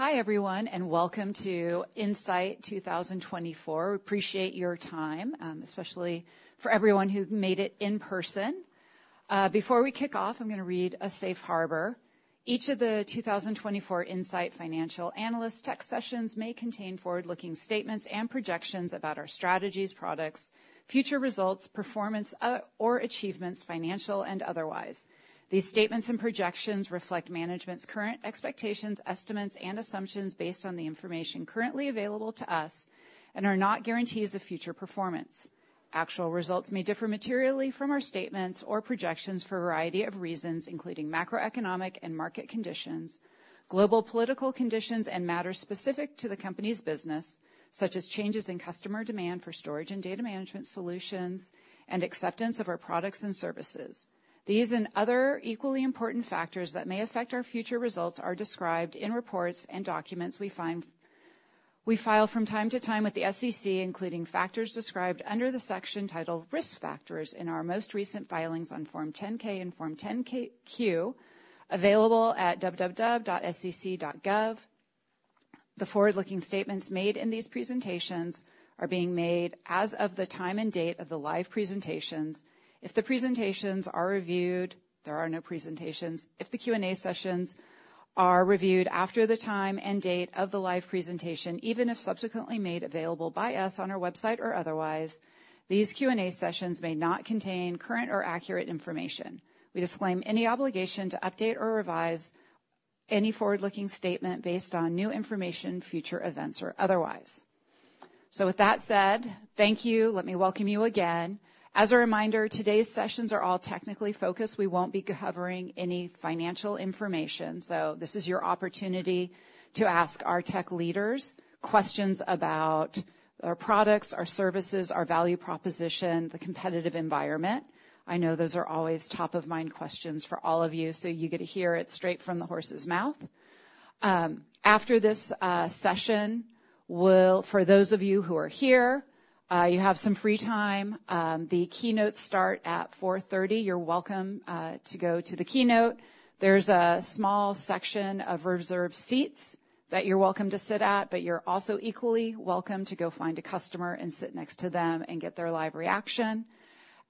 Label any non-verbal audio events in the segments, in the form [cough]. All right. Hi, everyone, and welcome to Insight 2024. We appreciate your time, especially for everyone who made it in person. Before we kick off, I'm gonna read a Safe Harbor. Each of the 2024 Insight Financial Analyst Tech Sessions may contain forward-looking statements and projections about our strategies, products, future results, performance, or achievements, financial and otherwise. These statements and projections reflect management's current expectations, estimates, and assumptions based on the information currently available to us and are not guarantees of future performance. Actual results may differ materially from our statements or projections for a variety of reasons, including macroeconomic and market conditions, global political conditions, and matters specific to the company's business, such as changes in customer demand for storage and data management solutions and acceptance of our products and services. These and other equally important factors that may affect our future results are described in reports and documents we file from time to time with the SEC, including factors described under the section titled "Risk Factors" in our most recent filings on Form 10-K and Form 10-Q, available at www.sec.gov. The forward-looking statements made in these presentations are being made as of the time and date of the live presentations. If the presentations are reviewed, there are no presentations. If the Q&A sessions are reviewed after the time and date of the live presentation, even if subsequently made available by us on our website or otherwise, these Q&A sessions may not contain current or accurate information. We disclaim any obligation to update or revise any forward-looking statement based on new information, future events, or otherwise. So with that said, thank you. Let me welcome you again. As a reminder, today's sessions are all technically focused. We won't be covering any financial information, so this is your opportunity to ask our tech leaders questions about our products, our services, our value proposition, the competitive environment. I know those are always top-of-mind questions for all of you, so you get to hear it straight from the horse's mouth. After this session, we'll for those of you who are here, you have some free time. The keynotes start at 4:30 P.M. You're welcome to go to the keynote. There's a small section of reserved seats that you're welcome to sit at, but you're also equally welcome to go find a customer and sit next to them and get their live reaction.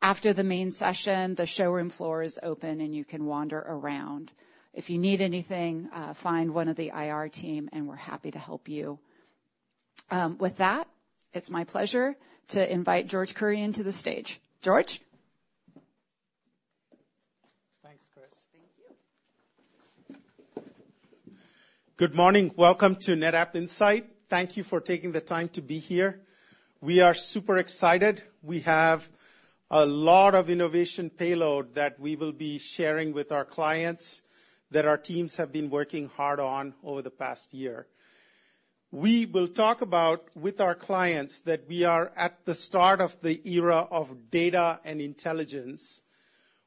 After the main session, the showroom floor is open, and you can wander around. If you need anything, find one of the IR team, and we're happy to help you. With that, it's my pleasure to invite George Kurian to the stage. George? Thanks, Kris. Thank you. Good morning. Welcome to NetApp Insight. Thank you for taking the time to be here. We are super excited. We have a lot of innovation payload that we will be sharing with our clients, that our teams have been working hard on over the past year. We will talk about, with our clients, that we are at the start of the era of data and intelligence.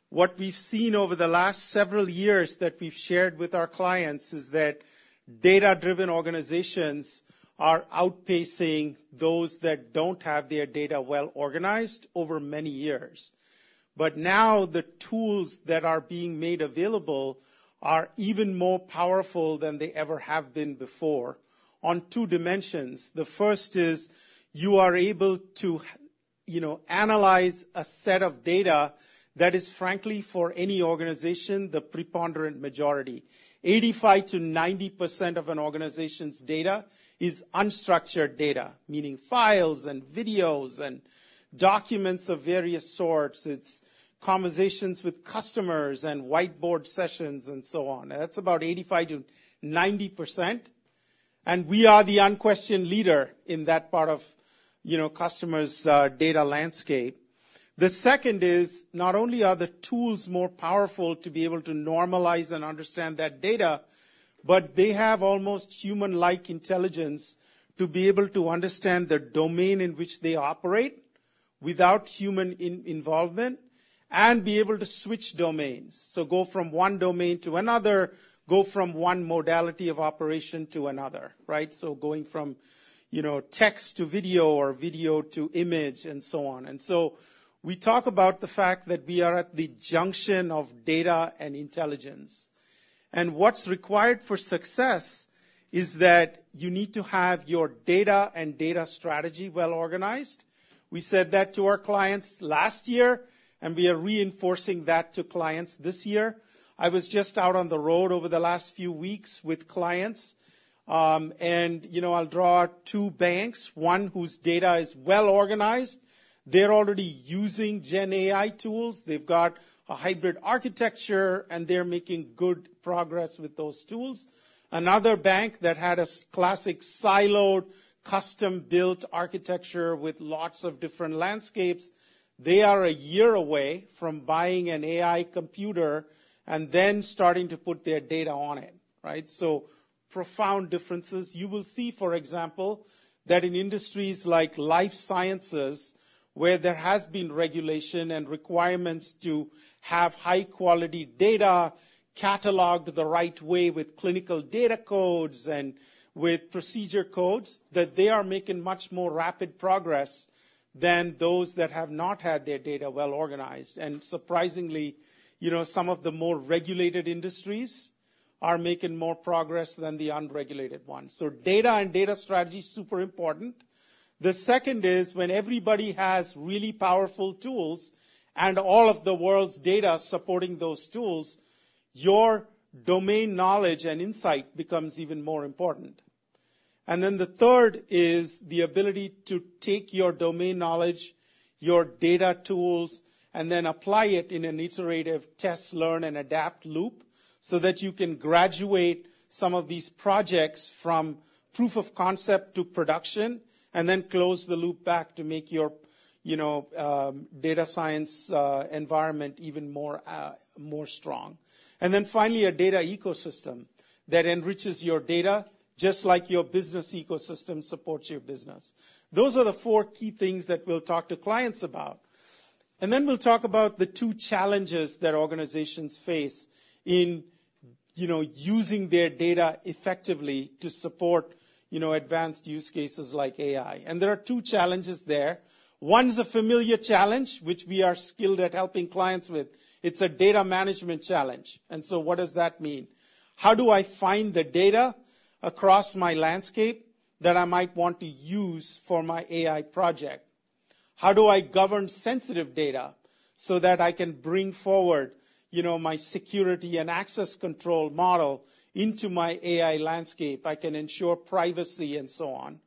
What we've seen over the last several years that we've shared with our clients is that data-driven organizations are outpacing those that don't have their data well-organized over many years. But now, the tools that are being made available are even more powerful than they ever have been before on two dimensions. The first is you are able to, you know, analyze a set of data that is, frankly, for any organization, the preponderant majority. 85%-90% of an organization's data is unstructured data, meaning files and videos and documents of various sorts. It's conversations with customers and whiteboard sessions and so on. That's about 85%-90%, and we are the unquestioned leader in that part of, you know, customers', data landscape. The second is, not only are the tools more powerful to be able to normalize and understand that data, but they have almost human-like intelligence to be able to understand the domain in which they operate without human involvement and be able to switch domains. So go from one domain to another, go from one modality of operation to another, right? So going from, you know, text to video or video to image, and so on. And so we talk about the fact that we are at the junction of data and intelligence, and what's required for success is that you need to have your data and data strategy well-organized. We said that to our clients last year, and we are reinforcing that to clients this year. I was just out on the road over the last few weeks with clients, and, you know, I'll draw two banks, one whose data is well-organized. They're already using GenAI tools. They've got a hybrid architecture, and they're making good progress with those tools. Another bank that had a classic, siloed, custom-built architecture with lots of different landscapes, they are a year away from buying an AI computer and then starting to put their data on it, right? So profound differences. You will see, for example, that in industries like life sciences, where there has been regulation and requirements to have high-quality data cataloged the right way with clinical data codes and with procedure codes, that they are making much more rapid progress than those that have not had their data well-organized, and surprisingly, you know, some of the more regulated industries are making more progress than the unregulated ones, so data and data strategy, super important. The second is when everybody has really powerful tools and all of the world's data supporting those tools, your domain knowledge and insight becomes even more important. And then the third is the ability to take your domain knowledge, your data tools, and then apply it in an iterative test, learn, and adapt loop, so that you can graduate some of these projects from proof of concept to production, and then close the loop back to make your data science environment even more strong. And then finally, a data ecosystem that enriches your data, just like your business ecosystem supports your business. Those are the four key things that we'll talk to clients about. And then we'll talk about the two challenges that organizations face in, you know, using their data effectively to support, you know, advanced use cases like AI. And there are two challenges there. One is a familiar challenge, which we are skilled at helping clients with. It's a data management challenge. And so what does that mean? How do I find the data across my landscape that I might want to use for my AI project? How do I govern sensitive data so that I can bring forward, you know, my security and access control model into my AI landscape, I can ensure privacy and so on?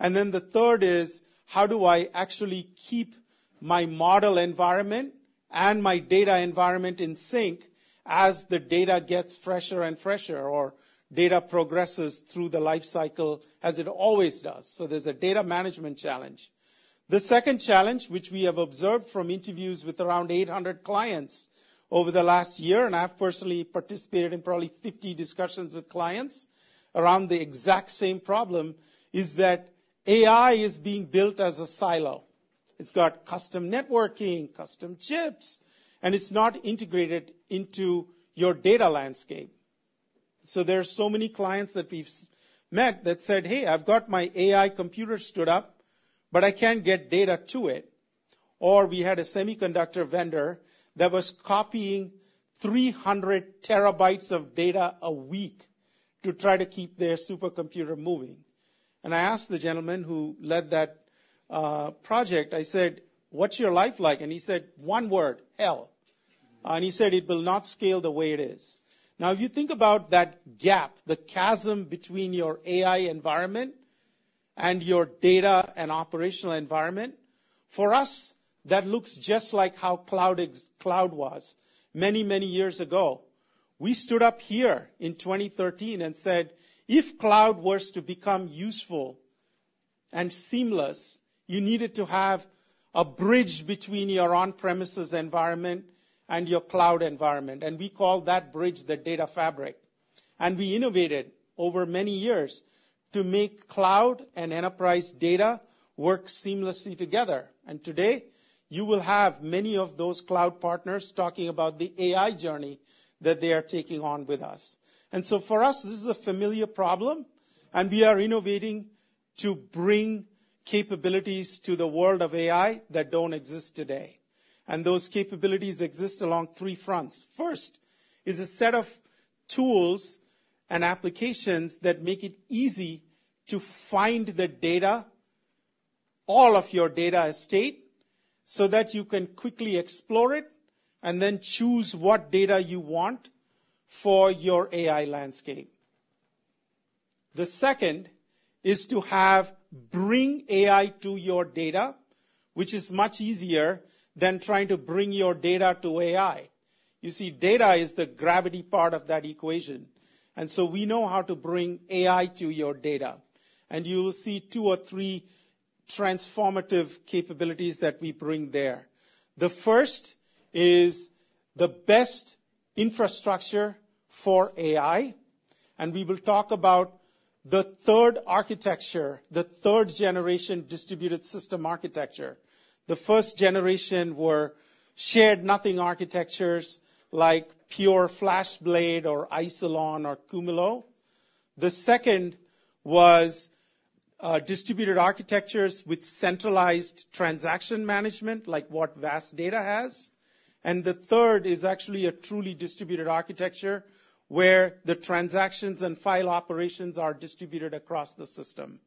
And then the third is, how do I actually keep my model environment and my data environment in sync as the data gets fresher and fresher, or data progresses through the life cycle, as it always does? So there's a data management challenge. The second challenge, which we have observed from interviews with around 800 clients over the last year, and I've personally participated in probably fifty discussions with clients around the exact same problem, is that AI is being built as a silo. It's got custom networking, custom chips, and it's not integrated into your data landscape. There are so many clients that we've met that said, "Hey, I've got my AI computer stood up, but I can't get data to it." Or we had a semiconductor vendor that was copying 300 TB of data a week to try to keep their supercomputer moving. And I asked the gentleman who led that project, I said, "What's your life like?" And he said, "One word, hell." And he said, "It will not scale the way it is." Now, if you think about that gap, the chasm between your AI environment and your data and operational environment, for us, that looks just like how cloud was many, many years ago. We stood up here in 2013 and said, if cloud were to become useful and seamless, you needed to have a bridge between your on-premises environment and your cloud environment, and we call that bridge the Data Fabric, and we innovated over many years to make cloud and enterprise data work seamlessly together, and today, you will have many of those cloud partners talking about the AI journey that they are taking on with us, and so for us, this is a familiar problem, and we are innovating to bring capabilities to the world of AI that don't exist today, and those capabilities exist along three fronts. First, is a set of tools and applications that make it easy to find the data, all of your data estate, so that you can quickly explore it and then choose what data you want for your AI landscape. The second is to bring AI to your data, which is much easier than trying to bring your data to AI. You see, data is the gravity part of that equation, and so we know how to bring AI to your data, and you will see two or three transformative capabilities that we bring there. The first is the best infrastructure for AI, and we will talk about the third architecture, the third generation distributed system architecture. The first generation were shared nothing architectures like Pure FlashBlade or Isilon or Qumulo. The second was distributed architectures with centralized transaction management, like what VAST Data has, and the third is actually a truly distributed architecture, where the transactions and file operations are distributed across the system.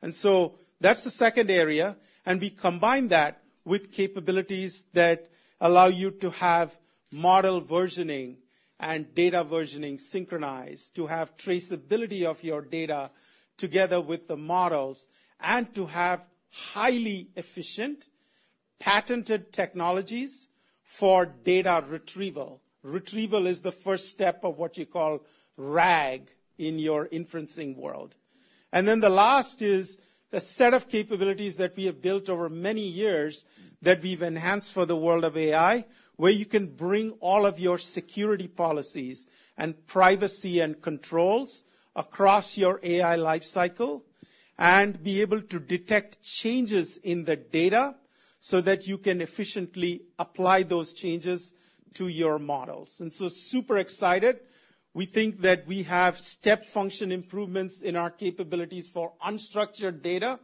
And so that's the second area, and we combine that with capabilities that allow you to have model versioning and data versioning synchronized, to have traceability of your data together with the models, and to have highly efficient, patented technologies for data retrieval. Retrieval is the first step of what you call RAG in your inferencing world. And then the last is a set of capabilities that we have built over many years that we've enhanced for the world of AI, where you can bring all of your security policies and privacy and controls across your AI life cycle, and be able to detect changes in the data so that you can efficiently apply those changes to your models. And so super excited. We think that we have step function improvements in our capabilities for unstructured data,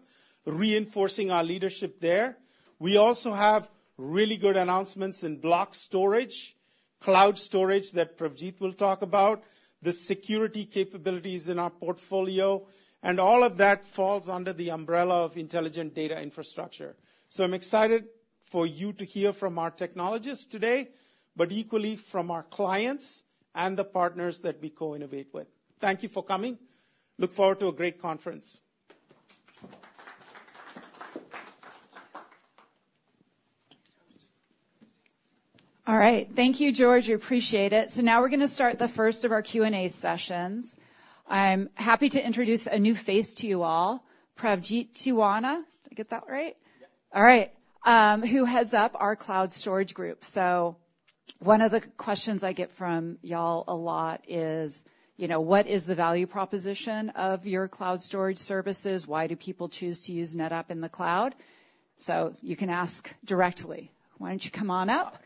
reinforcing our leadership there. We also have really good announcements in block storage, cloud storage that Pravjit will talk about, the security capabilities in our portfolio, and all of that falls under the umbrella of Intelligent Data Infrastructure. I'm excited for you to hear from our technologists today, but equally from our clients and the partners that we co-innovate with. Thank you for coming. Look forward to a great conference. All right. Thank you, George. We appreciate it. So now we're going to start the first of our Q&A sessions. I'm happy to introduce a new face to you all, Pravjit Tiwana. Did I get that right? Yes. All right. Who heads up our cloud storage group? So one of the questions I get from y'all a lot is, you know, what is the value proposition of your cloud storage services? Why do people choose to use NetApp in the cloud? So you can ask directly. Why don't you come on up?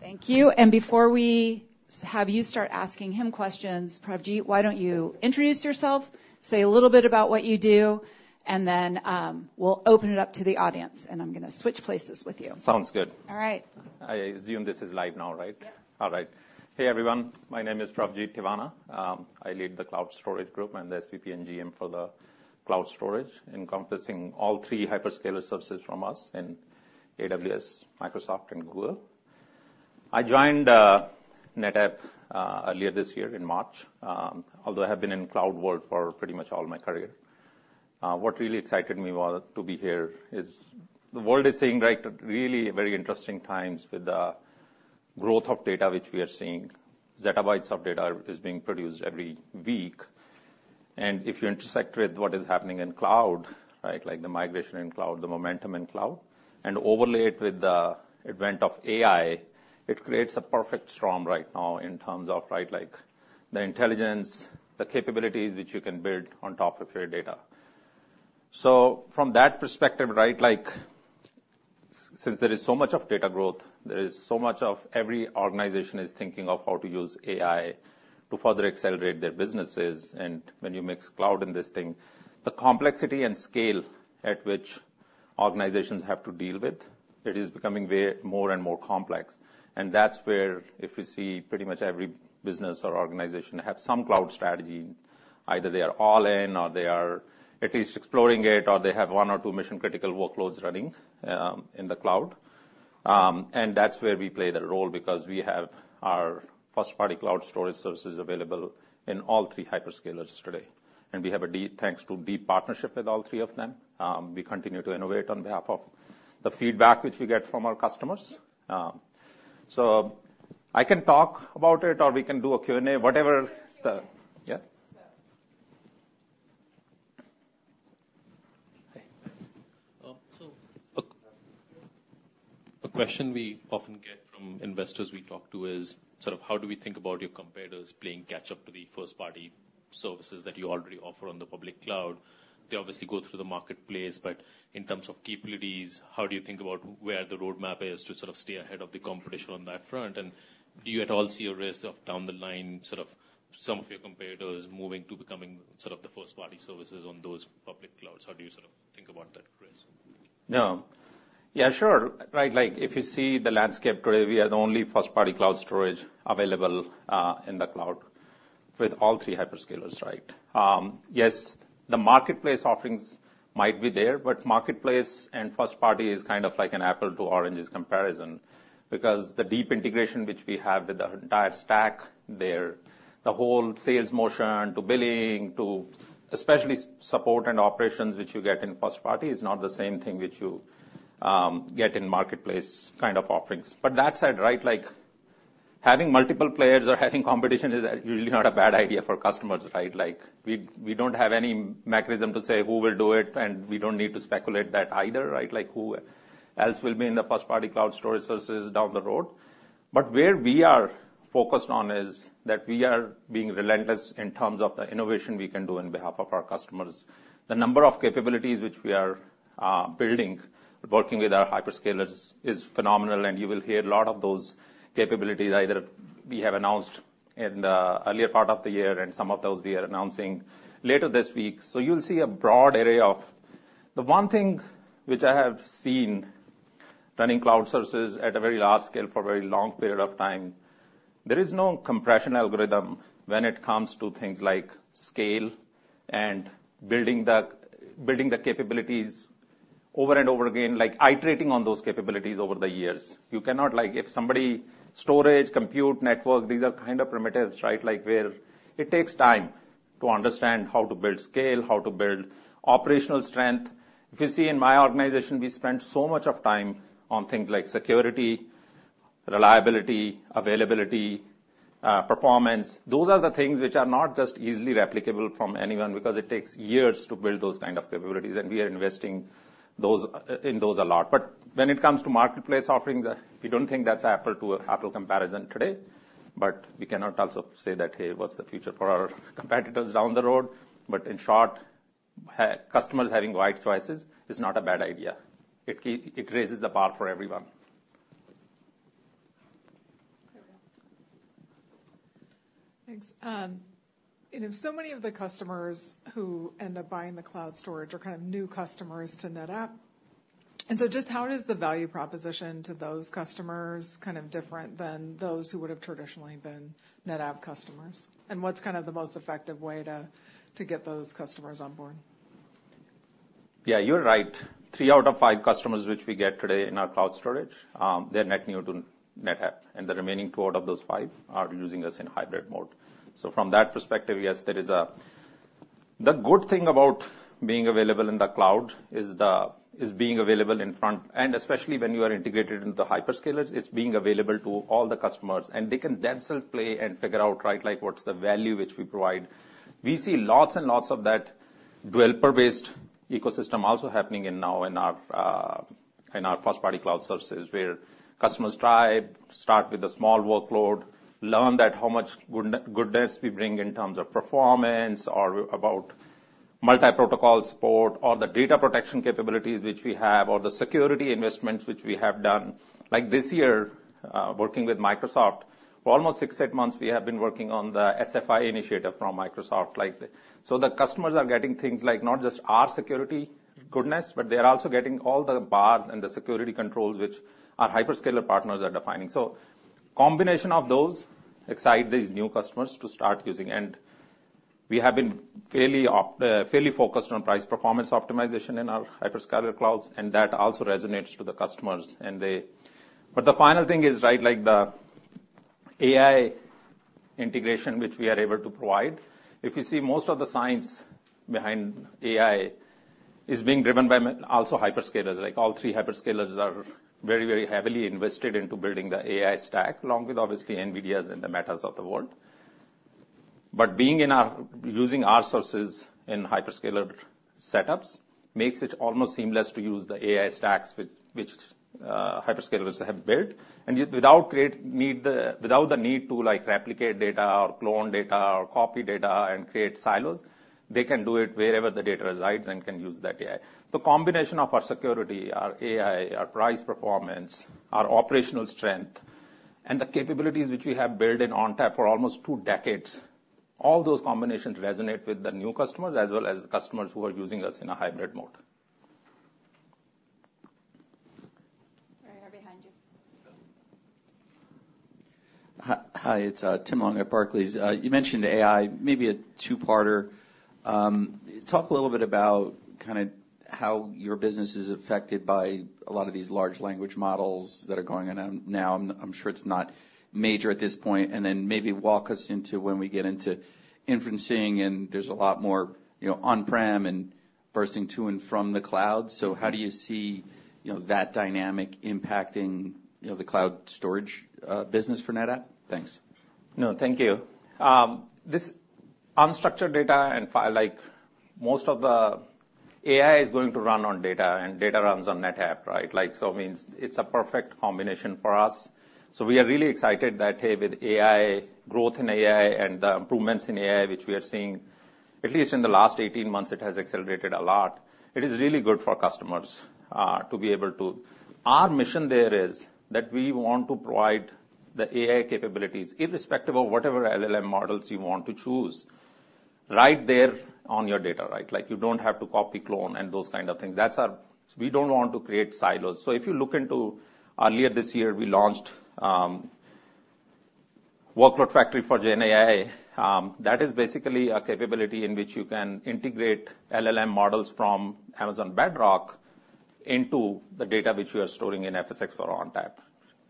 Thank you. And before we have you start asking him questions, Pravjit, why don't you introduce yourself, say a little bit about what you do, and then we'll open it up to the audience, and I'm going to switch places with you. Sounds good. All right. I assume this is live now, right? Yeah. All right. Hey, everyone. My name is Pravjit Tiwana. I lead the cloud storage group and the SVP and GM for the Cloud Storage, encompassing all three hyperscaler services from us in AWS, Microsoft, and Google. I joined NetApp earlier this year in March, although I have been in cloud world for pretty much all my career. What really excited me about being here is the world is seeing, right, really very interesting times with the growth of data, which we are seeing. Zettabytes of data is being produced every week, and if you intersect with what is happening in cloud, right, like, the migration in cloud, the momentum in cloud, and overlay it with the advent of AI, it creates a perfect storm right now in terms of, right, like, the intelligence, the capabilities which you can build on top of your data. So from that perspective, right, like, since there is so much of data growth, there is so much of every organization is thinking of how to use AI to further accelerate their businesses. And when you mix cloud in this thing, the complexity and scale at which organizations have to deal with, it is becoming way more and more complex. And that's where if you see pretty much every business or organization have some cloud strategy, either they are all in, or they are at least exploring it, or they have one or two mission-critical workloads running, in the cloud. And that's where we play the role because we have our first-party cloud storage services available in all three hyperscalers today, and we have a deep, thanks to deep partnership with all three of them. We continue to innovate on behalf of the feedback which we get from our customers. So I can talk about it, or we can do a Q&A, whatever the-- Yeah. Yeah. So, a question we often get from investors we talk to is sort of, how do we think about your competitors playing catch up to the first-party services that you already offer on the public cloud? They obviously go through the marketplace, but in terms of capabilities, how do you think about where the roadmap is to sort of stay ahead of the competition on that front? And do you at all see a risk of down the line, sort of some of your competitors moving to becoming sort of the first-party services on those public clouds? How do you sort of think about that risk? No. Yeah, sure. Right, like, if you see the landscape today, we are the only first-party cloud storage available in the cloud with all three hyperscalers, right? Yes, the marketplace offerings might be there, but marketplace and first party is kind of like an apple to oranges comparison, because the deep integration which we have with the entire stack there, the whole sales motion to billing to especially support and operations, which you get in first party, is not the same thing which you get in marketplace kind of offerings. But that said, right, like, having multiple players or having competition is usually not a bad idea for customers, right? Like, we, we don't have any mechanism to say who will do it, and we don't need to speculate that either, right? Like, who else will be in the first-party cloud storage services down the road. But where we are focused on is that we are being relentless in terms of the innovation we can do on behalf of our customers. The number of capabilities which we are building, working with our hyperscalers is phenomenal, and you will hear a lot of those capabilities either we have announced in the earlier part of the year and some of those we are announcing later this week. So you'll see a broad array of. The one thing which I have seen running cloud services at a very large scale for a very long period of time, there is no compression algorithm when it comes to things like scale and building the capabilities over and over again, like iterating on those capabilities over the years. You cannot, like, if somebody storage, compute, network, these are kind of primitives, right? Like, where it takes time to understand how to build scale, how to build operational strength. If you see in my organization, we spend so much time on things like security, reliability, availability, performance. Those are the things which are not just easily replicable from anyone, because it takes years to build those kind of capabilities, and we are investing in those a lot. But when it comes to marketplace offerings, we don't think that's apples to apples comparison today. But we cannot also say that, "Hey, what's the future for our competitors down the road?" But in short, customers having wide choices is not a bad idea. It raises the bar for everyone. Thanks. And if so many of the customers who end up buying the cloud storage are kind of new customers to NetApp, and so just how does the value proposition to those customers kind of different than those who would have traditionally been NetApp customers? And what's kind of the most effective way to get those customers on board? Yeah, you're right. Three out of five customers which we get today in our cloud storage, they're net new to NetApp, and the remaining two out of those five are using us in hybrid mode. So from that perspective, yes, there is a. The good thing about being available in the cloud is the, is being available in front, and especially when you are integrated in the hyperscalers, it's being available to all the customers, and they can themselves play and figure out, right, like, what's the value which we provide. We see lots and lots of that developer-based ecosystem also happening now in our first-party cloud services, where customers start with a small workload, learn that how much goodness we bring in terms of performance or about multi-protocol support or the data protection capabilities which we have or the security investments which we have done. Like this year, working with Microsoft, for almost six, eight months, we have been working on the SFI initiative from Microsoft, like the. So the customers are getting things like not just our security goodness, but they are also getting all the baselines and the security controls which our hyperscaler partners are defining. So combination of those excite these new customers to start using. We have been fairly focused on price performance optimization in our hyperscaler clouds, and that also resonates to the customers, and they. But the final thing is, right, like, the AI integration, which we are able to provide. If you see, most of the science behind AI is being driven by also hyperscalers. Like, all three hyperscalers are very, very heavily invested into building the AI stack, along with obviously NVIDIAs and the Metas of the world. But using our storage in hyperscaler setups makes it almost seamless to use the AI stacks which hyperscalers have built, and yet without the need to, like, replicate data or clone data or copy data and create silos, they can do it wherever the data resides and can use that AI. The combination of our security, our AI, our price performance, our operational strength, and the capabilities which we have built in ONTAP for almost two decades, all those combinations resonate with the new customers as well as the customers who are using us in a hybrid mode. Right here behind you. Hi, it's Tim Long at Barclays. You mentioned AI, maybe a two-parter. Talk a little bit about kind of how your business is affected by a lot of these large language models that are going on now. I'm sure it's not major at this point, and then maybe walk us into when we get into inferencing, and there's a lot more, you know, on-prem and bursting to and from the cloud. So how do you see, you know, that dynamic impacting, you know, the cloud storage business for NetApp? Thanks. No, thank you. This unstructured data and file, like, most of the AI, is going to run on data, and data runs on NetApp, right? Like, so means it's a perfect combination for us. So we are really excited that, hey, with AI, growth in AI and the improvements in AI, which we are seeing, at least in the last 18 months, it has accelerated a lot. It is really good for customers to be able to. Our mission there is that we want to provide the AI capabilities, irrespective of whatever LLM models you want to choose, right there on your data, right? Like, you don't have to copy, clone, and those kind of things. That's our--we don't want to create silos. So if you look into earlier this year, we launched Workload Factory for GenAI. That is basically a capability in which you can integrate LLM models from Amazon Bedrock into the data which you are storing in FSx for ONTAP,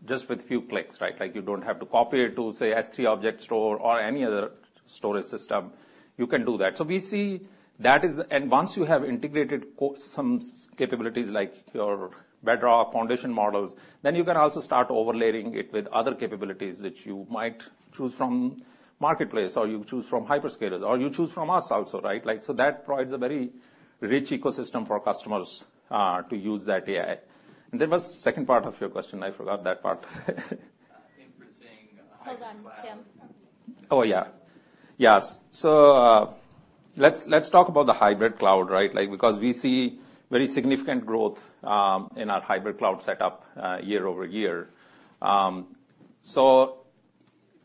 just with few clicks, right? Like, you don't have to copy it to, say, S3 object store or any other storage system. You can do that. So we see that is. And once you have integrated some capabilities, like your Bedrock foundation models, then you can also start overlaying it with other capabilities which you might choose from Marketplace, or you choose from hyperscalers, or you choose from us also, right? Like, so that provides a very rich ecosystem for customers to use that AI. And there was second part of your question. I forgot that part. Inferencing, hybrid cloud. Hold on, Tim. Oh, yeah. Yes. So, let's talk about the hybrid cloud, right? Like, because we see very significant growth in our hybrid cloud setup year over year. So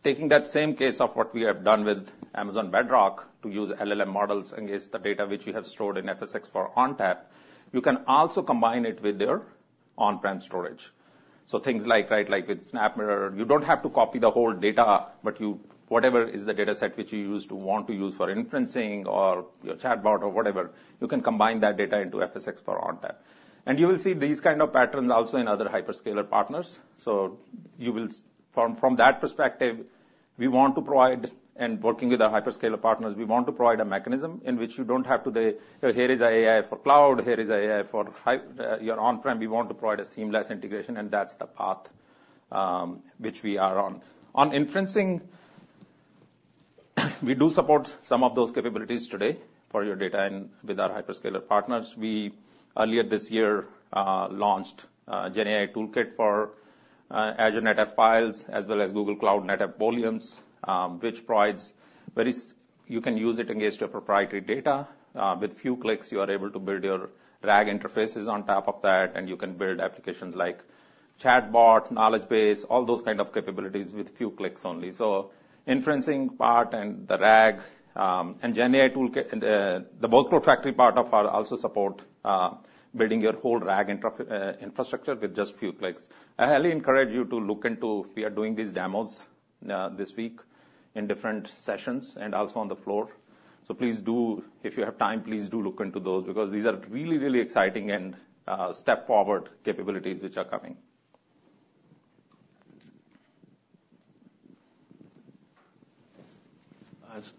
taking that same case of what we have done with Amazon Bedrock to use LLM models against the data which you have stored in FSx for ONTAP, you can also combine it with your on-prem storage. So things like, right, like with SnapMirror, you don't have to copy the whole data, but whatever is the dataset which you used to want to use for inferencing or your chatbot or whatever, you can combine that data into FSx for ONTAP. And you will see these kind of patterns also in other hyperscaler partners. So you will from, from that perspective, we want to provide. Working with our hyperscaler partners, we want to provide a mechanism in which you don't have to say, "Here is AI for cloud, here is AI for your on-prem." We want to provide a seamless integration, and that's the path which we are on. On inferencing, we do support some of those capabilities today for your data and with our hyperscaler partners. We earlier this year launched GenAI Toolkit for Azure NetApp Files as well as Google Cloud NetApp Volumes, which provides. You can use it against your proprietary data. With few clicks, you are able to build your RAG interfaces on top of that, and you can build applications like chatbot, knowledge base, all those kind of capabilities with few clicks only. So the inferencing part and the RAG, and GenAI Toolkit, and the Workload Factory part of ours also support building your whole RAG infrastructure with just a few clicks. I highly encourage you to look into. We are doing these demos this week in different sessions and also on the floor. So please do. If you have time, please do look into those, because these are really, really exciting and step-forward capabilities which are coming.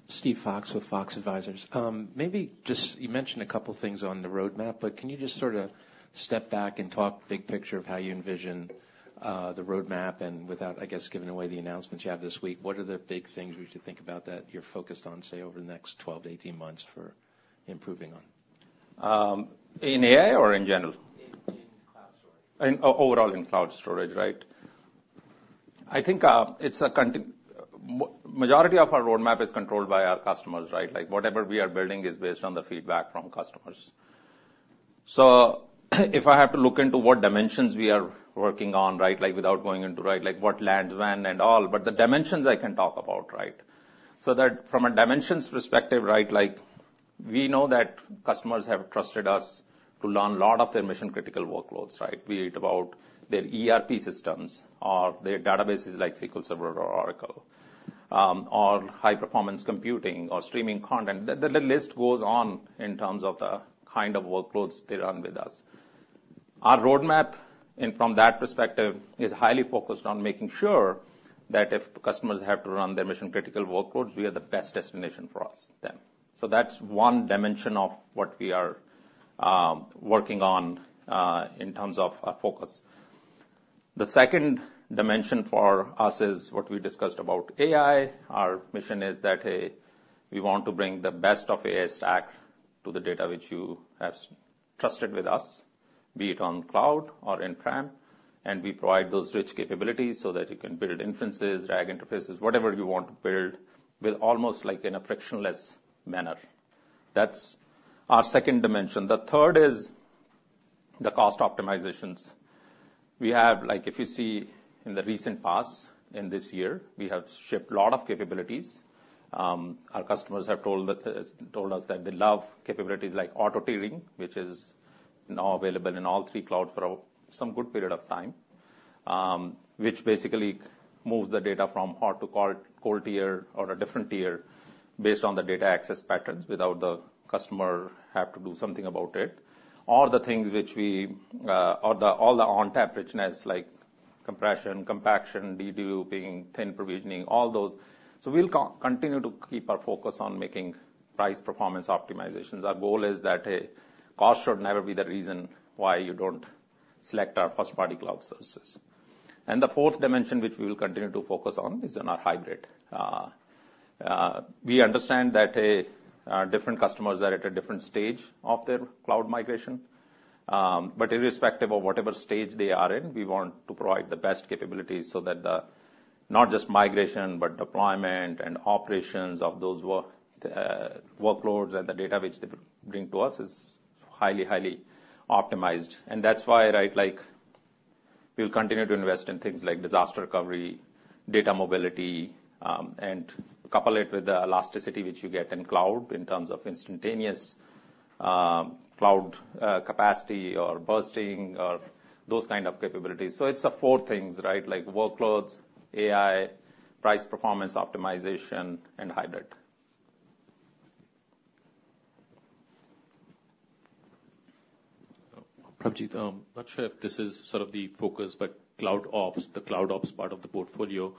Steve Fox with Fox Advisors. Maybe just. You mentioned a couple things on the roadmap, but can you just sort of step back and talk big picture of how you envision the roadmap? And without, I guess, giving away the announcements you have this week, what are the big things we should think about that you're focused on, say, over the next 12 to 18 months for improving on? In AI or in general? In cloud storage. Overall, in cloud storage, right? I think it's a majority of our roadmap is controlled by our customers, right? Like, whatever we are building is based on the feedback from customers. So if I have to look into what dimensions we are working on, right, like, without going into, right, like, what lands when and all, but the dimensions I can talk about, right? So that from a dimensions perspective, right, like, we know that customers have trusted us to run a lot of their mission-critical workloads, right? Be it about their ERP systems or their databases, like SQL Server or Oracle, or high-performance computing or streaming content. The list goes on in terms of the kind of workloads they run with us. Our roadmap, and from that perspective, is highly focused on making sure that if customers have to run their mission-critical workloads, we are the best destination for them. So that's one dimension of what we are working on in terms of our focus. The second dimension for us is what we discussed about AI. Our mission is that, hey, we want to bring the best of AI stack to the data which you have trusted with us, be it on cloud or in-prem, and we provide those rich capabilities so that you can build inferencing, RAG interfaces, whatever you want to build, with almost like in a frictionless manner. That's our second dimension. The third is the cost optimizations. We have, like, if you see in the recent past, in this year, we have shipped a lot of capabilities. Our customers have told us that they love capabilities like auto tiering, which is now available in all three clouds for some good period of time, which basically moves the data from hot to cold tier or a different tier based on the data access patterns, without the customer have to do something about it. All the things which we, all the ONTAP richness, like compression, compaction, deduping, thin provisioning, all those. So we'll continue to keep our focus on making price-performance optimizations. Our goal is that, hey, cost should never be the reason why you don't select our first-party cloud services. And the fourth dimension, which we will continue to focus on, is in our hybrid. We understand that different customers are at a different stage of their cloud migration, but irrespective of whatever stage they are in, we want to provide the best capabilities so that not just migration, but deployment and operations of those workloads and the data which they bring to us is highly, highly optimized. And that's why, right, like, we'll continue to invest in things like disaster recovery, data mobility, and couple it with the elasticity which you get in cloud, in terms of instantaneous cloud capacity or bursting or those kind of capabilities. So it's the four things, right? Like workloads, AI, price performance optimization, and hybrid. Pravjit, not sure if this is sort of the focus, but CloudOps, the CloudOps part of the portfolio,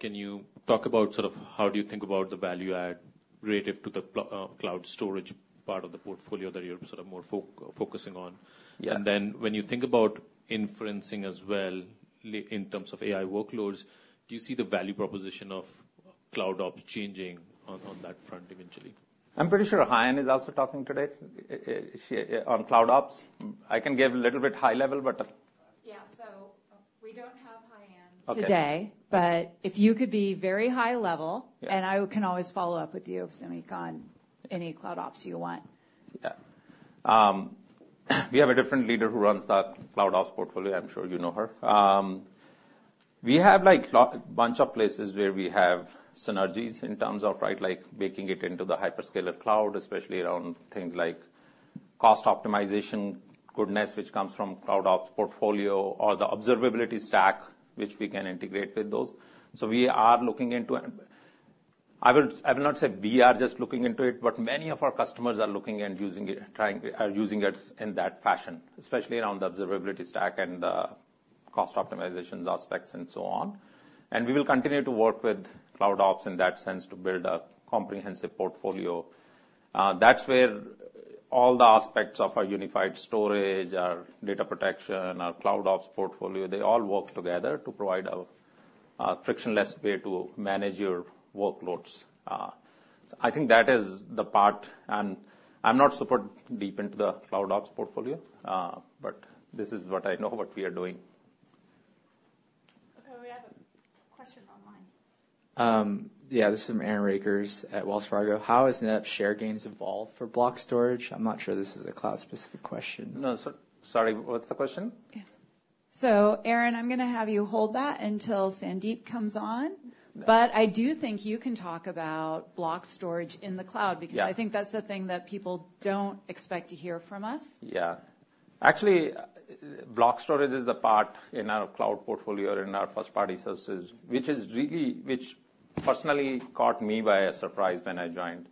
can you talk about sort of how do you think about the value add relative to the cloud storage part of the portfolio that you're sort of more focusing on? Yeah. And then when you think about inferencing as well, in terms of AI workloads, do you see the value proposition of CloudOps changing on that front eventually? I'm pretty sure Haiyan is also talking today, on CloudOps. I can give a little bit high level, but-- Yeah, so we don't have Haiyan today. But if you could be very high level. And I can always follow up with you, Samik, on any CloudOps you want. Yeah. We have a different leader who runs that CloudOps portfolio. I'm sure you know her. We have, like, a lot, a bunch of places where we have synergies in terms of, right, like, making it into the hyperscaler cloud, especially around things like cost optimization, goodness, which comes from CloudOps portfolio, or the observability stack, which we can integrate with those. So we are looking into it. I will not say we are just looking into it, but many of our customers are looking and using it in that fashion, especially around the observability stack and the cost optimization aspects and so on. We will continue to work with CloudOps in that sense, to build a comprehensive portfolio. That's where all the aspects of our unified storage, our data protection, our CloudOps portfolio, they all work together to provide a frictionless way to manage your workloads. I think that is the part, and I'm not super deep into the CloudOps portfolio, but this is what I know, what we are doing. Okay, we have a question online. Yeah, this is from Aaron Rakers at Wells Fargo. How has NetApp share gains evolved for block storage? I'm not sure this is a cloud-specific question. No, sorry, what's the question? Yeah. So Aaron, I'm gonna have you hold that until Sandeep comes on. But I do think you can talk about block storage in the cloud. Because I think that's the thing that people don't expect to hear from us. Yeah. Actually, block storage is the part in our cloud portfolio, in our first-party services, which personally caught me by a surprise when I joined.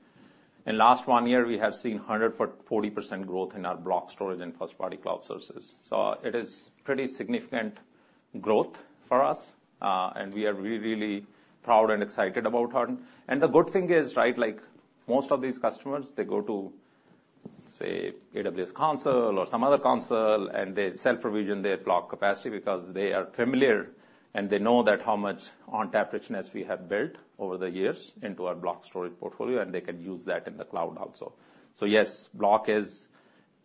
In last one year, we have seen 140% growth in our block storage and first-party cloud services. So it is pretty significant growth for us, and we are really, really proud and excited about them. And the good thing is, right, like, most of these customers, they go to, say, AWS console or some other console, and they self-provision their block capacity because they are familiar, and they know that how much ONTAP richness we have built over the years into our block storage portfolio, and they can use that in the cloud also. So yes, block is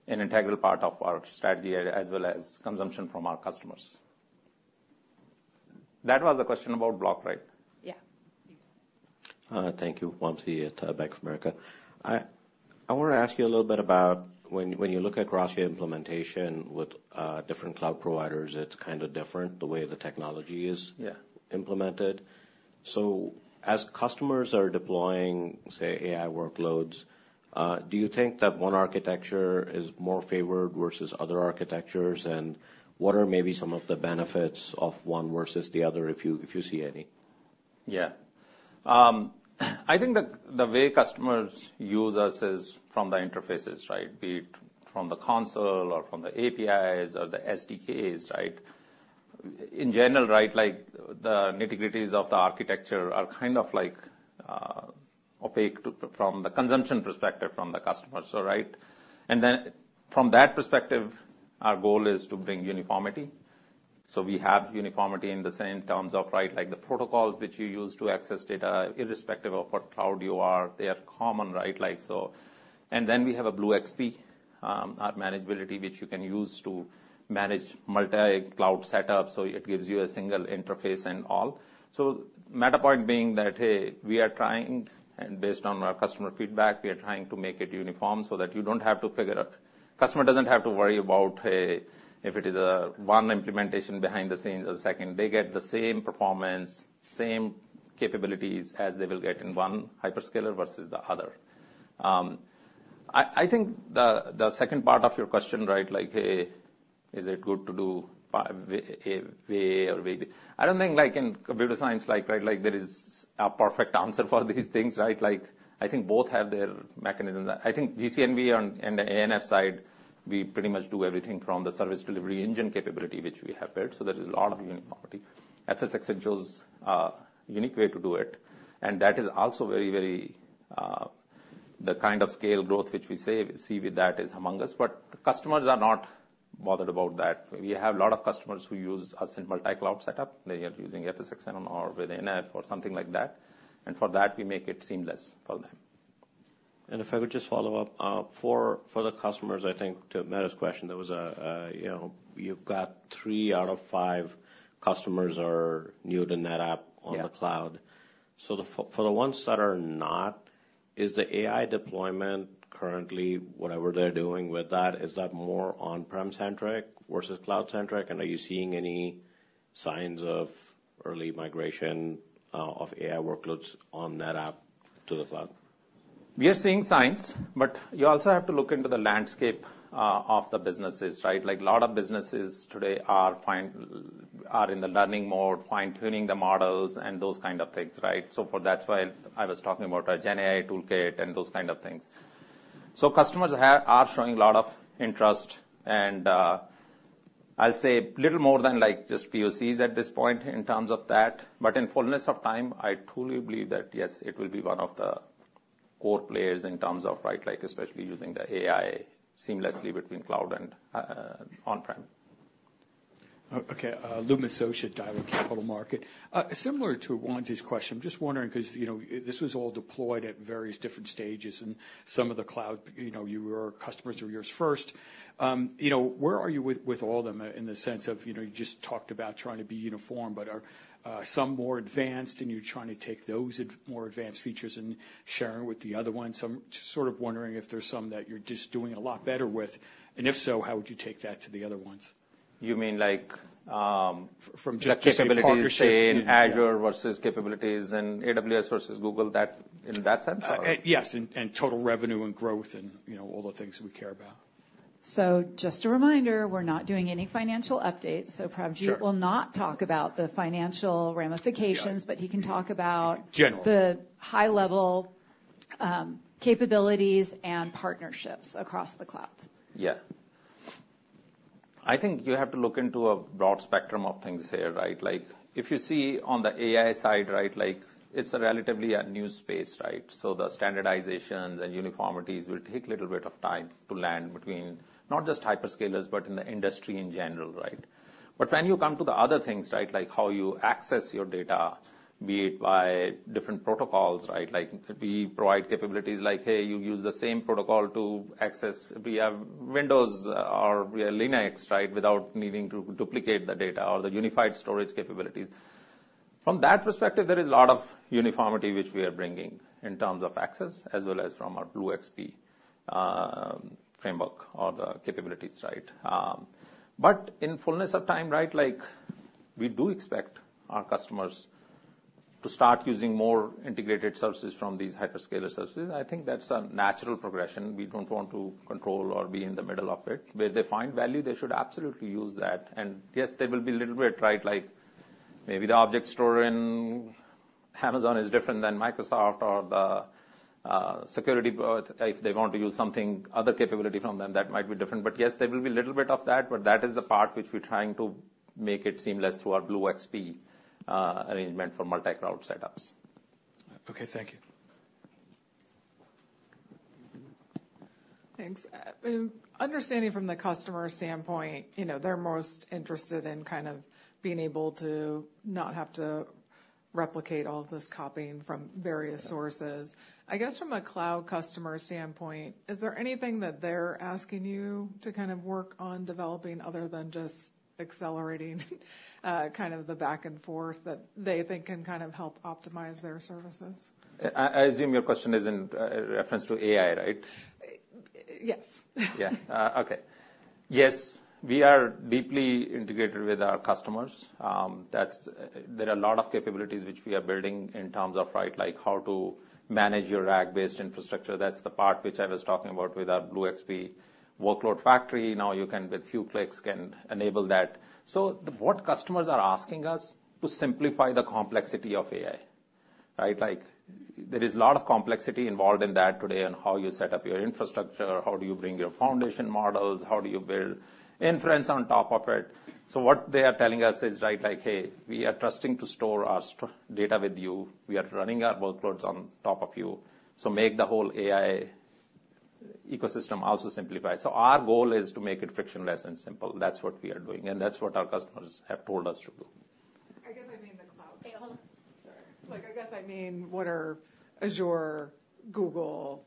an integral part of our strategy, as well as consumption from our customers. That was the question about block, right? Yeah. Thank you. Wamsi at Bank of America. I want to ask you a little bit about when you look at cross implementation with different cloud providers, it's kind of different, the way the technology is implemented. As customers are deploying, say, AI workloads, do you think that one architecture is more favored versus other architectures? And what are maybe some of the benefits of one versus the other, if you see any? Yeah. I think the way customers use us is from the interfaces, right? Be it from the console or from the APIs or the SDKs, right? In general, right, like, the nitty-gritties of the architecture are kind of like opaque to from the consumption perspective from the customer. So, right. And then from that perspective, our goal is to bring uniformity. So we have uniformity in the same terms of, right, like the protocols which you use to access data, irrespective of what cloud you are, they are common, right, like so. And then we have a BlueXP, our manageability, which you can use to manage multi-cloud setup, so it gives you a single interface and all. So the meta point being that, hey, we are trying, and based on our customer feedback, we are trying to make it uniform so that you don't have to figure out. The customer doesn't have to worry about, hey, if it is one implementation behind the scenes or the second. They get the same performance, same capabilities as they will get in one hyperscaler versus the other. I think the second part of your question, right, like, hey, is it good to do way A or way B? I don't think, like, in computer science, like, right, like, there is a perfect answer for these things, right? Like, I think both have their mechanism. I think GCNV and the ANF side, we pretty much do everything from the service delivery engine capability, which we have built. So there is a lot of unique property. FSx chose a unique way to do it, and that is also very, very, the kind of scale growth which we see with that is humongous, but the customers are not bothered about that. We have a lot of customers who use us in multi-cloud setup. They are using FSx on or with ANF or something like that, and for that, we make it seamless for them. And if I could just follow up, for the customers, I think to Meta's question, there was, you know, you've got three out of five customers are new to NetApp on the cloud. Yeah. So, for the ones that are not, is the AI deployment currently, whatever they're doing with that, is that more on-prem centric versus cloud centric? And are you seeing any signs of early migration of AI workloads on NetApp to the cloud? We are seeing signs, but you also have to look into the landscape of the businesses, right? Like, a lot of businesses today are in the learning mode, fine-tuning the models, and those kind of things, right? So that's why I was talking about our GenAI Toolkit and those kind of things. So customers are showing a lot of interest, and I'll say a little more than like just POCs at this point in terms of that, but in fullness of time, I truly believe that, yes, it will be one of the core players in terms of, right, like especially using the AI seamlessly between cloud and on-prem. Okay, Louis Miscioscia, Daiwa Capital Markets. Similar to Wamsi's question, just wondering, 'cause, you know, this was all deployed at various different stages, and some of the cloud, you know, your customers are yours first. You know, where are you with, with all them in the sense of, you know, you just talked about trying to be uniform, but are, some more advanced, and you're trying to take those more advanced features and sharing with the other ones? So I'm just sort of wondering if there's some that you're just doing a lot better with, and if so, how would you take that to the other ones? You mean like, the capabilities. Say, in Azure versus capabilities in AWS versus Google, that, in that sense? Yes, and total revenue and growth and, you know, all the things we care about. So just a reminder, we're not doing any financial updates. Sure. Pravjit will not talk about the financial ramifications. But he can talk about the high-level capabilities and partnerships across the clouds. Yeah. I think you have to look into a broad spectrum of things here, right? Like, if you see on the AI side, right, like, it's a relatively a new space, right? So the standardizations and uniformities will take a little bit of time to land between not just hyperscalers, but in the industry in general, right? But when you come to the other things, right, like how you access your data, be it by different protocols, right? Like, we provide capabilities like, hey, you use the same protocol to access. We have Windows or Linux, right? Without needing to duplicate the data or the unified storage capabilities. From that perspective, there is a lot of uniformity which we are bringing in terms of access, as well as from our BlueXP framework or the capabilities, right? But in fullness of time, right, like, we do expect our customers to start using more integrated services from these hyperscaler services. I think that's a natural progression. We don't want to control or be in the middle of it. Where they find value, they should absolutely use that. And yes, there will be a little bit, right, like maybe the object store in Amazon is different than Microsoft or the security, but if they want to use some other capability from them, that might be different. But yes, there will be a little bit of that, but that is the part which we're trying to make it seamless through our BlueXP arrangement for multi-cloud setups. Okay, thank you. Thanks. Understanding from the customer standpoint, you know, they're most interested in kind of being able to not have to replicate all of this copying from various sources. I guess from a cloud customer standpoint, is there anything that they're asking you to kind of work on developing other than just accelerating, kind of the back and forth that they think can kind of help optimize their services? I assume your question is in reference to AI, right? Yes. Yeah. Okay. Yes, we are deeply integrated with our customers. That's. There are a lot of capabilities which we are building in terms of, right, like, how to manage your RAG-based infrastructure. That's the part which I was talking about with our BlueXP Workload Factory. Now, you can, with few clicks, can enable that. So what customers are asking us to simplify the complexity of AI, right? Like, there is a lot of complexity involved in that today, and how you set up your infrastructure, how do you bring your foundation models, how do you build inference on top of it? So what they are telling us is, right, like: "Hey, we are trusting to store our data with you. We are running our workloads on top of you, so make the whole AI ecosystem also simplified." So our goal is to make it frictionless and simple. That's what we are doing, and that's what our customers have told us to do. I guess I mean the cloud-- Hey, hold on. Sorry. Like, I guess I mean, what are Azure, Google,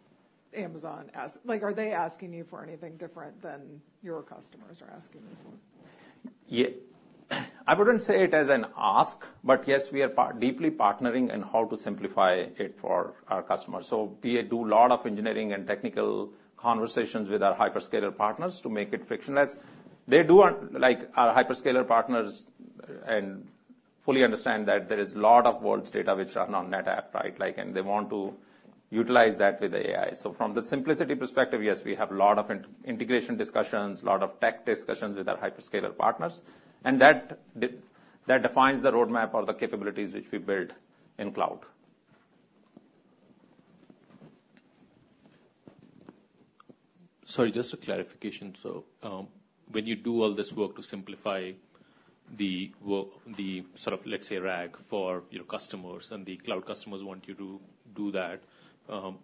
Amazon asking? Like, are they asking you for anything different than your customers are asking you for? I wouldn't say it as an ask, but yes, we are deeply partnering in how to simplify it for our customers. So we do a lot of engineering and technical conversations with our hyperscaler partners to make it frictionless. They do want. Like, our hyperscaler partners fully understand that there is a lot of world's data which are on NetApp, right? Like, and they want to utilize that with the AI. So from the simplicity perspective, yes, we have a lot of integration discussions, a lot of tech discussions with our hyperscaler partners, and that defines the roadmap or the capabilities which we build in cloud. Sorry, just a clarification. So, when you do all this work to simplify the work, the sort of, let's say, RAG for your customers, and the cloud customers want you to do that, do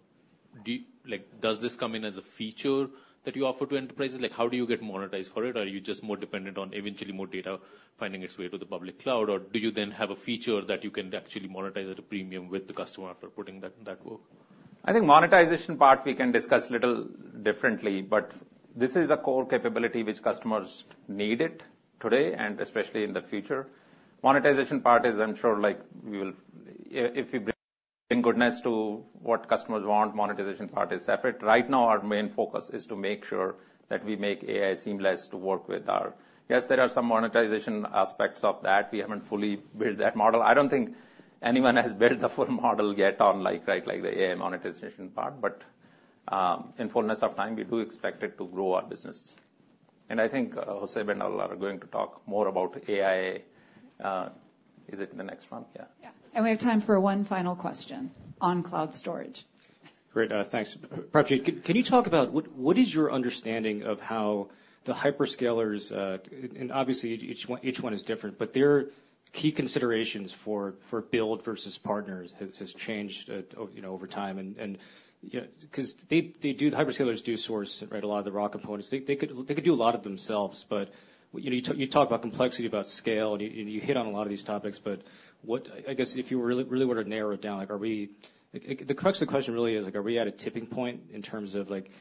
you? Like, does this come in as a feature that you offer to enterprises? Like, how do you get monetized for it? Are you just more dependent on eventually more data finding its way to the public cloud, or do you then have a feature that you can actually monetize at a premium with the customer after putting that work? I think monetization part, we can discuss a little differently, but this is a core capability which customers need it today, and especially in the future. Monetization part is, I'm sure, like, we will. If you bring goodness to what customers want, monetization part is separate. Right now, our main focus is to make sure that we make AI seamless to work with our--yes, there are some monetization aspects of that. We haven't fully built that model. I don't think anyone has built the full model yet on like, right, like, the AI monetization part, but, in fullness of time, we do expect it to grow our business. And I think, Hoseb and alot are going to talk more about AI, is it in the next round? Yeah. Yeah. And we have time for one final question on cloud storage. Great, thanks. Pravjit, can you talk about what is your understanding of how the hyperscalers and obviously, each one is different, but their key considerations for build versus partners has changed over time. And you know, 'cause they do the hyperscalers do source, right, a lot of the raw components. They could do a lot of themselves, but you know, you talk about complexity, about scale, and you hit on a lot of these topics. But what I guess if you really were to narrow it down, like, are we. Like, the crux of the question really is, like, are we at a tipping point in terms of, like,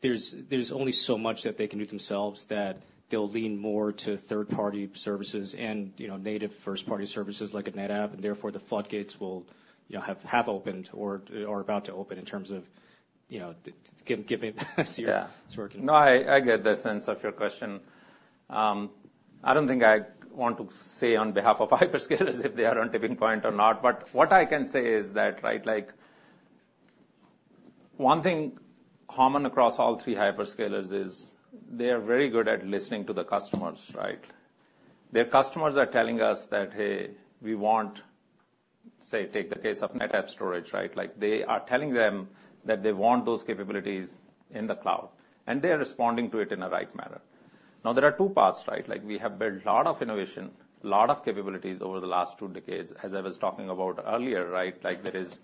there's only so much that they can do themselves, that they'll lean more to third-party services and, you know, native first-party services like a NetApp, and therefore, the floodgates will, you know, have opened or about to open in terms of, you know, giving us your thinking? No, I get the sense of your question. I don't think I want to say on behalf of hyperscalers if they are on tipping point or not, but what I can say is that, right, like, one thing common across all three hyperscalers is they are very good at listening to the customers, right? Their customers are telling us that, "Hey, we want. " Say, take the case of NetApp storage, right? Like, they are telling them that they want those capabilities in the cloud, and they are responding to it in the right manner. Now, there are two parts, right? Like, we have built a lot of innovation, a lot of capabilities over the last two decades, as I was talking about earlier, right? Like, there is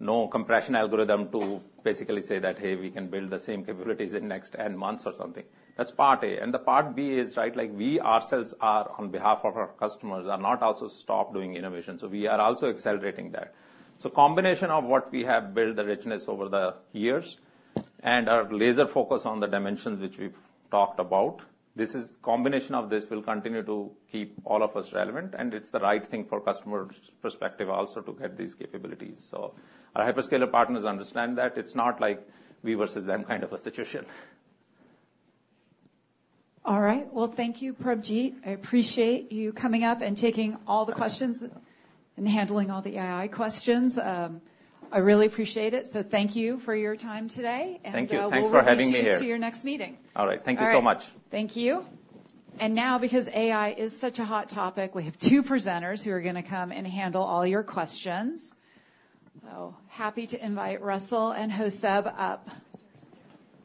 no compression algorithm to basically say that, "Hey, we can build the same capabilities in next ten months or something." That's part A. And the part B is, right, like, we ourselves are, on behalf of our customers, are not also stop doing innovation, so we are also accelerating that. So combination of what we have built, the richness over the years and our laser focus on the dimensions which we've talked about. This is, combination of this will continue to keep all of us relevant, and it's the right thing for customer's perspective also to get these capabilities. So our hyperscaler partners understand that. It's not like we versus them kind of a situation. All right. Well, thank you, Pravjit. I appreciate you coming up and taking all the questions. And handling all the AI questions. I really appreciate it. So thank you for your time today. Thank you. Thanks for having me here. We'll look forward to your next meeting. All right. Thank you so much. All right. Thank you. And now, because AI is such a hot topic, we have two presenters who are gonna come and handle all your questions. So happy to invite Russell and Hoseb up.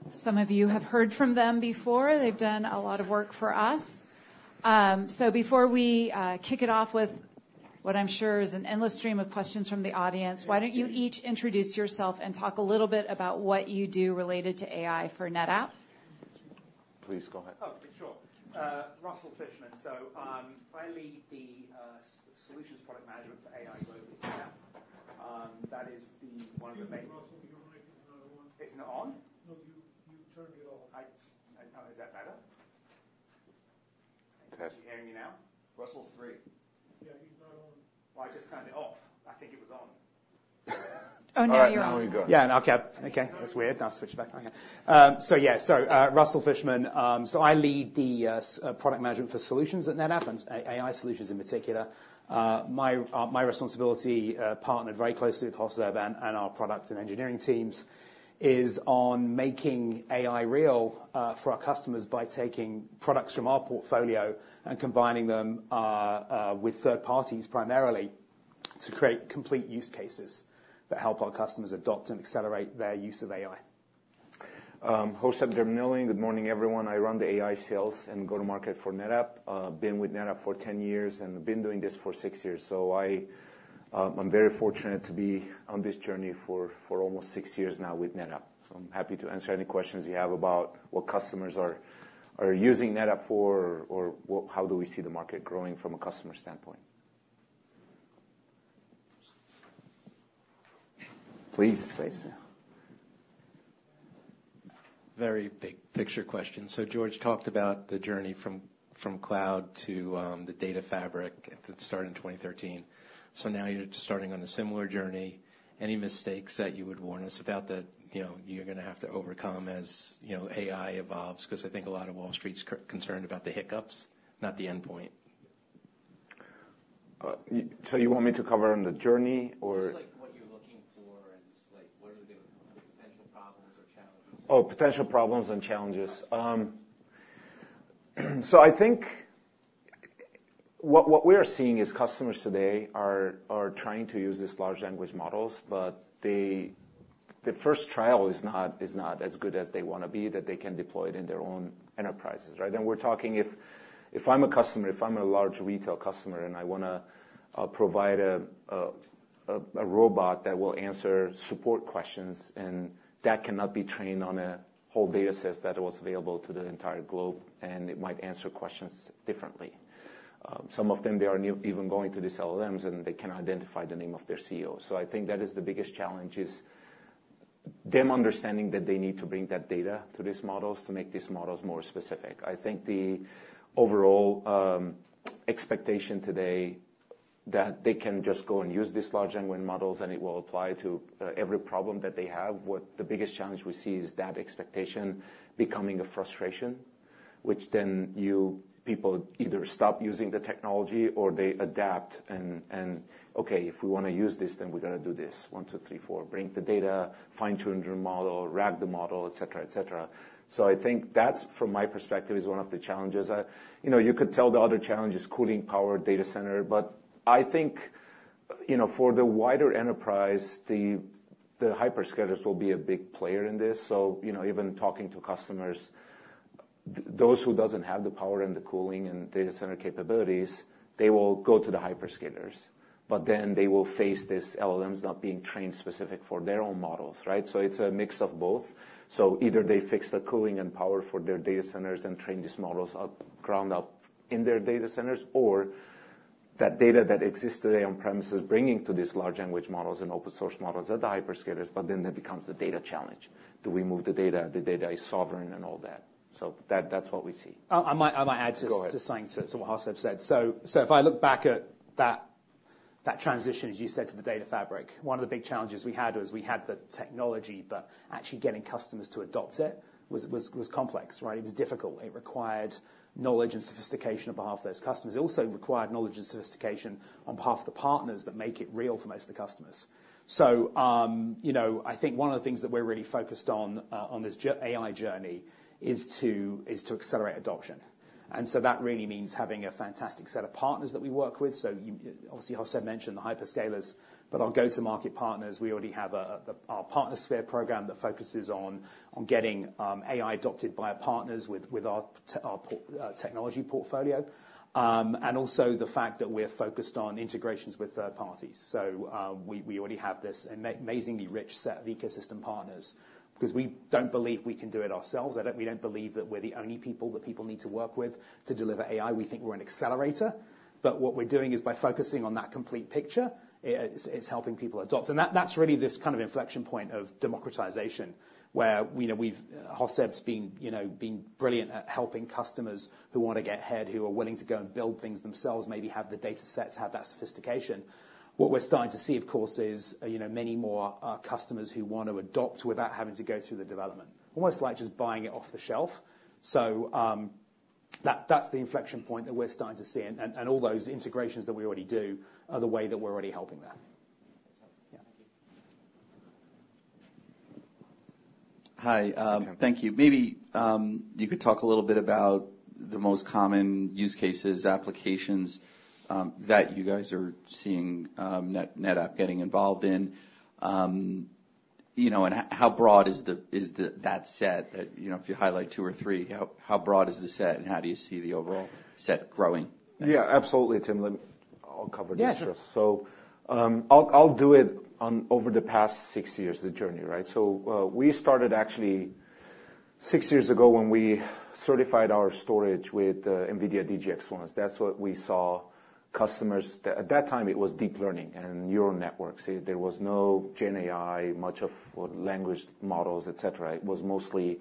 Some of you have heard from them before. They've done a lot of work for us. So before we kick it off with what I'm sure is an endless stream of questions from the audience, why don't you each introduce yourself and talk a little bit about what you do related to AI for NetApp? Please go ahead. Oh, sure. Russell Fishman. So, I lead the Solutions Product Manager for AI globally, yeah. That is the one of the ma-in- Russell, your mic is another one. Isn't it on? No, you turned it off. Is that better? Test. Can you hear me now? Russell's free. Yeah, he's not on. I just turned it off. I think it was on. Oh, now you're on. All right, now we got it. Yeah, okay. That's weird. I'll switch back on again. So yeah, so, Russell Fishman. So I lead the product management for solutions at NetApp and AI solutions in particular. My responsibility, partnered very closely with Hoseb and our product and engineering teams, is on making AI real for our customers by taking products from our portfolio and combining them with third parties, primarily to create complete use cases that help our customers adopt and accelerate their use of AI. Hoseb Dermanilian. Good morning, everyone. I run the AI sales and go-to-market for NetApp. Been with NetApp for 10 years, and been doing this for six years, so I, I'm very fortunate to be on this journey for almost six years now with NetApp. So I'm happy to answer any questions you have about what customers are using NetApp for, or how do we see the market growing from a customer standpoint. Please, Tracy. Very big picture question. So George talked about the journey from cloud to the Data Fabric at the start in 2013. So now you're starting on a similar journey. Any mistakes that you would warn us about that, you know, you're gonna have to overcome as, you know, AI evolves? Because I think a lot of Wall Street's concerned about the hiccups, not the endpoint. So you want me to cover on the journey, or? [audio distortion] Just, like, what you're looking for and, like, what are the potential problems or challenges? Oh, potential problems and challenges. So I think what we are seeing is customers today are trying to use these large language models, but the first trial is not as good as they wanna be, that they can deploy it in their own enterprises, right? And we're talking if I'm a customer, if I'm a large retail customer, and I wanna provide a robot that will answer support questions, and that cannot be trained on a whole data set that was available to the entire globe, and it might answer questions differently. Some of them, they are new even going to these LLMs, and they cannot identify the name of their CEO. So I think that is the biggest challenge, is them understanding that they need to bring that data to these models to make these models more specific. I think the overall expectation today that they can just go and use these large language models, and it will apply to every problem that they have. What the biggest challenge we see is that expectation becoming a frustration, which then people either stop using the technology or they adapt and, "Okay, if we wanna use this, then we're gonna do this, one, two, three, four." Bring the data, fine-tune the model, RAG the model, et cetera, et cetera. So I think that's, from my perspective, is one of the challenges. You know, you could tell the other challenge is cooling power data center, but I think, you know, for the wider enterprise, the hyperscalers will be a big player in this. So, you know, even talking to customers, those who doesn't have the power and the cooling and data center capabilities, they will go to the hyperscalers, but then they will face these LLMs not being trained specific for their own models, right? So it's a mix of both. So either they fix the cooling and power for their data centers and train these models up, ground up in their data centers, or that data that exists today on-premises, bringing to these large language models and open source models are the hyperscalers, but then that becomes the data challenge. Do we move the data? The data is sovereign and all that. So that, that's what we see. I might add to-- Go ahead. To second what Hoseb said. So if I look back at that, that transition, as you said to the Data Fabric, one of the big challenges we had was we had the technology, but actually getting customers to adopt it was complex, right? It was difficult. It required knowledge and sophistication on behalf of those customers. It also required knowledge and sophistication on behalf of the partners that make it real for most of the customers. You know, I think one of the things that we're really focused on, on this AI journey is to accelerate adoption. And that really means having a fantastic set of partners that we work with. Obviously, Hoseb mentioned the hyperscalers, but our go-to-market partners, we already have our Partner Sphere program that focuses on getting AI adopted by our partners with our technology portfolio, and also the fact that we're focused on integrations with third parties. We already have this amazingly rich set of ecosystem partners, 'cause we don't believe we can do it ourselves, and that we don't believe that we're the only people that people need to work with to deliver AI. We think we're an accelerator. But what we're doing is by focusing on that complete picture, it's helping people adopt. That, that's really this kind of inflection point of democratization, where, you know, Hoseb's been, you know, brilliant at helping customers who want to get ahead, who are willing to go and build things themselves, maybe have the data sets, have that sophistication. What we're starting to see, of course, is, you know, many more customers who want to adopt without having to go through the development, almost like just buying it off the shelf. So, that, that's the inflection point that we're starting to see, and all those integrations that we already do are the way that we're already helping that. Yeah. Hi, Tim. Thank you. Maybe you could talk a little bit about the most common use cases, applications that you guys are seeing NetApp getting involved in. You know, and how broad is that set? That, you know, if you highlight two or three, how broad is the set, and how do you see the overall set growing? Yeah, absolutely, Tim. I'll cover this first. Yeah. So, I'll do it on over the past six years, the journey, right? So, we started actually six years ago when we certified our storage with NVIDIA DGX-1s. That's what we saw customers. At that time, it was deep learning and neural networks. There was no GenAI, much of language models, et cetera. It was mostly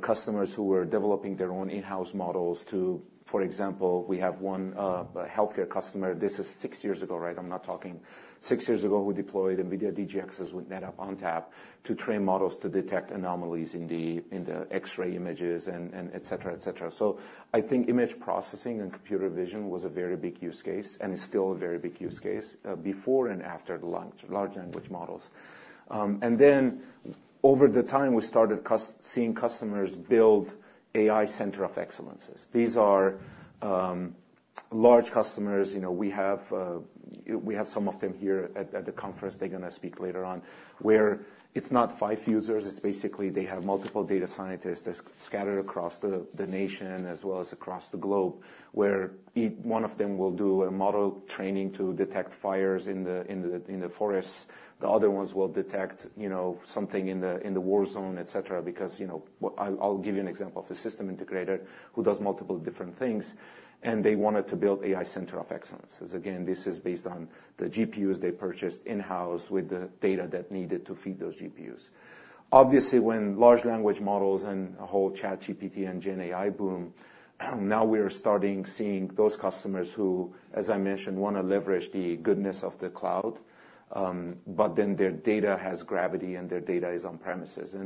customers who were developing their own in-house models to. For example, we have one healthcare customer. This is six years ago, right? I'm not talking. Six years ago, we deployed NVIDIA DGXs with NetApp ONTAP to train models to detect anomalies in the X-ray images and et cetera, et cetera. So I think image processing and computer vision was a very big use case, and it's still a very big use case before and after the launch of large language models. And then over time, we started seeing customers build AI centers of excellence. These are large customers. You know, we have some of them here at the conference. They're gonna speak later on, where it's not five users. It's basically they have multiple data scientists that's scattered across the nation, as well as across the globe, where one of them will do a model training to detect fires in the forests. The other ones will detect, you know, something in the war zone, et cetera, because, you know. I'll give you an example of a system integrator who does multiple different things, and they wanted to build AI center of excellence. Again, this is based on the GPUs they purchased in-house with the data that needed to feed those GPUs. Obviously, when large language models and the whole ChatGPT and GenAI boom, now we're starting seeing those customers who, as I mentioned, want to leverage the goodness of the cloud, but then their data has gravity, and their data is on premises.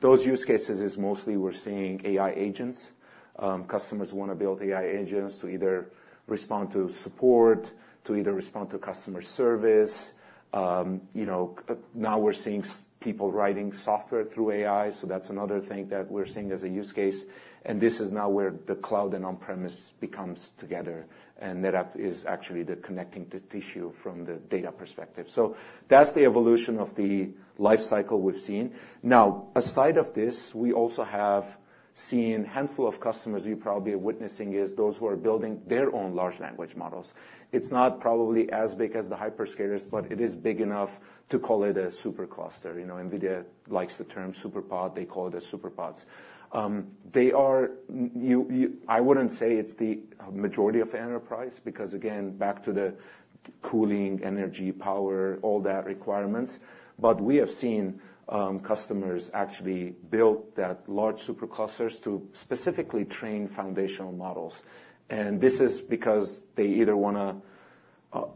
Those use cases is mostly we're seeing AI agents. Customers want to build AI agents to either respond to support, to either respond to customer service, you know, now we're seeing people writing software through AI, so that's another thing that we're seeing as a use case. This is now where the cloud and on-premise becomes together, and NetApp is actually the connecting tissue from the data perspective. So that's the evolution of the life cycle we've seen. Now, aside of this, we also have seen handful of customers, you probably are witnessing, is those who are building their own large language models. It's not probably as big as the hyperscalers, but it is big enough to call it a supercluster. You know, NVIDIA likes the term SuperPOD. They call it SuperPODs. I wouldn't say it's the majority of the enterprise, because again, back to the cooling, energy, power, all that requirements. But we have seen customers actually build that large superclusters to specifically train foundational models. And this is because they either wanna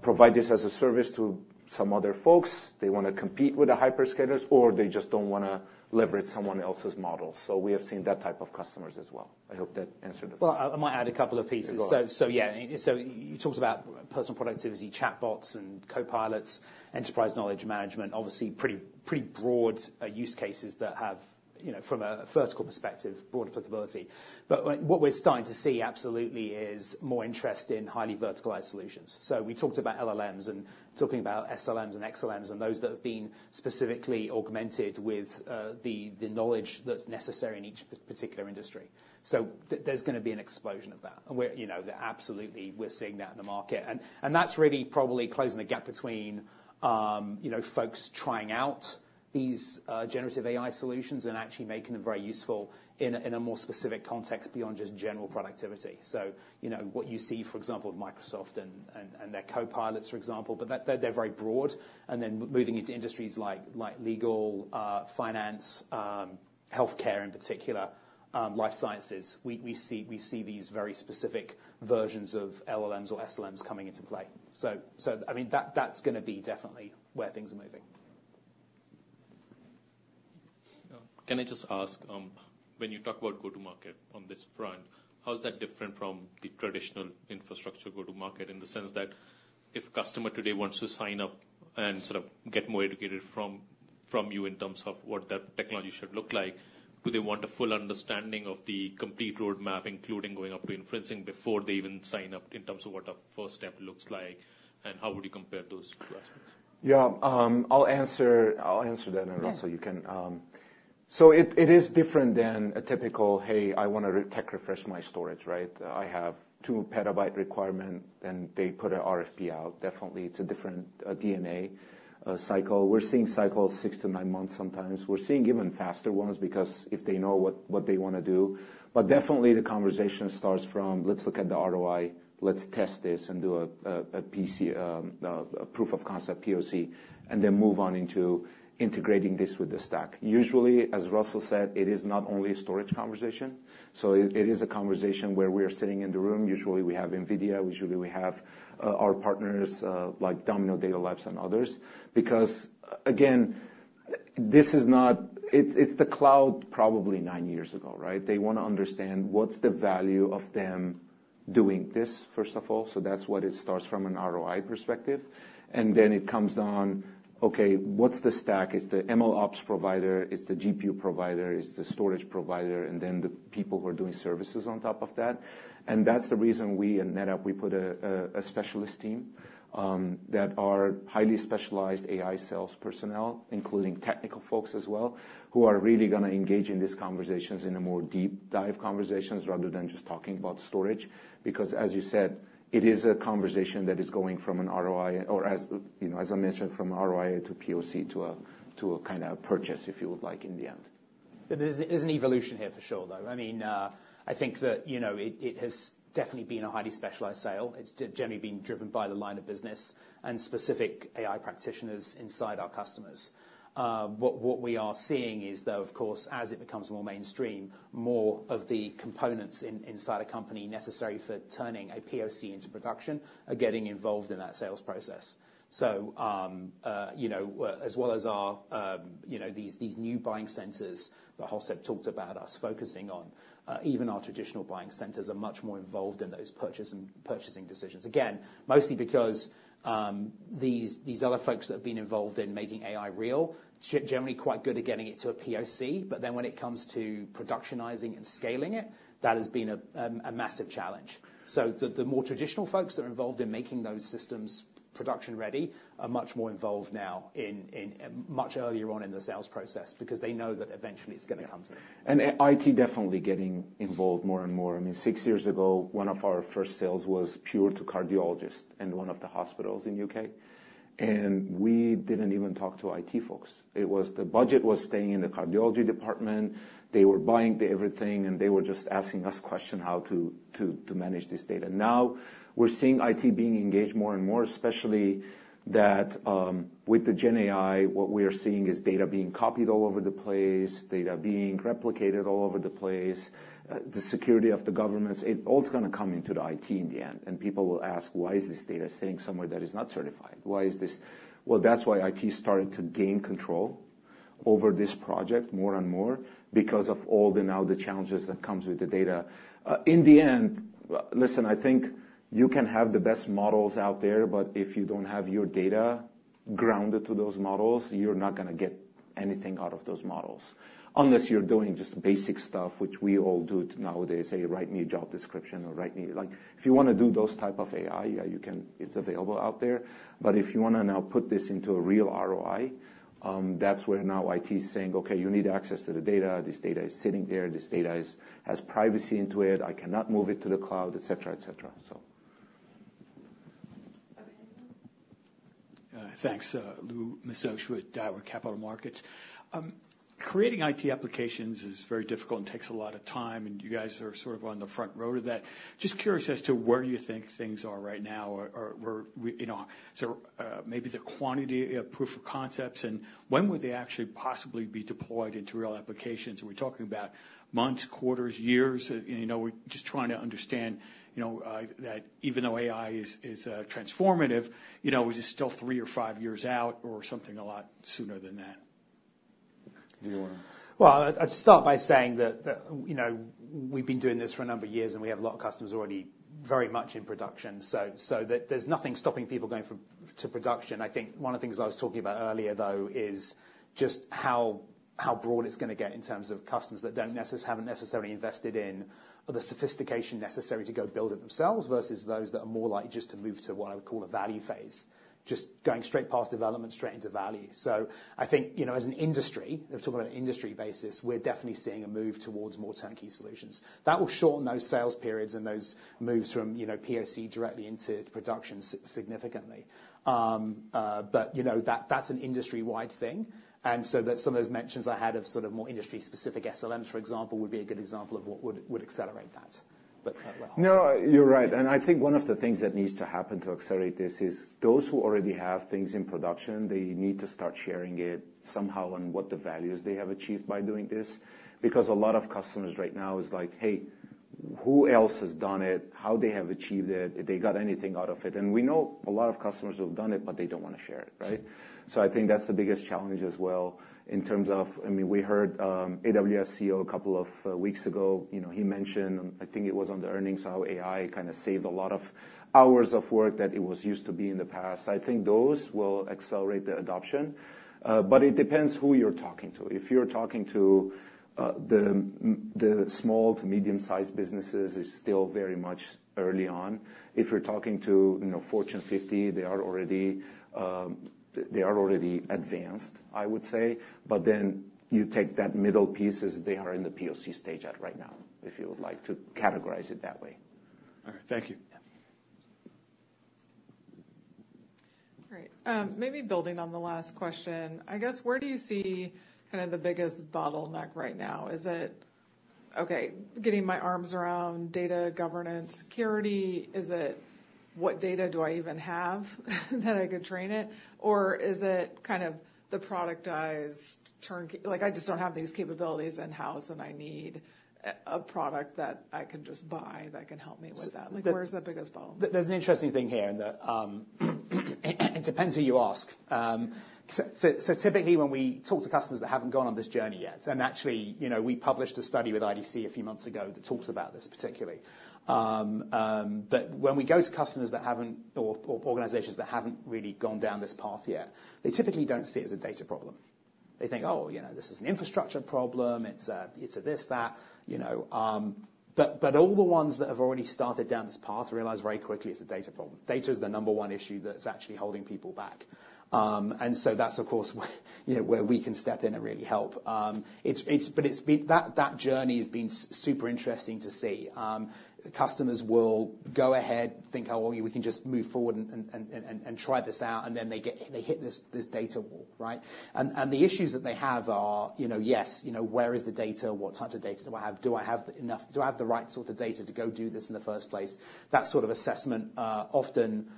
provide this as a service to some other folks, they wanna compete with the hyperscalers, or they just don't wanna leverage someone else's model. So we have seen that type of customers as well. I hope that answered it. I might add a couple of pieces. Yeah, go on. So you talked about personal productivity, chatbots and copilots, enterprise knowledge management, obviously, pretty, pretty broad use cases that have, you know, from a vertical perspective, broad applicability. But what we're starting to see, absolutely, is more interest in highly verticalized solutions. So we talked about LLMs, and talking about SLMs and XLMs, and those that have been specifically augmented with the knowledge that's necessary in each particular industry. So there's gonna be an explosion of that. And we're, you know, absolutely, we're seeing that in the market. And that's really probably closing the gap between, you know, folks trying out these generative AI solutions and actually making them very useful in a more specific context beyond just general productivity. So, you know, what you see, for example, with Microsoft and their Copilots, for example, but that they're very broad, and then moving into industries like legal, finance, healthcare in particular, life sciences. We see these very specific versions of LLMs or SLMs coming into play. So, I mean, that's gonna be definitely where things are moving. Can I just ask, when you talk about go-to-market on this front, how is that different from the traditional infrastructure go-to-market, in the sense that if a customer today wants to sign up and sort of get more educated from you in terms of what that technology should look like, do they want a full understanding of the complete roadmap, including going up to inferencing, before they even sign up, in terms of what a first step looks like, and how would you compare those two aspects? Yeah, I'll answer, I'll answer that, and Russell you can, So it is different than a typical, "Hey, I want to re-tech refresh my storage," right? "I have 2 petabyte requirement," and they put a RFP out. Definitely, it's a different DNA cycle. We're seeing cycles six to nine months sometimes. We're seeing even faster ones, because if they know what they want to do. But definitely, the conversation starts from, "Let's look at the ROI. Let's test this and do a POC, a proof of concept, and then move on into integrating this with the stack." Usually, as Russell said, it is not only a storage conversation, so it is a conversation where we are sitting in the room. Usually, we have NVIDIA, usually we have our partners, like Domino Data Lab and others. Because, again, this is not. It's the cloud probably nine years ago, right? They want to understand what's the value of them doing this, first of all, so that's what it starts from, an ROI perspective. And then it comes on, okay, what's the stack? It's the MLOps provider, it's the GPU provider, it's the storage provider, and then the people who are doing services on top of that. And that's the reason we, in NetApp, we put a specialist team that are highly specialized AI sales personnel, including technical folks as well, who are really going to engage in these conversations in a more deep dive conversations rather than just talking about storage. Because, as you said, it is a conversation that is going from an ROI or, as you know, as I mentioned, from ROI to POC to a kind of purchase, if you would like, in the end. But there's an evolution here for sure, though. I mean, I think that, you know, it has definitely been a highly specialized sale. It's generally been driven by the line of business and specific AI practitioners inside our customers. What we are seeing is, though, of course, as it becomes more mainstream, more of the components inside a company necessary for turning a POC into production are getting involved in that sales process. So, you know, as well as our, you know, these new buying centers that Hoseb talked about us focusing on, even our traditional buying centers are much more involved in those purchasing decisions. Again, mostly because these other folks that have been involved in making AI real are generally quite good at getting it to a POC, but then when it comes to productionizing and scaling it, that has been a massive challenge. So the more traditional folks that are involved in making those systems production-ready are much more involved now in much earlier on in the sales process, because they know that eventually it's going to come to them. And IT definitely getting involved more and more. I mean, six years ago, one of our first sales was prior to cardiologists in one of the hospitals in the U.K., and we didn't even talk to IT folks. It was the budget was staying in the cardiology department. They were buying everything, and they were just asking us questions, how to manage this data. Now, we're seeing IT being engaged more and more, especially that with the GenAI, what we are seeing is data being copied all over the place, data being replicated all over the place, the security of the governments. It all is going to come into the IT in the end, and people will ask: Why is this data sitting somewhere that is not certified? Well, that's why IT is starting to gain control over this project more and more, because of all the now the challenges that comes with the data. In the end, listen, I think you can have the best models out there, but if you don't have your data grounded to those models, you're not going to get anything out of those models, unless you're doing just basic stuff, which we all do nowadays, say, "Write me a job description," or "Write me." Like, if you want to do those type of AI, yeah, you can. It's available out there. But if you want to now put this into a real ROI, that's where now IT is saying, "Okay, you need access to the data. This data is sitting there. This data is has privacy into it. I cannot move it to the cloud," et cetera, et cetera, so. Thanks. Lou Miscioscia with Daiwa Capital Markets. Creating IT applications is very difficult and takes a lot of time, and you guys are sort of on the front row to that. Just curious as to where you think things are right now or where, you know, so maybe the quantity of proof of concepts, and when would they actually possibly be deployed into real applications? Are we talking about months, quarters, years? You know, we're just trying to understand, you know, that even though AI is transformative, you know, is it still three or five years out, or something a lot sooner than that? Do you wanna? Well, I'd start by saying that you know, we've been doing this for a number of years, and we have a lot of customers already very much in production, so there's nothing stopping people going from to production. I think one of the things I was talking about earlier, though, is just how broad it's going to get in terms of customers that haven't necessarily invested in the sophistication necessary to go build it themselves, versus those that are more likely just to move to what I would call a value phase, just going straight past development, straight into value. So I think, you know, as an industry, if we're talking about an industry basis, we're definitely seeing a move towards more turnkey solutions. That will shorten those sales periods and those moves from, you know, POC directly into production significantly. But you know, that, that's an industry-wide thing, and so that's some of those mentions I had of sort of more industry-specific SLMs, for example, would be a good example of what would accelerate that. Hoseb? No, you're right. And I think one of the things that needs to happen to accelerate this is, those who already have things in production, they need to start sharing it somehow on what the values they have achieved by doing this. Because a lot of customers right now is like, "Hey, who else has done it? How they have achieved it? If they got anything out of it?" And we know a lot of customers who have done it, but they don't want to share it, right? So I think that's the biggest challenge as well, in terms of--I mean, we heard, AWS CEO a couple of weeks ago. You know, he mentioned, I think it was on the earnings, how AI kind of saved a lot of hours of work that it was used to be in the past. I think those will accelerate the adoption, but it depends who you're talking to. If you're talking to the small to medium-sized businesses is still very much early on. If you're talking to, you know, Fortune 50, they are already advanced, I would say. But then you take that middle piece as they are in the POC stage right now, if you would like to categorize it that way. All right, thank you. Yeah. All right, maybe building on the last question, I guess, where do you see kind of the biggest bottleneck right now? Is it getting my arms around data governance, security? Is it what data do I even have that I could train it? Or is it kind of the productized turn- like, I just don't have these capabilities in-house, and I need a product that I can just buy that can help me with that? Like, where's the biggest bottleneck? There, there's an interesting thing here, in that, it depends who you ask. So typically, when we talk to customers that haven't gone on this journey yet, and actually, you know, we published a study with IDC a few months ago that talks about this particularly. But when we go to customers that haven't, or organizations that haven't really gone down this path yet, they typically don't see it as a data problem. They think, "Oh, you know, this is an infrastructure problem. It's a, it's a this, that," you know. But all the ones that have already started down this path realize very quickly it's a data problem. Data is the number one issue that is actually holding people back. And so that's, of course, where, you know, where we can step in and really help. That journey has been super interesting to see. The customers will go ahead, think, "Oh, we can just move forward and try this out," and then they hit this data wall, right? The issues that they have are, you know, yes, you know, where is the data? What types of data do I have? Do I have the right sort of data to go do this in the first place? That sort of assessment often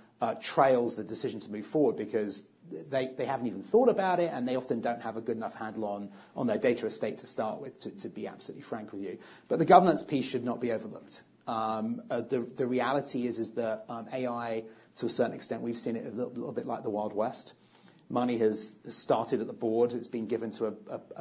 trails the decision to move forward because they haven't even thought about it, and they often don't have a good enough handle on their data estate to start with, to be absolutely frank with you, but the governance piece should not be overlooked. The reality is that AI, to a certain extent, we've seen it a little bit like the Wild West. Money has started at the board. It's been given to,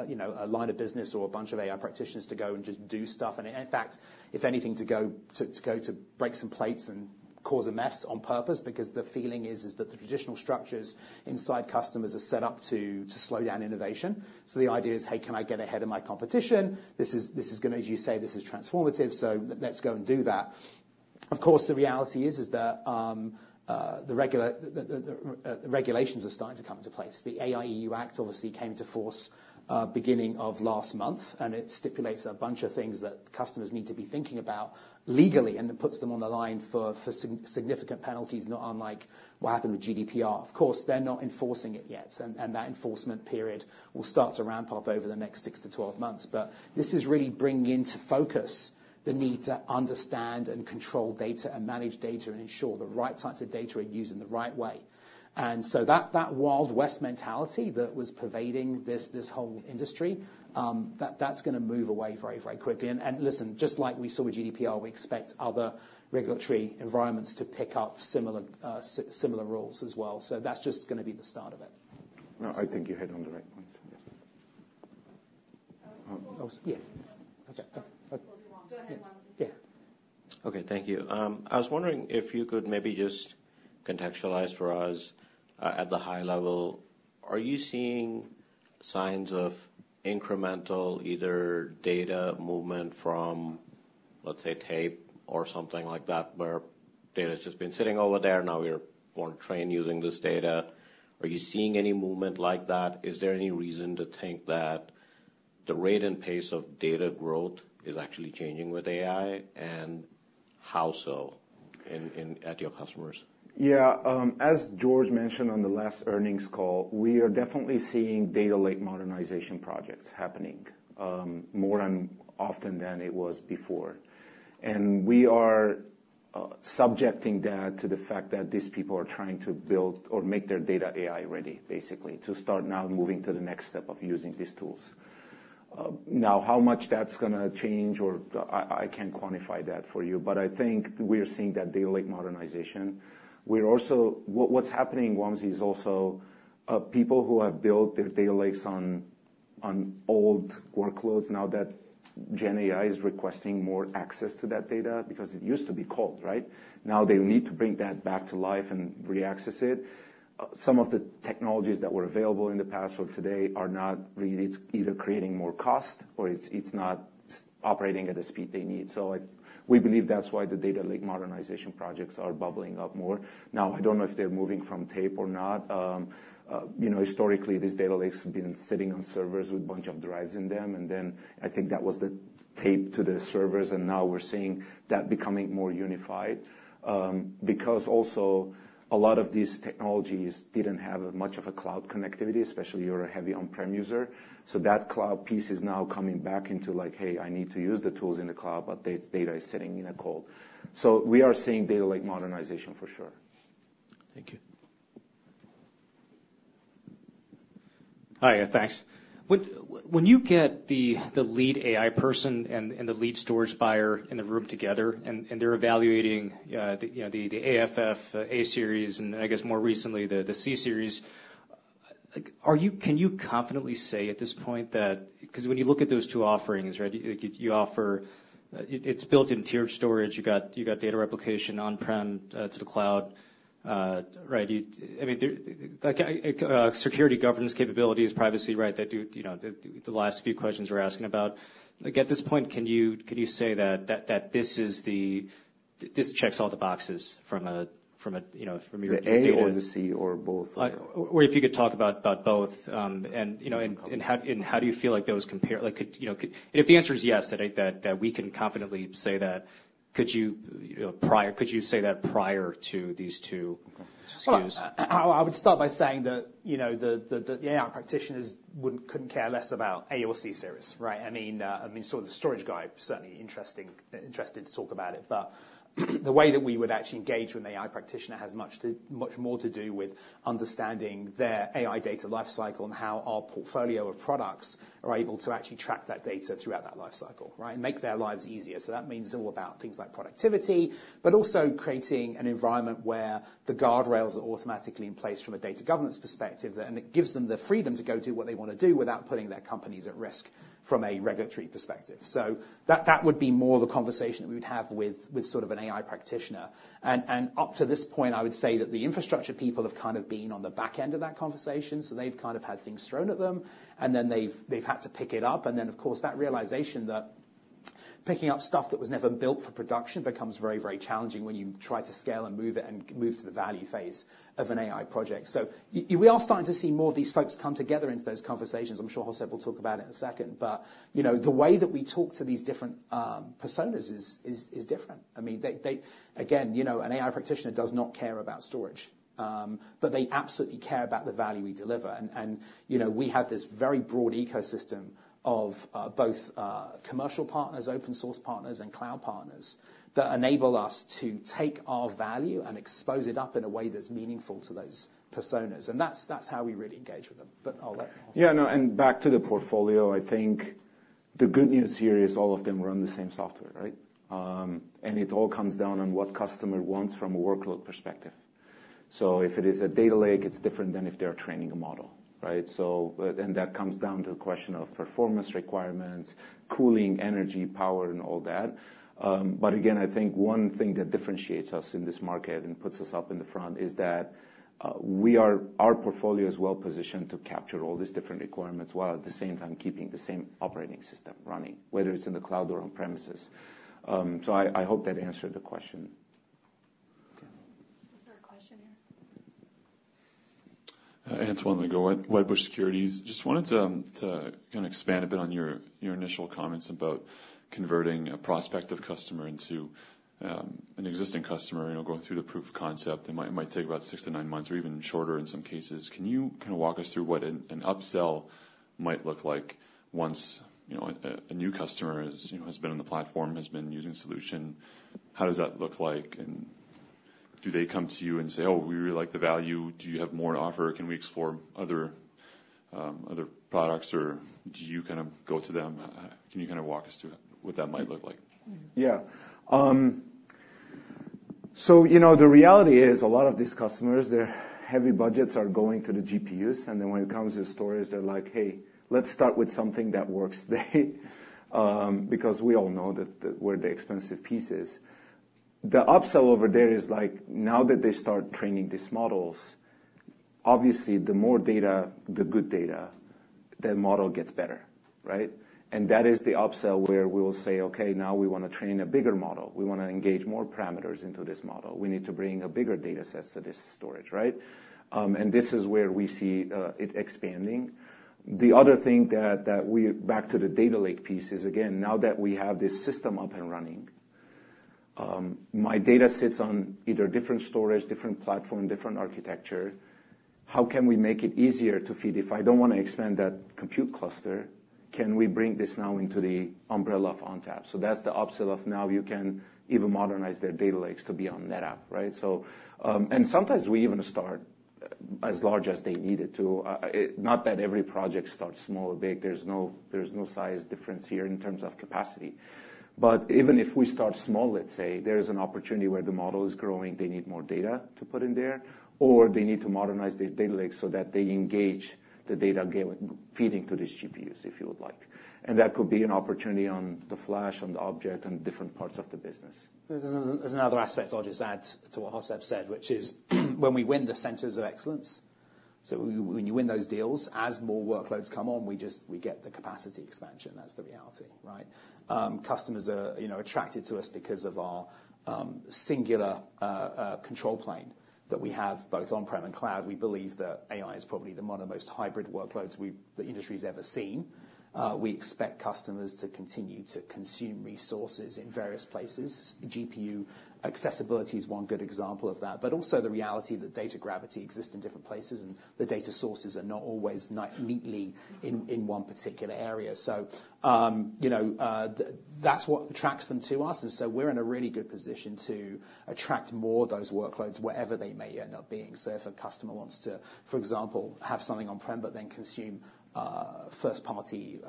you know, a line of business or a bunch of AI practitioners to go and just do stuff. And in fact, if anything, to go to break some plates and cause a mess on purpose, because the feeling is that the traditional structures inside customers are set up to slow down innovation. So the idea is, "Hey, can I get ahead of my competition? This is gonna--as you say, this is transformative, so let's go and do that." Of course, the reality is that the regulations are starting to come into place. The EU AI Act obviously came into force beginning of last month, and it stipulates a bunch of things that customers need to be thinking about legally, and it puts them on the line for significant penalties, not unlike what happened with GDPR. Of course, they're not enforcing it yet, and that enforcement period will start to ramp up over the next 6 to 12 months. But this is really bringing into focus the need to understand and control data and manage data and ensure the right types of data are used in the right way. And so that Wild West mentality that was pervading this whole industry, that's gonna move away very, very quickly. And listen, just like we saw with GDPR, we expect other regulatory environments to pick up similar rules as well. So that's just gonna be the start of it. No, I think you hit it on the right point. Yeah. Oh, yeah. Okay. Go ahead, Wamsi. Okay, thank you. I was wondering if you could maybe just contextualize for us, at the high level, are you seeing signs of incremental, either data movement from, let's say, tape or something like that, where data's just been sitting over there, now we're going to train using this data? Are you seeing any movement like that? Is there any reason to think that the rate and pace of data growth is actually changing with AI, and how so in at your customers? Yeah, as George mentioned on the last earnings call, we are definitely seeing data lake modernization projects happening more often than it was before. We are attributing that to the fact that these people are trying to build or make their data AI-ready, basically, to start now moving to the next step of using these tools. Now, how much that's gonna change or I can't quantify that for you, but I think we are seeing that data lake modernization. We're also. What's happening, Wamsi, is also people who have built their data lakes on old workloads, now that GenAI is requesting more access to that data, because it used to be cold, right? Now, they need to bring that back to life and reaccess it. Some of the technologies that were available in the past or today are not really. It's either creating more cost or it's not operating at the speed they need. So we believe that's why the data lake modernization projects are bubbling up more. Now, I don't know if they're moving from tape or not. You know, historically, these data lakes have been sitting on servers with a bunch of drives in them, and then I think that was the tape to the servers, and now we're seeing that becoming more unified. Because also a lot of these technologies didn't have much of a cloud connectivity, especially you're a heavy on-prem user. That cloud piece is now coming back into like, "Hey, I need to use the tools in the cloud, but the data is sitting in the cold." We are seeing data lake modernization for sure. Thank you. Hi, thanks. When you get the lead AI person and the lead storage buyer in the room together, and they're evaluating, you know, the AFF A-Series, and I guess more recently, the C-Series, are you - can you confidently say at this point that. 'Cause when you look at those two offerings, right, like you offer, it's built-in tiered storage, you got data replication on-prem to the cloud. Right, I mean, there, like, security governance capabilities, privacy, right, that, you know, the last few questions we're asking about. Like, at this point, can you say that this... this checks all the boxes from a, from a, you know, from your-- The A or the C or both? Or if you could talk about both, and you know, how do you feel like those compare? Like, you know, if the answer is yes, that we can confidently say that, could you, you know, could you say that prior to these two SKUs? So I would start by saying that, you know, the AI practitioners wouldn't couldn't care less about A or C series, right? I mean, so the storage guy, certainly interested to talk about it. But the way that we would actually engage with an AI practitioner has much more to do with understanding their AI data life cycle and how our portfolio of products are able to actually track that data throughout that life cycle, right? Make their lives easier. So that means all about things like productivity, but also creating an environment where the guardrails are automatically in place from a data governance perspective, and it gives them the freedom to go do what they want to do without putting their companies at risk from a regulatory perspective. So that would be more the conversation that we'd have with sort of an AI practitioner. And up to this point, I would say that the infrastructure people have kind of been on the back end of that conversation, so they've kind of had things thrown at them, and then they've had to pick it up. And then, of course, that realization that picking up stuff that was never built for production becomes very, very challenging when you try to scale and move it, and move to the value phase of an AI project. So we are starting to see more of these folks come together into those conversations. I'm sure Hoseb will talk about it in a second, but, you know, the way that we talk to these different personas is different. I mean, they-- Again, you know, an AI practitioner does not care about storage, but they absolutely care about the value we deliver. And you know, we have this very broad ecosystem of both commercial partners, open source partners, and cloud partners that enable us to take our value and expose it up in a way that's meaningful to those personas, and that's how we really engage with them. But I'll let Hoseb. Yeah, no, and back to the portfolio, I think the good news here is all of them run the same software, right? And it all comes down on what customer wants from a workload perspective. So if it is a data lake, it's different than if they are training a model, right? So, and that comes down to a question of performance requirements, cooling, energy, power, and all that. But again, I think one thing that differentiates us in this market and puts us up in the front is that, we are, our portfolio is well positioned to capture all these different requirements, while at the same time, keeping the same operating system running, whether it's in the cloud or on premises. So I hope that answered the question. We have a question here. Hi, Antoine Legault, Wedbush Securities. Just wanted to kind of expand a bit on your initial comments about converting a prospective customer into an existing customer, you know, going through the proof of concept, it might take about six to nine months or even shorter in some cases. Can you kind of walk us through what an upsell might look like once, you know, a new customer is, you know, has been on the platform, has been using solution? How does that look like? And do they come to you and say, "Oh, we really like the value. Do you have more to offer? Can we explore other products?" Or do you kind of go to them? Can you kind of walk us through what that might look like? Yeah. So, you know, the reality is, a lot of these customers, their heavy budgets are going to the GPUs, and then when it comes to storage, they're like: "Hey, let's start with something that works." Because we all know that, where the expensive piece is. The upsell over there is like, now that they start training these models, obviously, the more data, the good data, the model gets better, right? And that is the upsell where we will say, "Okay, now we want to train a bigger model. We want to engage more parameters into this model. We need to bring a bigger data set to this storage," right? And this is where we see it expanding. The other thing that we back to the data lake piece is, again, now that we have this system up and running, my data sits on either different storage, different platform, different architecture. How can we make it easier to feed? If I don't want to expand that compute cluster, can we bring this now into the umbrella of ONTAP? So that's the upsell of now you can even modernize their data lakes to be on NetApp, right? So, and sometimes we even start as large as they need it to. Not that every project starts small or big, there's no size difference here in terms of capacity. But even if we start small, let's say, there's an opportunity where the model is growing, they need more data to put in there, or they need to modernize their data lake so that they engage the data gravity feeding to these GPUs, if you would like, and that could be an opportunity on the flash, on the object, and different parts of the business. There's another aspect I'll just add to what Hoseb said, which is when we win the centers of excellence, so when you win those deals, as more workloads come on, we get the capacity expansion. That's the reality, right? Customers are, you know, attracted to us because of our singular control plane that we have both on-prem and cloud. We believe that AI is probably the one of the most hybrid workloads the industry's ever seen. We expect customers to continue to consume resources in various places. GPU accessibility is one good example of that, but also the reality that data gravity exists in different places, and the data sources are not always neatly in one particular area. So, you know, that's what attracts them to us, and so we're in a really good position to attract more of those workloads, wherever they may end up being. So if a customer wants to, for example, have something on-prem, but then consume, first-party,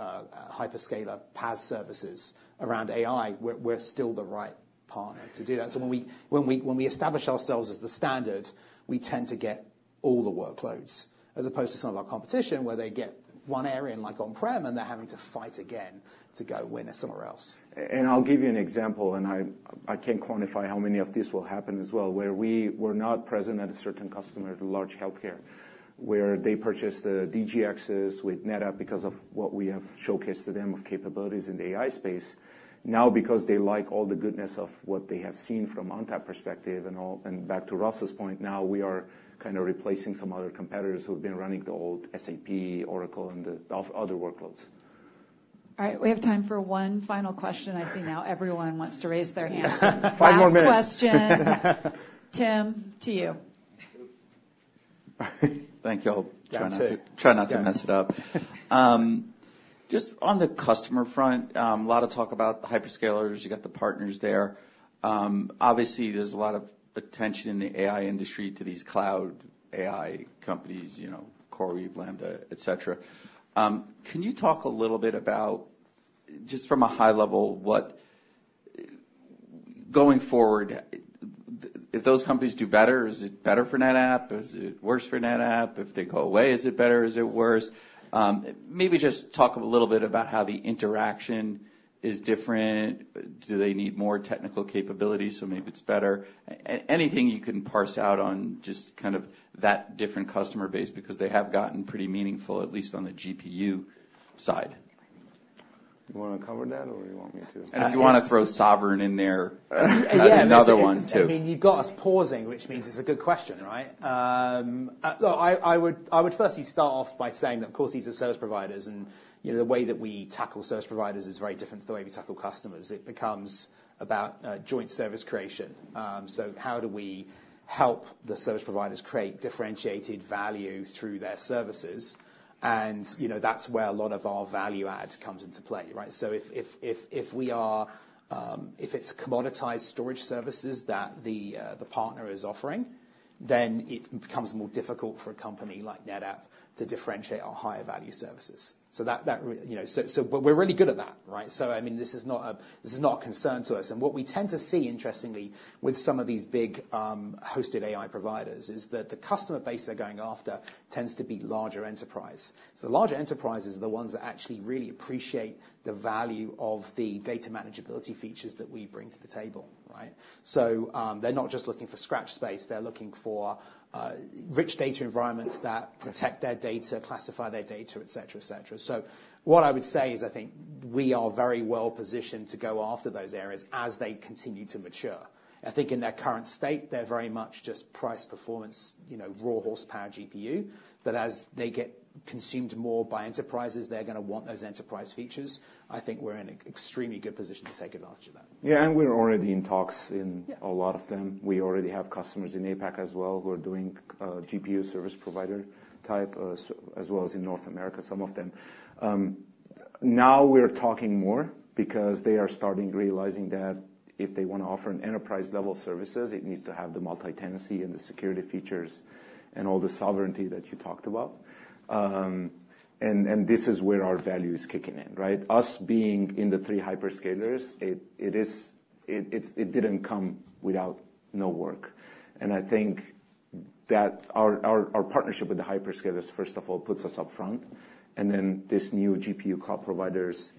hyperscaler PaaS services around AI, we're still the right partner to do that. So when we establish ourselves as the standard, we tend to get all the workloads, as opposed to some of our competition, where they get one area in like on-prem, and they're having to fight again to go win it somewhere else. I'll give you an example, and I can't quantify how many of these will happen as well, where we were not present at a certain customer, the large healthcare, where they purchased the DGXs with NetApp because of what we have showcased to them of capabilities in the AI space. Now, because they like all the goodness of what they have seen from ONTAP perspective and all, and back to Russ's point, now we are kind of replacing some other competitors who've been running the old SAP, Oracle, and other workloads. All right, we have time for one final question. I see now everyone wants to raise their hands. Five more minutes. Last question, Tim, to you. Thank you all. That's it. Try not to mess it up. Just on the customer front, a lot of talk about hyperscalers. You got the partners there. Obviously, there's a lot of attention in the AI industry to these cloud AI companies, you know, CoreWeave, Lambda, et cetera. Can you talk a little bit about, just from a high level, what going forward, if those companies do better, is it better for NetApp? Is it worse for NetApp? If they go away, is it better? Is it worse? Maybe just talk a little bit about how the interaction is different. Do they need more technical capabilities, so maybe it's better? Anything you can parse out on, just kind of that different customer base, because they have gotten pretty meaningful, at least on the GPU side. You wanna cover that, or you want me to? And if you wanna throw sovereign in there, that's another one, too. I mean, you've got us pausing, which means it's a good question, right? Look, I would firstly start off by saying that, of course, these are service providers, and, you know, the way that we tackle service providers is very different to the way we tackle customers. It becomes about joint service creation. So how do we help the service providers create differentiated value through their services? And, you know, that's where a lot of our value add comes into play, right? So if it's commoditized storage services that the partner is offering, then it becomes more difficult for a company like NetApp to differentiate our higher value services. So that, you know, but we're really good at that, right? I mean, this is not a concern to us. What we tend to see, interestingly, with some of these big hosted AI providers, is that the customer base they're going after tends to be larger enterprise. Larger enterprises are the ones that actually really appreciate the value of the data manageability features that we bring to the table, right? They're not just looking for scratch space. They're looking for rich data environments that protect their data, classify their data, et cetera, et cetera. What I would say is, I think we are very well positioned to go after those areas as they continue to mature. I think in their current state, they're very much just price, performance, you know, raw horsepower GPU, but as they get consumed more by enterprises, they're gonna want those enterprise features. I think we're in an extremely good position to take advantage of that. Yeah, and we're already in talks in a lot of them. We already have customers in APAC as well, who are doing GPU service provider type services as well as in North America, some of them. Now we're talking more because they are starting realizing that if they wanna offer an enterprise-level services, it needs to have the multi-tenancy and the security features and all the sovereignty that you talked about. And this is where our value is kicking in, right? Us being in the three hyperscalers, it is. It didn't come without no work. And I think that our partnership with the hyperscalers, first of all, puts us up front. And then this new GPU cloud providers,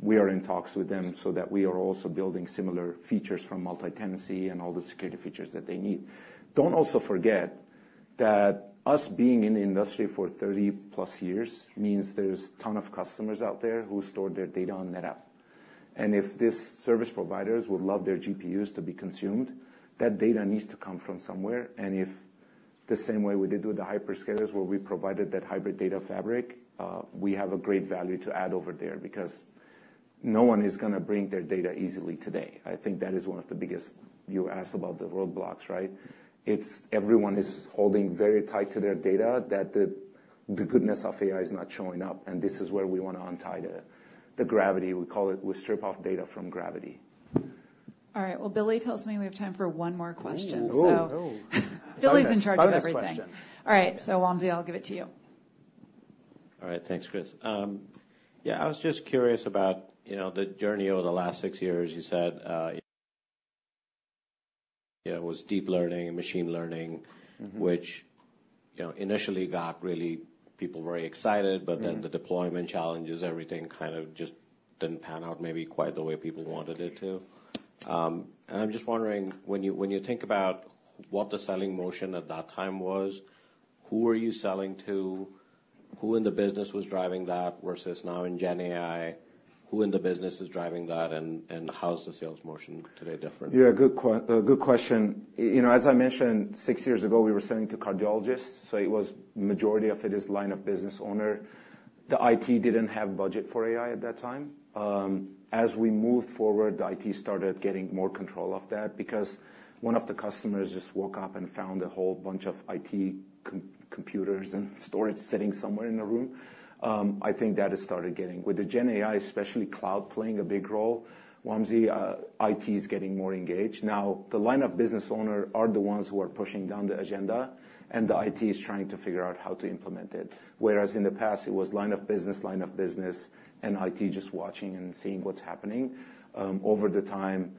we are in talks with them so that we are also building similar features from multi-tenancy and all the security features that they need. Don't also forget that us being in the industry for +30 years means there's a ton of customers out there who store their data on NetApp. And if these service providers would love their GPUs to be consumed, that data needs to come from somewhere, and in the same way we did with the hyperscalers, where we provided that hybrid Data Fabric, we have a great value to add over there because no one is gonna bring their data easily today. I think that is one of the biggest--you asked about the roadblocks, right? It's that everyone is holding very tight to their data, that the goodness of AI is not showing up, and this is where we wanna untie the gravity. We call it, we strip off data from gravity. All right. Well, Billy tells me we have time for one more question. Oh, no, no. Billy's in charge of everything. Bonus question. All right, so Wamsi, I'll give it to you. All right, thanks, Kris. Yeah, I was just curious about, you know, the journey over the last six years. You said, you know, it was deep learning and machine learning which, you know, initially got people really very excited but then the deployment challenges, everything kind of just didn't pan out maybe quite the way people wanted it to. I'm just wondering, when you, when you think about what the selling motion at that time was, who were you selling to? Who in the business was driving that versus now in GenAI, who in the business is driving that, and how is the sales motion today different? Yeah, good question. You know, as I mentioned, six years ago, we were selling to cardiologists, so it was majority of it is line of business owner. The IT didn't have budget for AI at that time. As we moved forward, the IT started getting more control of that because one of the customers just woke up and found a whole bunch of computers and storage sitting somewhere in the room. I think that it started getting with the GenAI, especially cloud playing a big role, Wamsi, IT is getting more engaged. Now, the line of business owner are the ones who are pushing down the agenda, and the IT is trying to figure out how to implement it. Whereas in the past it was line of business, line of business, and IT just watching and seeing what's happening over the time.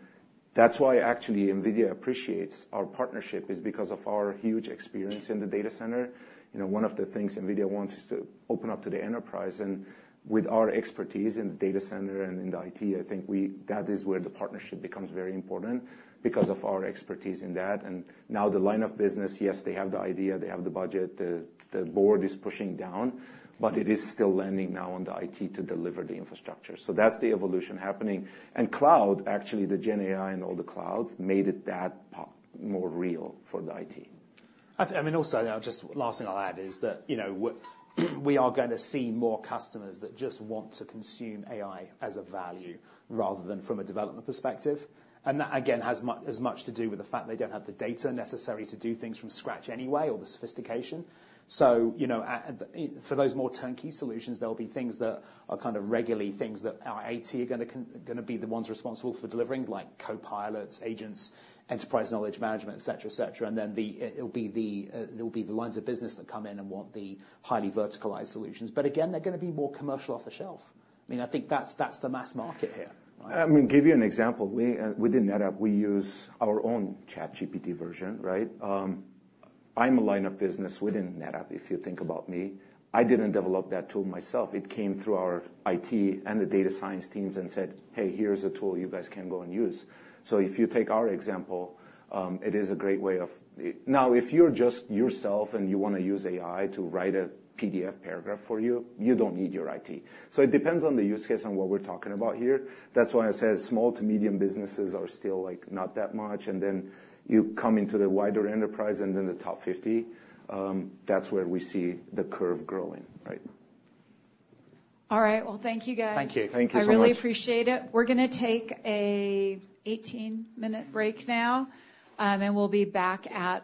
That's why actually NVIDIA appreciates our partnership is because of our huge experience in the data center. You know, one of the things NVIDIA wants is to open up to the enterprise, and with our expertise in the data center and in the IT, I think that is where the partnership becomes very important because of our expertise in that. And now the line of business, yes, they have the idea, they have the budget, the board is pushing down, but it is still landing now on the IT to deliver the infrastructure. So that's the evolution happening. And cloud, actually, the GenAI and all the clouds, made it that pop more real for the IT. I mean, also, just last thing I'll add is that, you know, we are gonna see more customers that just want to consume AI as a value rather than from a development perspective. And that, again, has much to do with the fact they don't have the data necessary to do things from scratch anyway or the sophistication. So, you know, for those more turnkey solutions, there'll be things that are kind of regularly things that our IT are gonna be the ones responsible for delivering, like copilots, agents, enterprise knowledge management, et cetera, et cetera. And then it'll be the lines of business that come in and want the highly verticalized solutions. But again, they're gonna be more commercial off the shelf. I mean, I think that's the mass market here. I mean, give you an example. We within NetApp, we use our own ChatGPT version, right? I'm a line of business within NetApp, if you think about me. I didn't develop that tool myself. It came through our IT and the data science teams and said, "Hey, here's a tool you guys can go and use." So if you take our example, it is a great way of-- now, if you're just yourself and you wanna use AI to write a PDF paragraph for you, you don't need your IT. So it depends on the use case and what we're talking about here. That's why I said small to medium businesses are still, like, not that much, and then you come into the wider enterprise and then the top 50, that's where we see the curve growing, right? All right. Well, thank you, guys. Thank you. Thank you so much. I really appreciate it. We're gonna take an 18-minute break now, and we'll be back at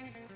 A.M.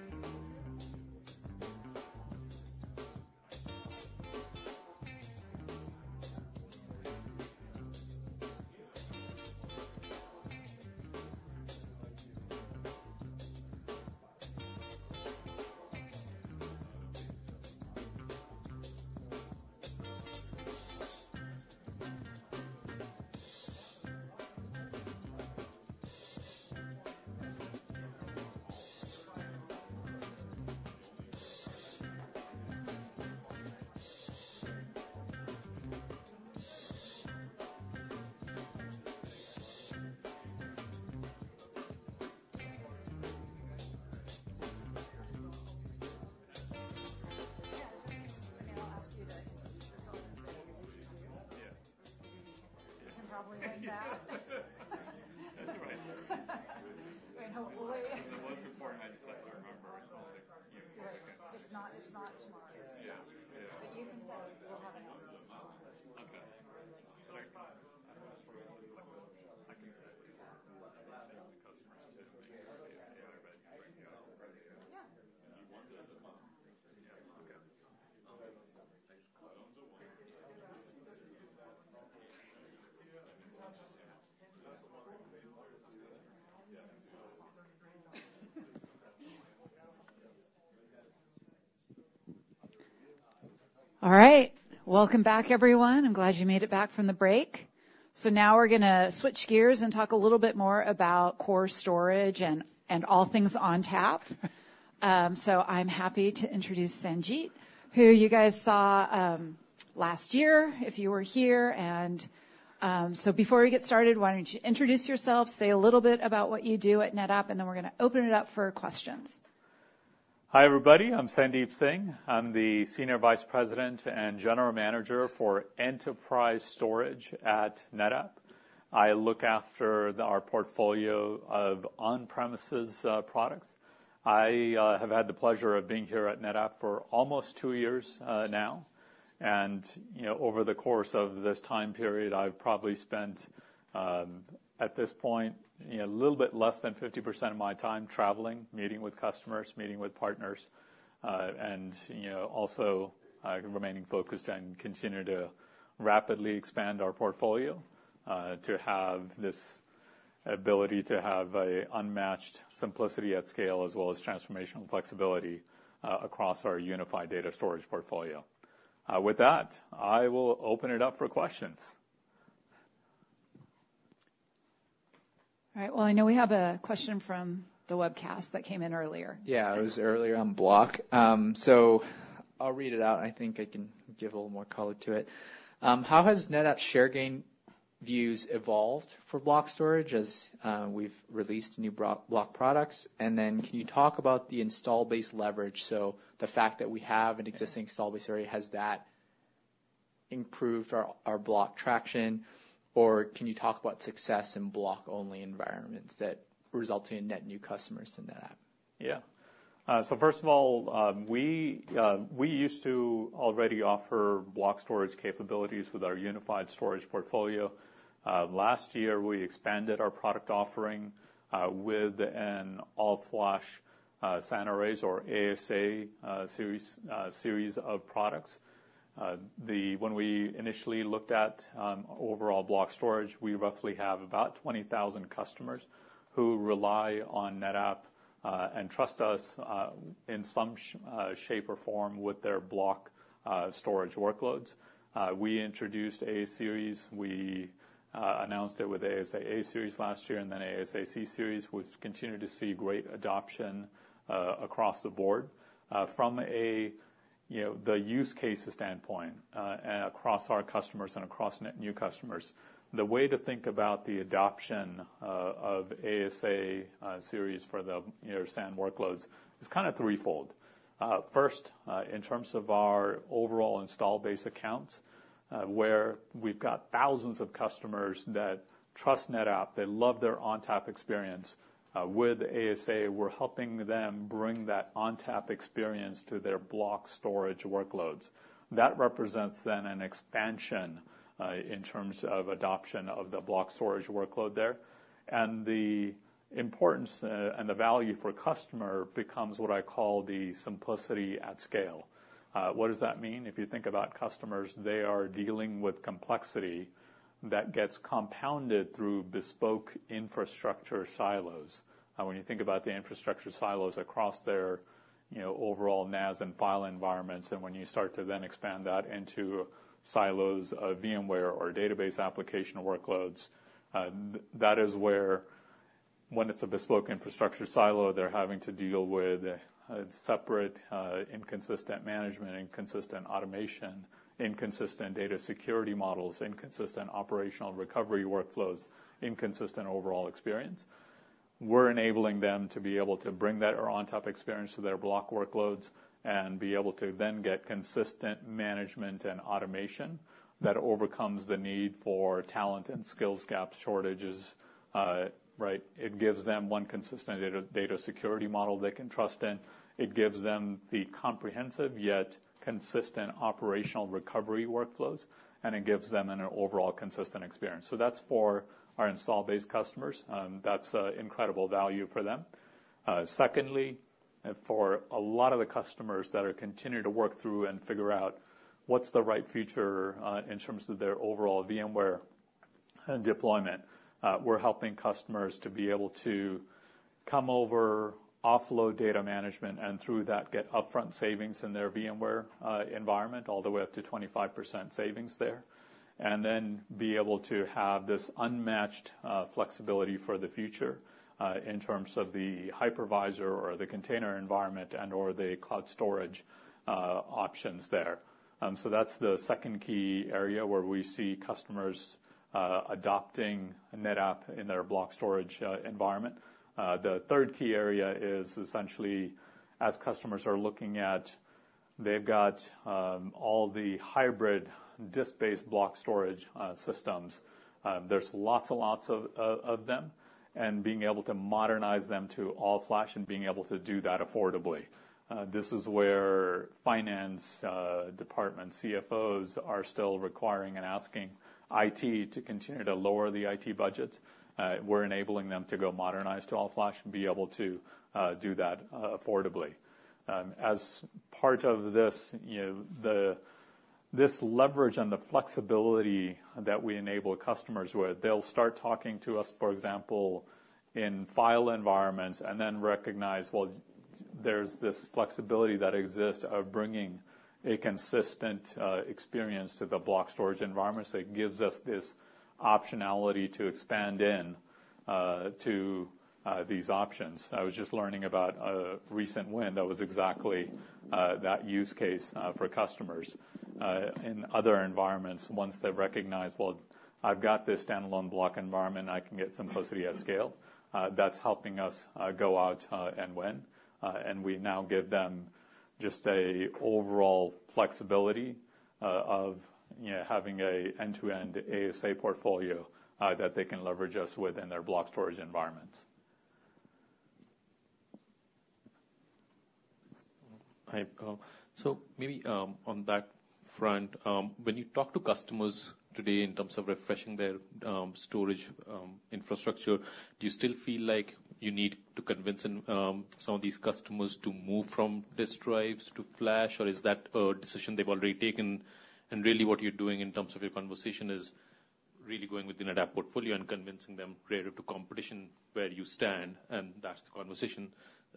All right, welcome back, everyone. I'm glad you made it back from the break, so now we're going to switch gears and talk a little bit more about core storage and all things ONTAP, so I'm happy to introduce Sandeep, who you guys saw last year, if you were here, and so before we get started, why don't you introduce yourself, say a little bit about what you do at NetApp, and then we're going to open it up for questions. Hi, everybody. I'm Sandeep Singh. I'm the Senior Vice President and General Manager for Enterprise Storage at NetApp. I look after our portfolio of on-premises products. I have had the pleasure of being here at NetApp for almost two years now, and you know, over the course of this time period, I've probably spent, at this point, you know, a little bit less than 50% of my time traveling, meeting with customers, meeting with partners, and you know, also remaining focused and continue to rapidly expand our portfolio to have this ability to have a unmatched simplicity at scale, as well as transformational flexibility across our unified data storage portfolio. With that, I will open it up for questions. All right, well, I know we have a question from the webcast that came in earlier. Yeah, it was earlier on block. So I'll read it out. I think I can give a little more color to it. How has NetApp share gain views evolved for block storage as we've released new block products? And then can you talk about the install base leverage, so the fact that we have an existing install base already, has that improved our block traction, or can you talk about success in block-only environments that result in net new customers in NetApp? Yeah. So first of all, we used to already offer block storage capabilities with our unified storage portfolio. Last year, we expanded our product offering with an all-flash SAN arrays or ASA-Series of products. When we initially looked at overall block storage, we roughly have about 20,000 customers who rely on NetApp and trust us in some shape or form with their block storage workloads. We introduced A-series. We announced it with ASA A-Series last year, and then ASA C-Series, which continue to see great adoption across the board. From a, you know, the use case standpoint, and across our customers and across net new customers, the way to think about the adoption, of ASA-Series for the, you know, SAN workloads is kind of threefold. First, in terms of our overall installed base accounts, where we've got thousands of customers that trust NetApp, they love their ONTAP experience. With ASA, we're helping them bring that ONTAP experience to their block storage workloads. That represents then an expansion, in terms of adoption of the block storage workload there. And the importance, and the value for customer becomes what I call the simplicity at scale. What does that mean? If you think about customers, they are dealing with complexity that gets compounded through bespoke infrastructure silos. When you think about the infrastructure silos across their, you know, overall NAS and file environments, and when you start to then expand that into silos of VMware or database application workloads, that is where when it's a bespoke infrastructure silo, they're having to deal with separate, inconsistent management, inconsistent automation, inconsistent data security models, inconsistent operational recovery workflows, inconsistent overall experience. We're enabling them to be able to bring that our ONTAP experience to their block workloads and be able to then get consistent management and automation that overcomes the need for talent and skills gap shortages, right? It gives them one consistent data security model they can trust in. It gives them the comprehensive yet consistent operational recovery workflows, and it gives them an overall consistent experience. So that's for our installed-base customers, and that's incredible value for them. Secondly, for a lot of the customers that are continuing to work through and figure out what's the right feature in terms of their overall VMware deployment, we're helping customers to be able to come over, offload data management, and through that, get upfront savings in their VMware environment, all the way up to 25% savings there, and then be able to have this unmatched flexibility for the future in terms of the hypervisor or the container environment and/or the cloud storage options there. So that's the second key area where we see customers adopting NetApp in their block storage environment. The third key area is essentially, as customers are looking at, they've got all the hybrid disk-based block storage systems. There's lots of them, and being able to modernize them to all-flash and being able to do that affordably. This is where finance departments, CFOs are still requiring and asking IT to continue to lower the IT budgets. We're enabling them to go modernize to all-flash and be able to do that affordably. As part of this, you know, this leverage and the flexibility that we enable customers with, they'll start talking to us, for example, in file environments, and then recognize, well, there's this flexibility that exists of bringing a consistent experience to the block storage environment. So it gives us this optionality to expand in to these options. I was just learning about a recent win that was exactly that use case for customers. In other environments, once they've recognized: Well, I've got this standalone block environment, I can get simplicity at scale, that's helping us go out and win. And we now give them just a overall flexibility of, you know, having a end-to-end ASA portfolio that they can leverage us with in their block storage environments. Hi, so maybe, on that front, when you talk to customers today in terms of refreshing their storage infrastructure, do you still feel like you need to convince some of these customers to move from disk drives to flash? Or is that a decision they've already taken, and really, what you're doing in terms of your conversation is really going within that portfolio and convincing them relative to competition, where you stand, and that's the conversation?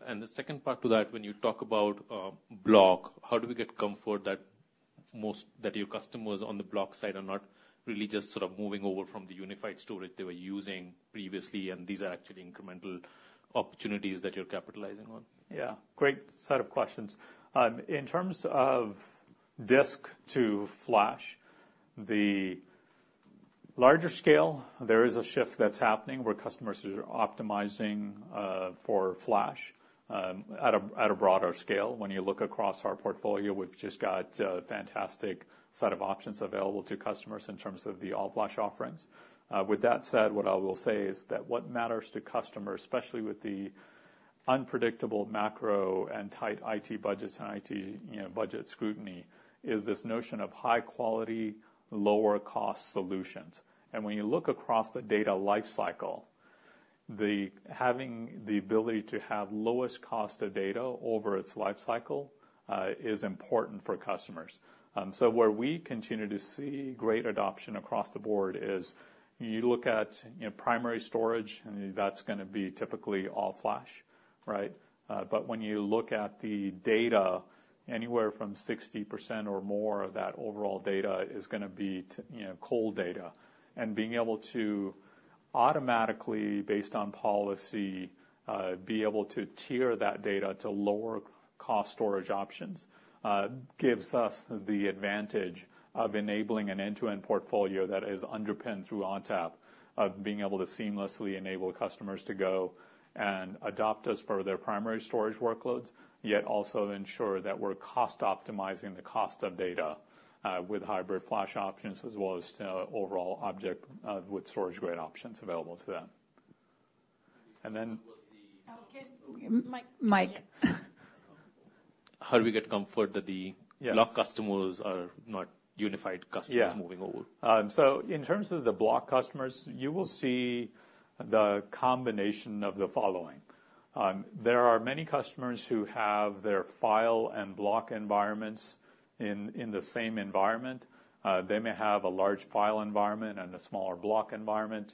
The second part to that, when you talk about block, how do we get comfort that your customers on the block side are not really just sort of moving over from the unified storage they were using previously, and these are actually incremental opportunities that you're capitalizing on? Yeah, great set of questions. In terms of disk to flash, the larger scale, there is a shift that's happening, where customers are optimizing for flash at a broader scale. When you look across our portfolio, we've just got a fantastic set of options available to customers in terms of the all-flash offerings. With that said, what I will say is that what matters to customers, especially with the unpredictable macro and tight IT budgets and IT, you know, budget scrutiny, is this notion of high quality, lower cost solutions. And when you look across the data life cycle, having the ability to have lowest cost of data over its life cycle is important for customers. So where we continue to see great adoption across the board is, you look at, you know, primary storage, and that's gonna be typically all flash, right? But when you look at the data, anywhere from 60% or more of that overall data is gonna be you know, cold data. And being able to automatically, based on policy, be able to tier that data to lower cost storage options, gives us the advantage of enabling an end-to-end portfolio that is underpinned through ONTAP, of being able to seamlessly enable customers to go and adopt us for their primary storage workloads, yet also ensure that we're cost optimizing the cost of data, with hybrid flash options, as well as, overall object, with StorageGRID options available to them. And then-- Mic. How do we get comfort that the block customers are not unified customers moving over? So in terms of the block customers, you will see the combination of the following. There are many customers who have their file and block environments in the same environment. They may have a large file environment and a smaller block environment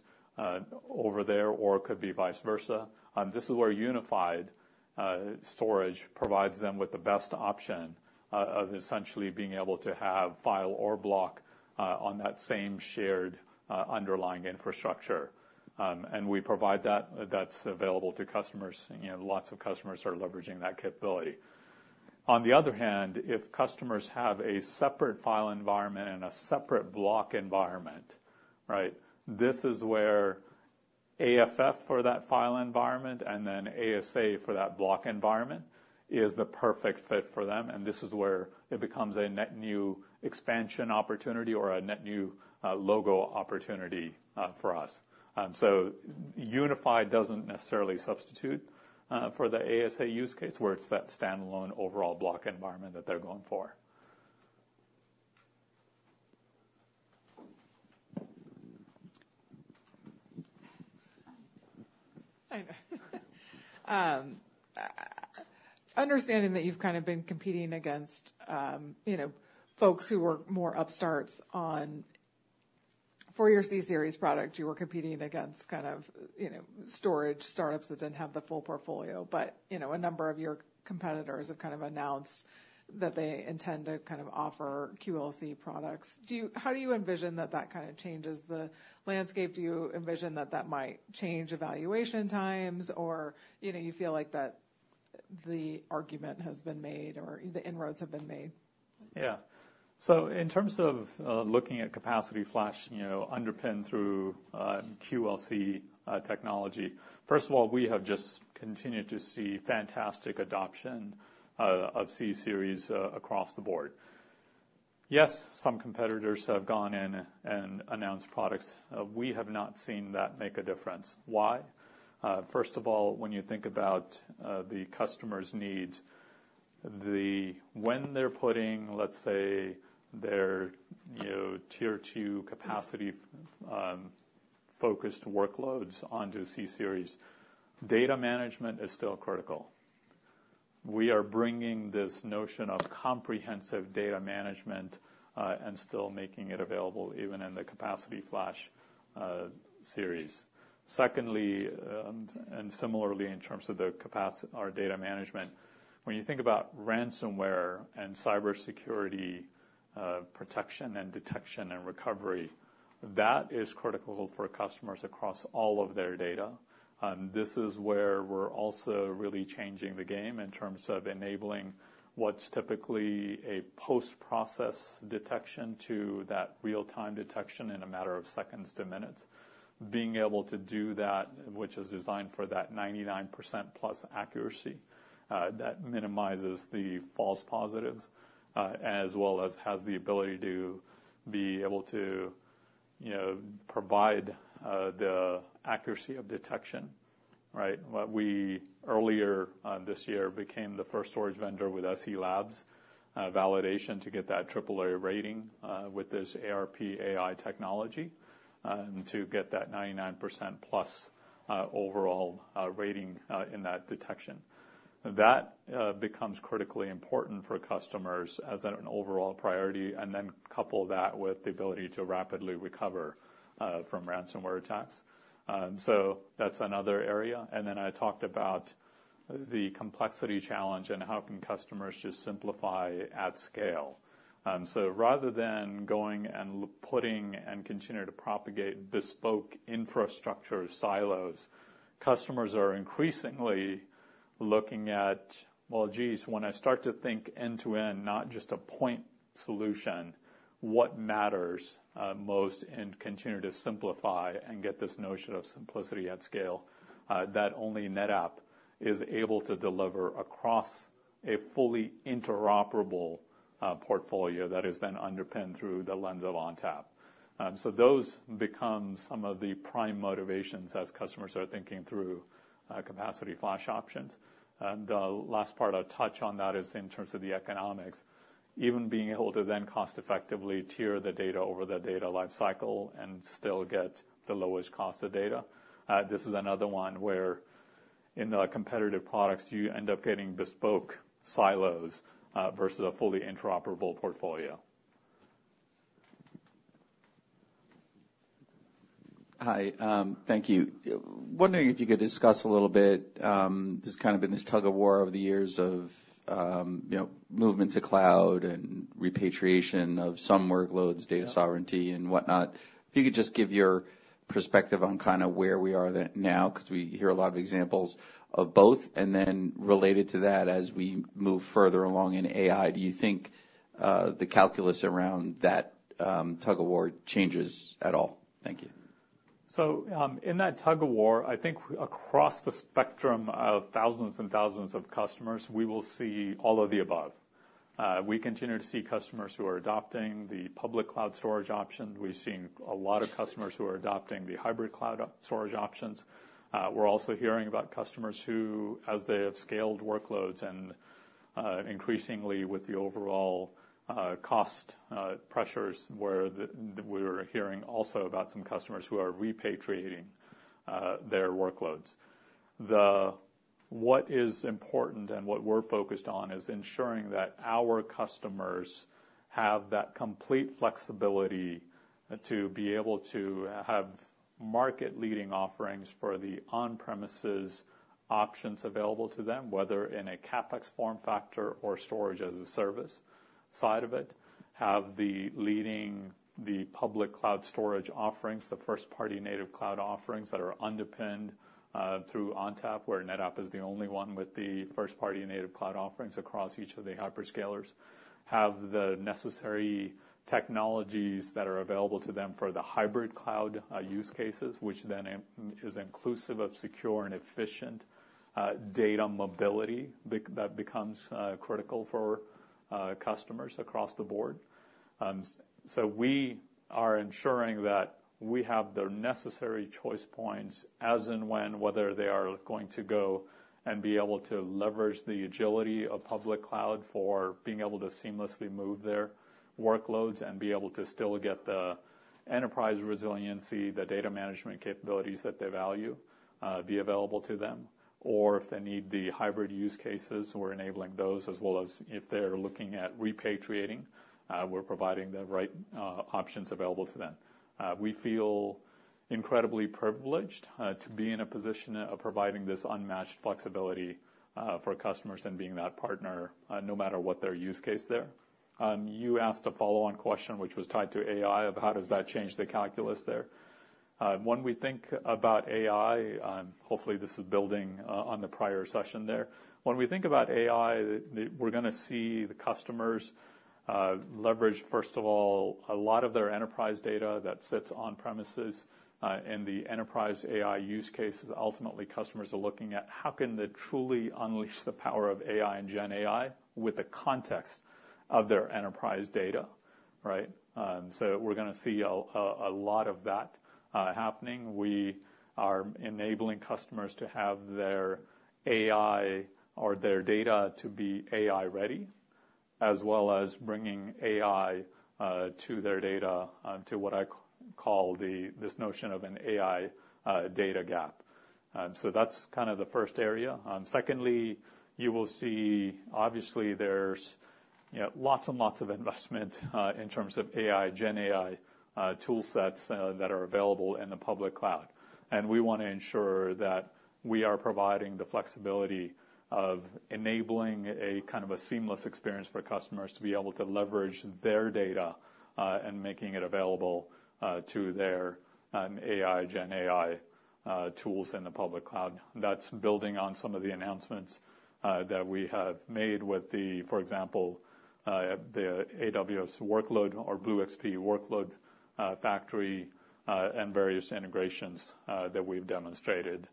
over there, or it could be vice versa. This is where unified storage provides them with the best option of essentially being able to have file or block on that same shared underlying infrastructure. And we provide that. That's available to customers, and, you know, lots of customers are leveraging that capability. On the other hand, if customers have a separate file environment and a separate block environment, right? This is where AFF for that file environment and then ASA for that block environment is the perfect fit for them, and this is where it becomes a net new expansion opportunity or a net new logo opportunity for us. So unified doesn't necessarily substitute for the ASA use case, where it's that standalone overall block environment that they're going for. I know. Understanding that you've kind of been competing against, you know, folks who were more upstarts. For your C-Series product, you were competing against kind of, you know, storage startups that didn't have the full portfolio. But, you know, a number of your competitors have kind of announced that they intend to kind of offer QLC products. How do you envision that that kind of changes the landscape? Do you envision that that might change evaluation times? Or, you know, you feel like that, the argument has been made or the inroads have been made? Yeah. So in terms of looking at capacity flash, you know, underpinned through QLC technology, first of all, we have just continued to see fantastic adoption of C-Series across the board. Yes, some competitors have gone in and announced products. We have not seen that make a difference. Why? First of all, when you think about the customer's needs, when they're putting, let's say, their, you know, tier two capacity focused workloads onto C-Series, data management is still critical. We are bringing this notion of comprehensive data management and still making it available even in the capacity flash series. Secondly, and similarly, in terms of our data management, when you think about ransomware and cybersecurity protection and detection and recovery, that is critical for customers across all of their data. This is where we're also really changing the game in terms of enabling what's typically a post-process detection to that real-time detection in a matter of seconds to minutes. Being able to do that, which is designed for that +99% accuracy, that minimizes the false positives, as well as has the ability to be able to, you know, provide the accuracy of detection, right? What we, earlier, this year, became the first storage vendor with SE Labs validation to get that AAA rating, with this ARP AI technology, and to get that +99%, overall, rating, in that detection. That becomes critically important for customers as an overall priority, and then couple that with the ability to rapidly recover from ransomware attacks. So that's another area. I talked about the complexity challenge and how customers can just simplify at scale. Rather than going and putting and continue to propagate bespoke infrastructure silos, customers are increasingly looking at, well, geez, when I start to think end-to-end, not just a point solution, what matters, most, and continue to simplify and get this notion of simplicity at scale, that only NetApp is able to deliver across a fully interoperable, portfolio that is then underpinned through the lens of ONTAP. Those become some of the prime motivations as customers are thinking through, capacity flash options. The last part I'll touch on is in terms of the economics, even being able to then cost effectively tier the data over the data life cycle and still get the lowest cost of data. This is another one where in the competitive products, you end up getting bespoke silos versus a fully interoperable portfolio. Hi, thank you. Wondering if you could discuss a little bit, just kind of in this tug-of-war over the years of, you know, movement to cloud and repatriation of some workloads, data sovereignty and whatnot. If you could just give your perspective on kind of where we are then now, 'cause we hear a lot of examples of both. And then related to that, as we move further along in AI, do you think the calculus around that tug-of-war changes at all? Thank you. In that tug-of-war, I think across the spectrum of thousands and thousands of customers, we will see all of the above. We continue to see customers who are adopting the public cloud storage option. We've seen a lot of customers who are adopting the hybrid cloud storage options. We're also hearing about customers who, as they have scaled workloads and, increasingly with the overall cost pressures, we're hearing also about some customers who are repatriating their workloads. The what is important and what we're focused on is ensuring that our customers have that complete flexibility to be able to have market-leading offerings for the on-premises options available to them, whether in a CapEx form factor or storage as a service side of it, have the leading public cloud storage offerings, the first-party native cloud offerings that are underpinned through ONTAP, where NetApp is the only one with the first-party native cloud offerings across each of the hyperscalers. Have the necessary technologies that are available to them for the hybrid cloud use cases, which then is inclusive of secure and efficient data mobility that becomes critical for customers across the board. So we are ensuring that we have the necessary choice points as and when, whether they are going to go and be able to leverage the agility of public cloud for being able to seamlessly move their workloads and be able to still get the enterprise resiliency, the data management capabilities that they value, be available to them. Or if they need the hybrid use cases, we're enabling those, as well as if they're looking at repatriating, we're providing the right options available to them. We feel incredibly privileged to be in a position of providing this unmatched flexibility for customers and being that partner no matter what their use case there. You asked a follow-on question, which was tied to AI, of how does that change the calculus there? When we think about AI, hopefully, this is building on the prior session there. When we think about AI, we're going to see the customers leverage, first of all, a lot of their enterprise data that sits on premises. In the enterprise AI use cases, ultimately, customers are looking at how can they truly unleash the power of AI and GenAI with the context of their enterprise data, right? So we're going to see a lot of that happening. We are enabling customers to have their AI or their data to be AI-ready, as well as bringing AI to their data, to what I call this notion of an AI data gap. So that's kind of the first area. Secondly, you will see, obviously, there's, you know, lots and lots of investment in terms of AI, GenAI tool sets that are available in the public cloud. We want to ensure that we are providing the flexibility of enabling a kind of a seamless experience for customers to be able to leverage their data and making it available to their AI, GenAI tools in the public cloud. That's building on some of the announcements that we have made with, for example, the AWS Workload Factory or BlueXP Workload Factory, and various integrations that we've demonstrated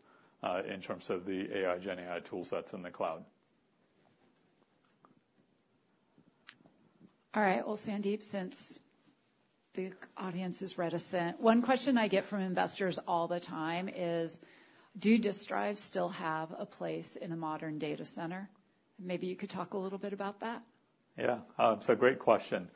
in terms of the AI, GenAI tool sets in the cloud. All right. Well, Sandeep, since the audience is reticent, one question I get from investors all the time is: do disk drives still have a place in a modern data center? Maybe you could talk a little bit about that. Yeah. So great question.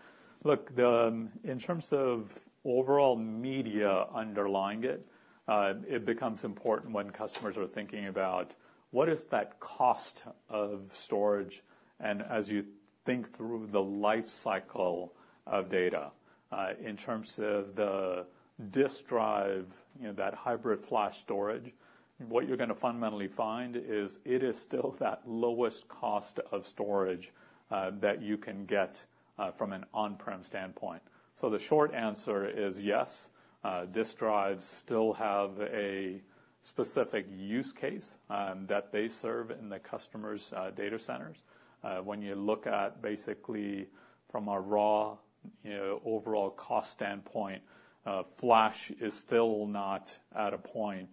Look, the, in terms of overall media underlying it, it becomes important when customers are thinking about what is that cost of storage, and as you think through the life cycle of data. In terms of the disk drive, you know, that hybrid flash storage, what you're going to fundamentally find is it is still that lowest cost of storage, that you can get, from an on-prem standpoint. So the short answer is yes, disk drives still have a specific use case, that they serve in the customers', data centers. When you look at basically from a raw, you know, overall cost standpoint, flash is still not at a point,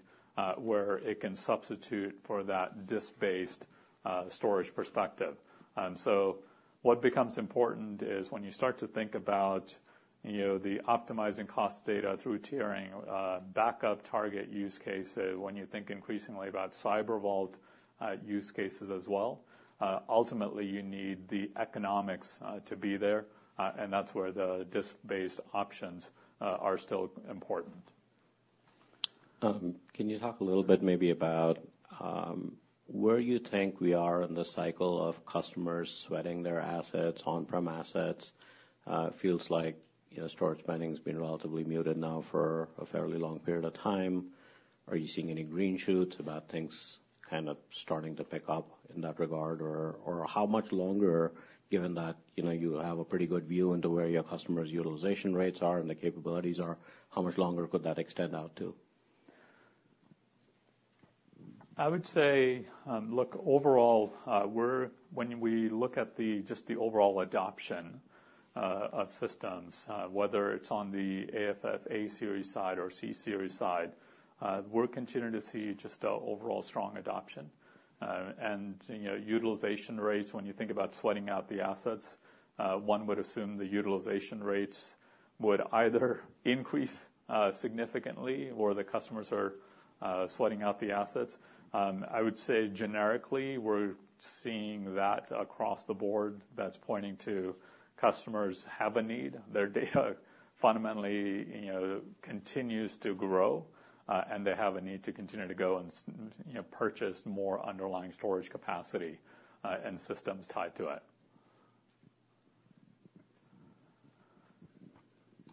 where it can substitute for that disk-based, storage perspective. So what becomes important is when you start to think about, you know, the optimizing cost data through tiering, backup target use cases. When you think increasingly about cyber vault use cases as well, ultimately, you need the economics to be there, and that's where the disk-based options are still important. Can you talk a little bit, maybe, about where you think we are in the cycle of customers sweating their assets, on-prem assets? It feels like, you know, storage spending has been relatively muted now for a fairly long period of time. Are you seeing any green shoots about things kind of starting to pick up in that regard? Or how much longer, given that, you know, you have a pretty good view into where your customers' utilization rates are and the capabilities are, how much longer could that extend out to? I would say, look, overall, we're when we look at the, just the overall adoption, of systems, whether it's on the AFF A-Series side or C-Series side, we're continuing to see just a overall strong adoption. And, you know, utilization rates, when you think about sweating out the assets, one would assume the utilization rates would either increase, significantly or the customers are, sweating out the assets. I would say, generically, we're seeing that across the board. That's pointing to customers have a need. Their data fundamentally, you know, continues to grow, and they have a need to continue to go and you know, purchase more underlying storage capacity, and systems tied to it.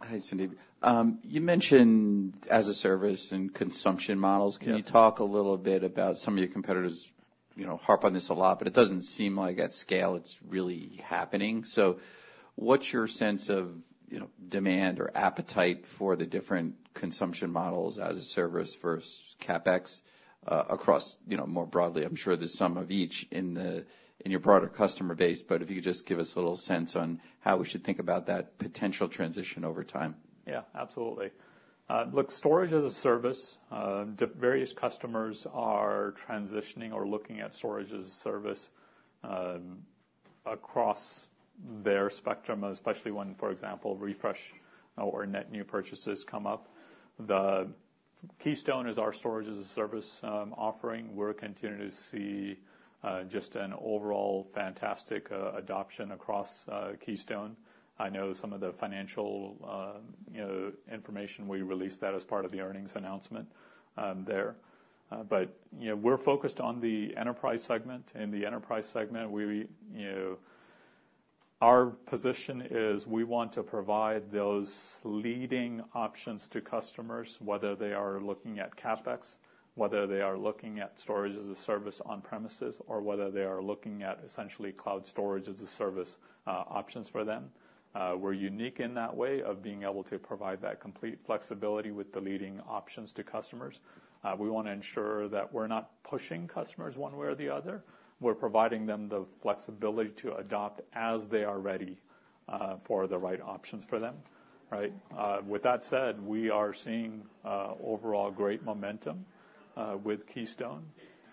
Hi, Sandeep. You mentioned as-a-service and consumption models. Can you talk a little bit about some of your competitors, you know, harp on this a lot, but it doesn't seem like at scale, it's really happening. So what's your sense of, you know, demand or appetite for the different consumption models as-a-service versus CapEx, across, you know, more broadly? I'm sure there's some of each in your broader customer base, but if you could just give us a little sense on how we should think about that potential transition over time. Yeah, absolutely. Look, storage-as-a-service, various customers are transitioning or looking at storage-as-a-service across their spectrum, especially when, for example, refresh or net new purchases come up. The Keystone is our storage-as-a-service offering. We're continuing to see just an overall fantastic adoption across Keystone. I know some of the financial, you know, information we released that as part of the earnings announcement there. But, you know, we're focused on the enterprise segment. In the enterprise segment, we, you know, our position is we want to provide those leading options to customers, whether they are looking at CapEx, whether they are looking at storage as a service on premises, or whether they are looking at essentially cloud storage as a service options for them. We're unique in that way of being able to provide that complete flexibility with the leading options to customers. We want to ensure that we're not pushing customers one way or the other. We're providing them the flexibility to adopt as they are ready, for the right options for them, right? With that said, we are seeing overall great momentum with Keystone,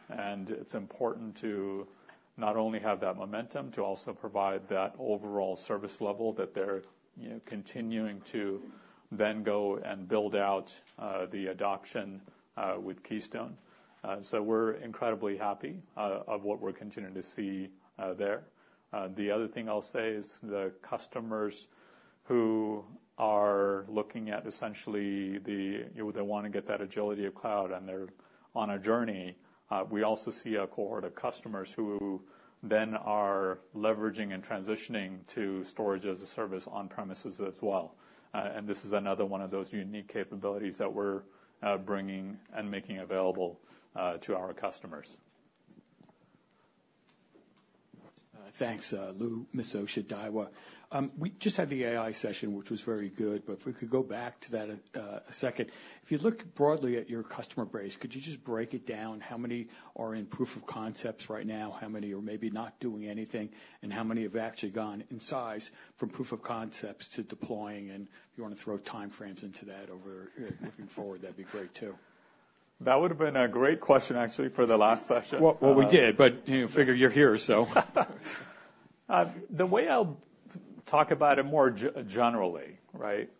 and it's important to not only have that momentum, to also provide that overall service level that they're you know continuing to then go and build out the adoption with Keystone. So we're incredibly happy of what we're continuing to see there. The other thing I'll say is the customers who are looking at essentially, you know, they want to get that agility of cloud, and they're on a journey. We also see a cohort of customers who then are leveraging and transitioning to storage as a service on premises as well. And this is another one of those unique capabilities that we're bringing and making available to our customers. Thanks, Lou Miscioscia, Daiwa. We just had the AI session, which was very good, but if we could go back to that for a second. If you look broadly at your customer base, could you just break it down, how many are in proof of concepts right now? How many are maybe not doing anything, and how many have actually gone in size from proof of concepts to deploying? And if you want to throw time frames into that, looking forward, that'd be great, too. That would have been a great question, actually, for the last session. We did, but, you know, figure you're here, so. The way I'll talk about it more generally, right,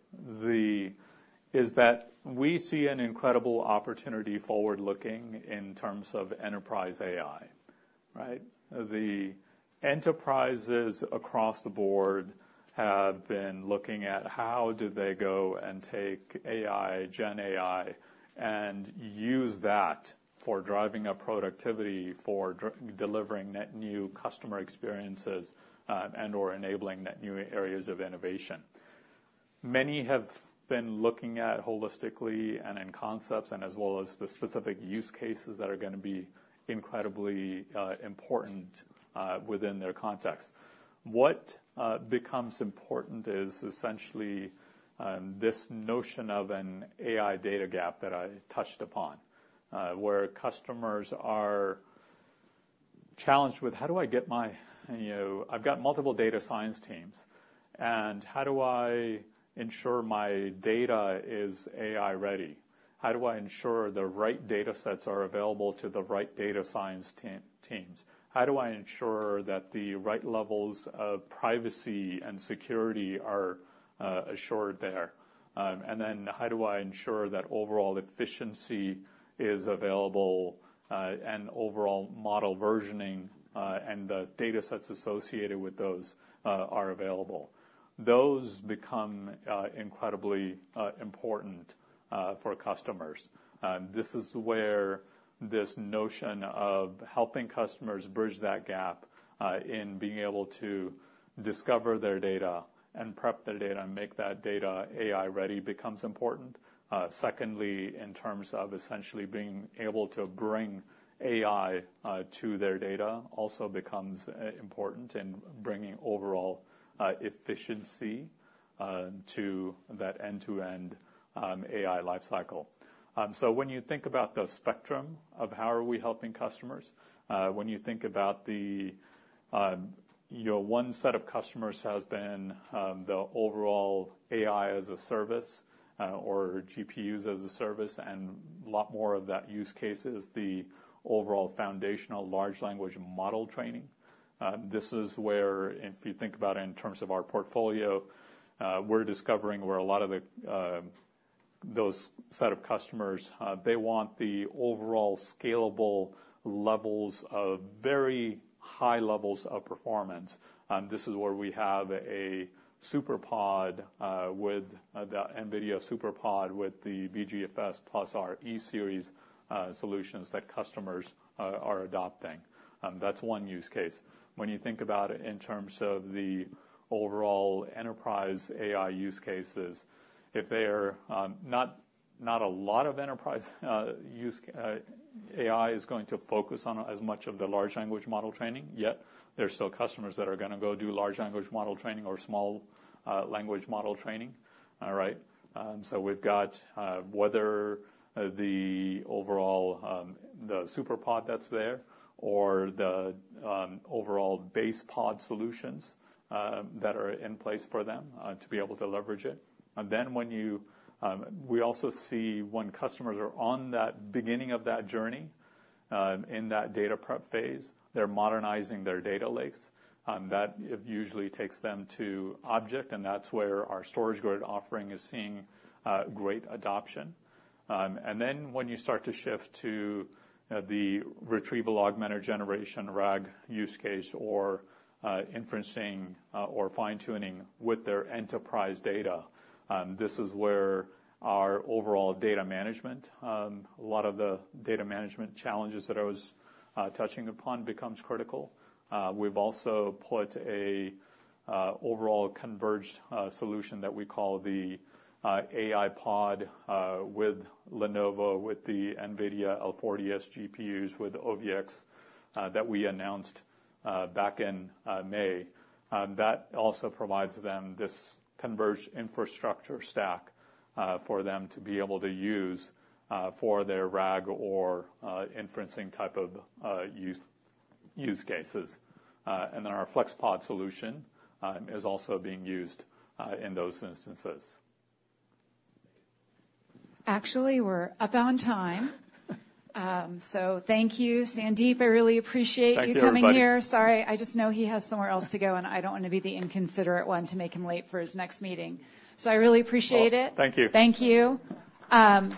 is that we see an incredible opportunity forward-looking in terms of enterprise AI, right? The enterprises across the board have been looking at how do they go and take AI, GenAI, and use that for driving up productivity, for delivering net new customer experiences, and/or enabling net new areas of innovation. Many have been looking at holistically and in concepts, and as well as the specific use cases that are going to be incredibly important within their context. What becomes important is essentially this notion of an AI data gap that I touched upon, where customers are challenged with: How do I get my--you know, I've got multiple data science teams, and how do I ensure my data is AI-ready? How do I ensure the right datasets are available to the right data science team, teams? How do I ensure that the right levels of privacy and security are assured there? And then how do I ensure that overall efficiency is available, and overall model versioning, and the datasets associated with those, are available? Those become incredibly important for customers. This is where this notion of helping customers bridge that gap in being able to discover their data and prep their data and make that data AI-ready becomes important. Secondly, in terms of essentially being able to bring AI to their data, also becomes important in bringing overall efficiency to that end-to-end AI life cycle. So when you think about the spectrum of how are we helping customers, when you think about the, you know, one set of customers has been the overall AI-as-a-service or GPUs-as-a-service, and a lot more of that use case is the overall foundational large language model training. This is where, if you think about it in terms of our portfolio, we're discovering where a lot of the those set of customers they want the overall scalable levels of very high levels of performance. This is where we have a SuperPOD with the NVIDIA SuperPOD with the BeeGFS plus our E-Series solutions that customers are adopting. That's one use case. When you think about it in terms of the overall enterprise AI use cases, if they are not a lot of enterprise use AI is going to focus on as much of the large language model training, yet there are still customers that are going to go do large language model training or small language model training. All right. So we've got whether the overall SuperPOD that's there, or the overall AIPod solutions that are in place for them to be able to leverage it. And then we also see when customers are on that beginning of that journey, in that data prep phase, they're modernizing their data lakes, that it usually takes them to object, and that's where our StorageGRID offering is seeing great adoption. And then when you start to shift to the retrieval augmented generation, RAG, use case or inferencing or fine-tuning with their enterprise data, this is where our overall data management, a lot of the data management challenges that I was touching upon becomes critical. We've also put an overall converged solution that we call the AIPod with Lenovo, with the NVIDIA L40S GPUs, with OVX that we announced back in May. That also provides them this converged infrastructure stack for them to be able to use for their RAG or inferencing type of use cases. And then our FlexPod solution is also being used in those instances. Actually, we're up on time. So thank you, Sandeep. I really appreciate you coming here. Thank you, everybody. Sorry, I just know he has somewhere else to go, and I don't want to be the inconsiderate one to make him late for his next meeting. So I really appreciate it. Well, thank you. Thank you. But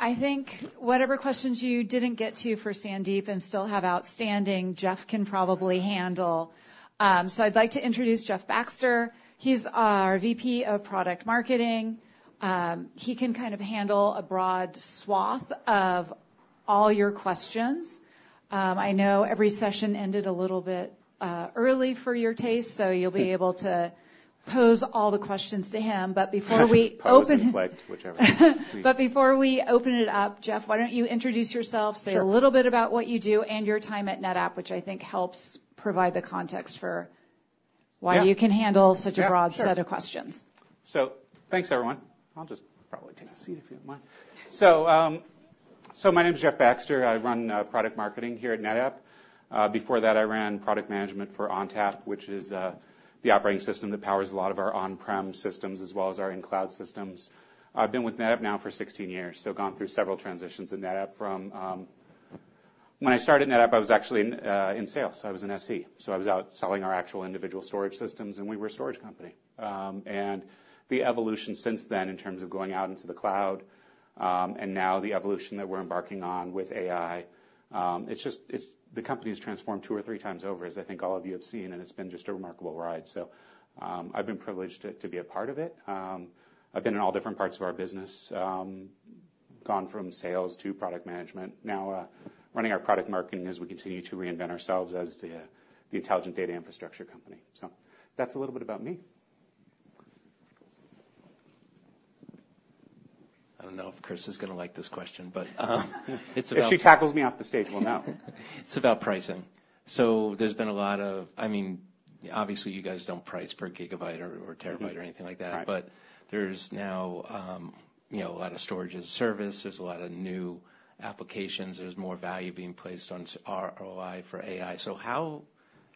I think whatever questions you didn't get to for Sandeep and still have outstanding, Jeff can probably handle. So I'd like to introduce Jeff Baxter. He's our VP of Product Marketing. He can kind of handle a broad swath of all your questions. I know every session ended a little bit early for your taste, so you'll be able to pose all the questions to him. But before we open-- I'll just reflect whichever. But before we open it up, Jeff, why don't you introduce yourself? Sure. Say a little bit about what you do and your time at NetApp, which I think helps provide the context for, why you can handle such a broad set of questions. Yeah, sure. So thanks, everyone. I'll just probably take a seat, if you don't mind. So, so my name is Jeff Baxter. I run, Product Marketing here at NetApp. Before that, I ran Product Management for ONTAP, which is, the operating system that powers a lot of our on-prem systems as well as our in-cloud systems. I've been with NetApp now for sixteen years, so gone through several transitions in NetApp from--when I started at NetApp, I was actually in, in sales, so I was an SE. So I was out selling our actual individual storage systems, and we were a storage company. And the evolution since then, in terms of going out into the cloud, and now the evolution that we're embarking on with AI, it's just the company has transformed two or three times over, as I think all of you have seen, and it's been just a remarkable ride. So, I've been privileged to be a part of it. I've been in all different parts of our business, gone from sales to product management, now running our product marketing as we continue to reinvent ourselves as the Intelligent Data Infrastructure company. So that's a little bit about me. I don't know if Kris is going to like this question, but it's about-- If she tackles me off the stage, we'll know. It's about pricing. So there's been a lot of--I mean, obviously, you guys don't price per gigabyte or terabyte or anything like that. Right. But there's now, you know, a lot of storage as a service, there's a lot of new applications, there's more value being placed on ROI for AI. So how,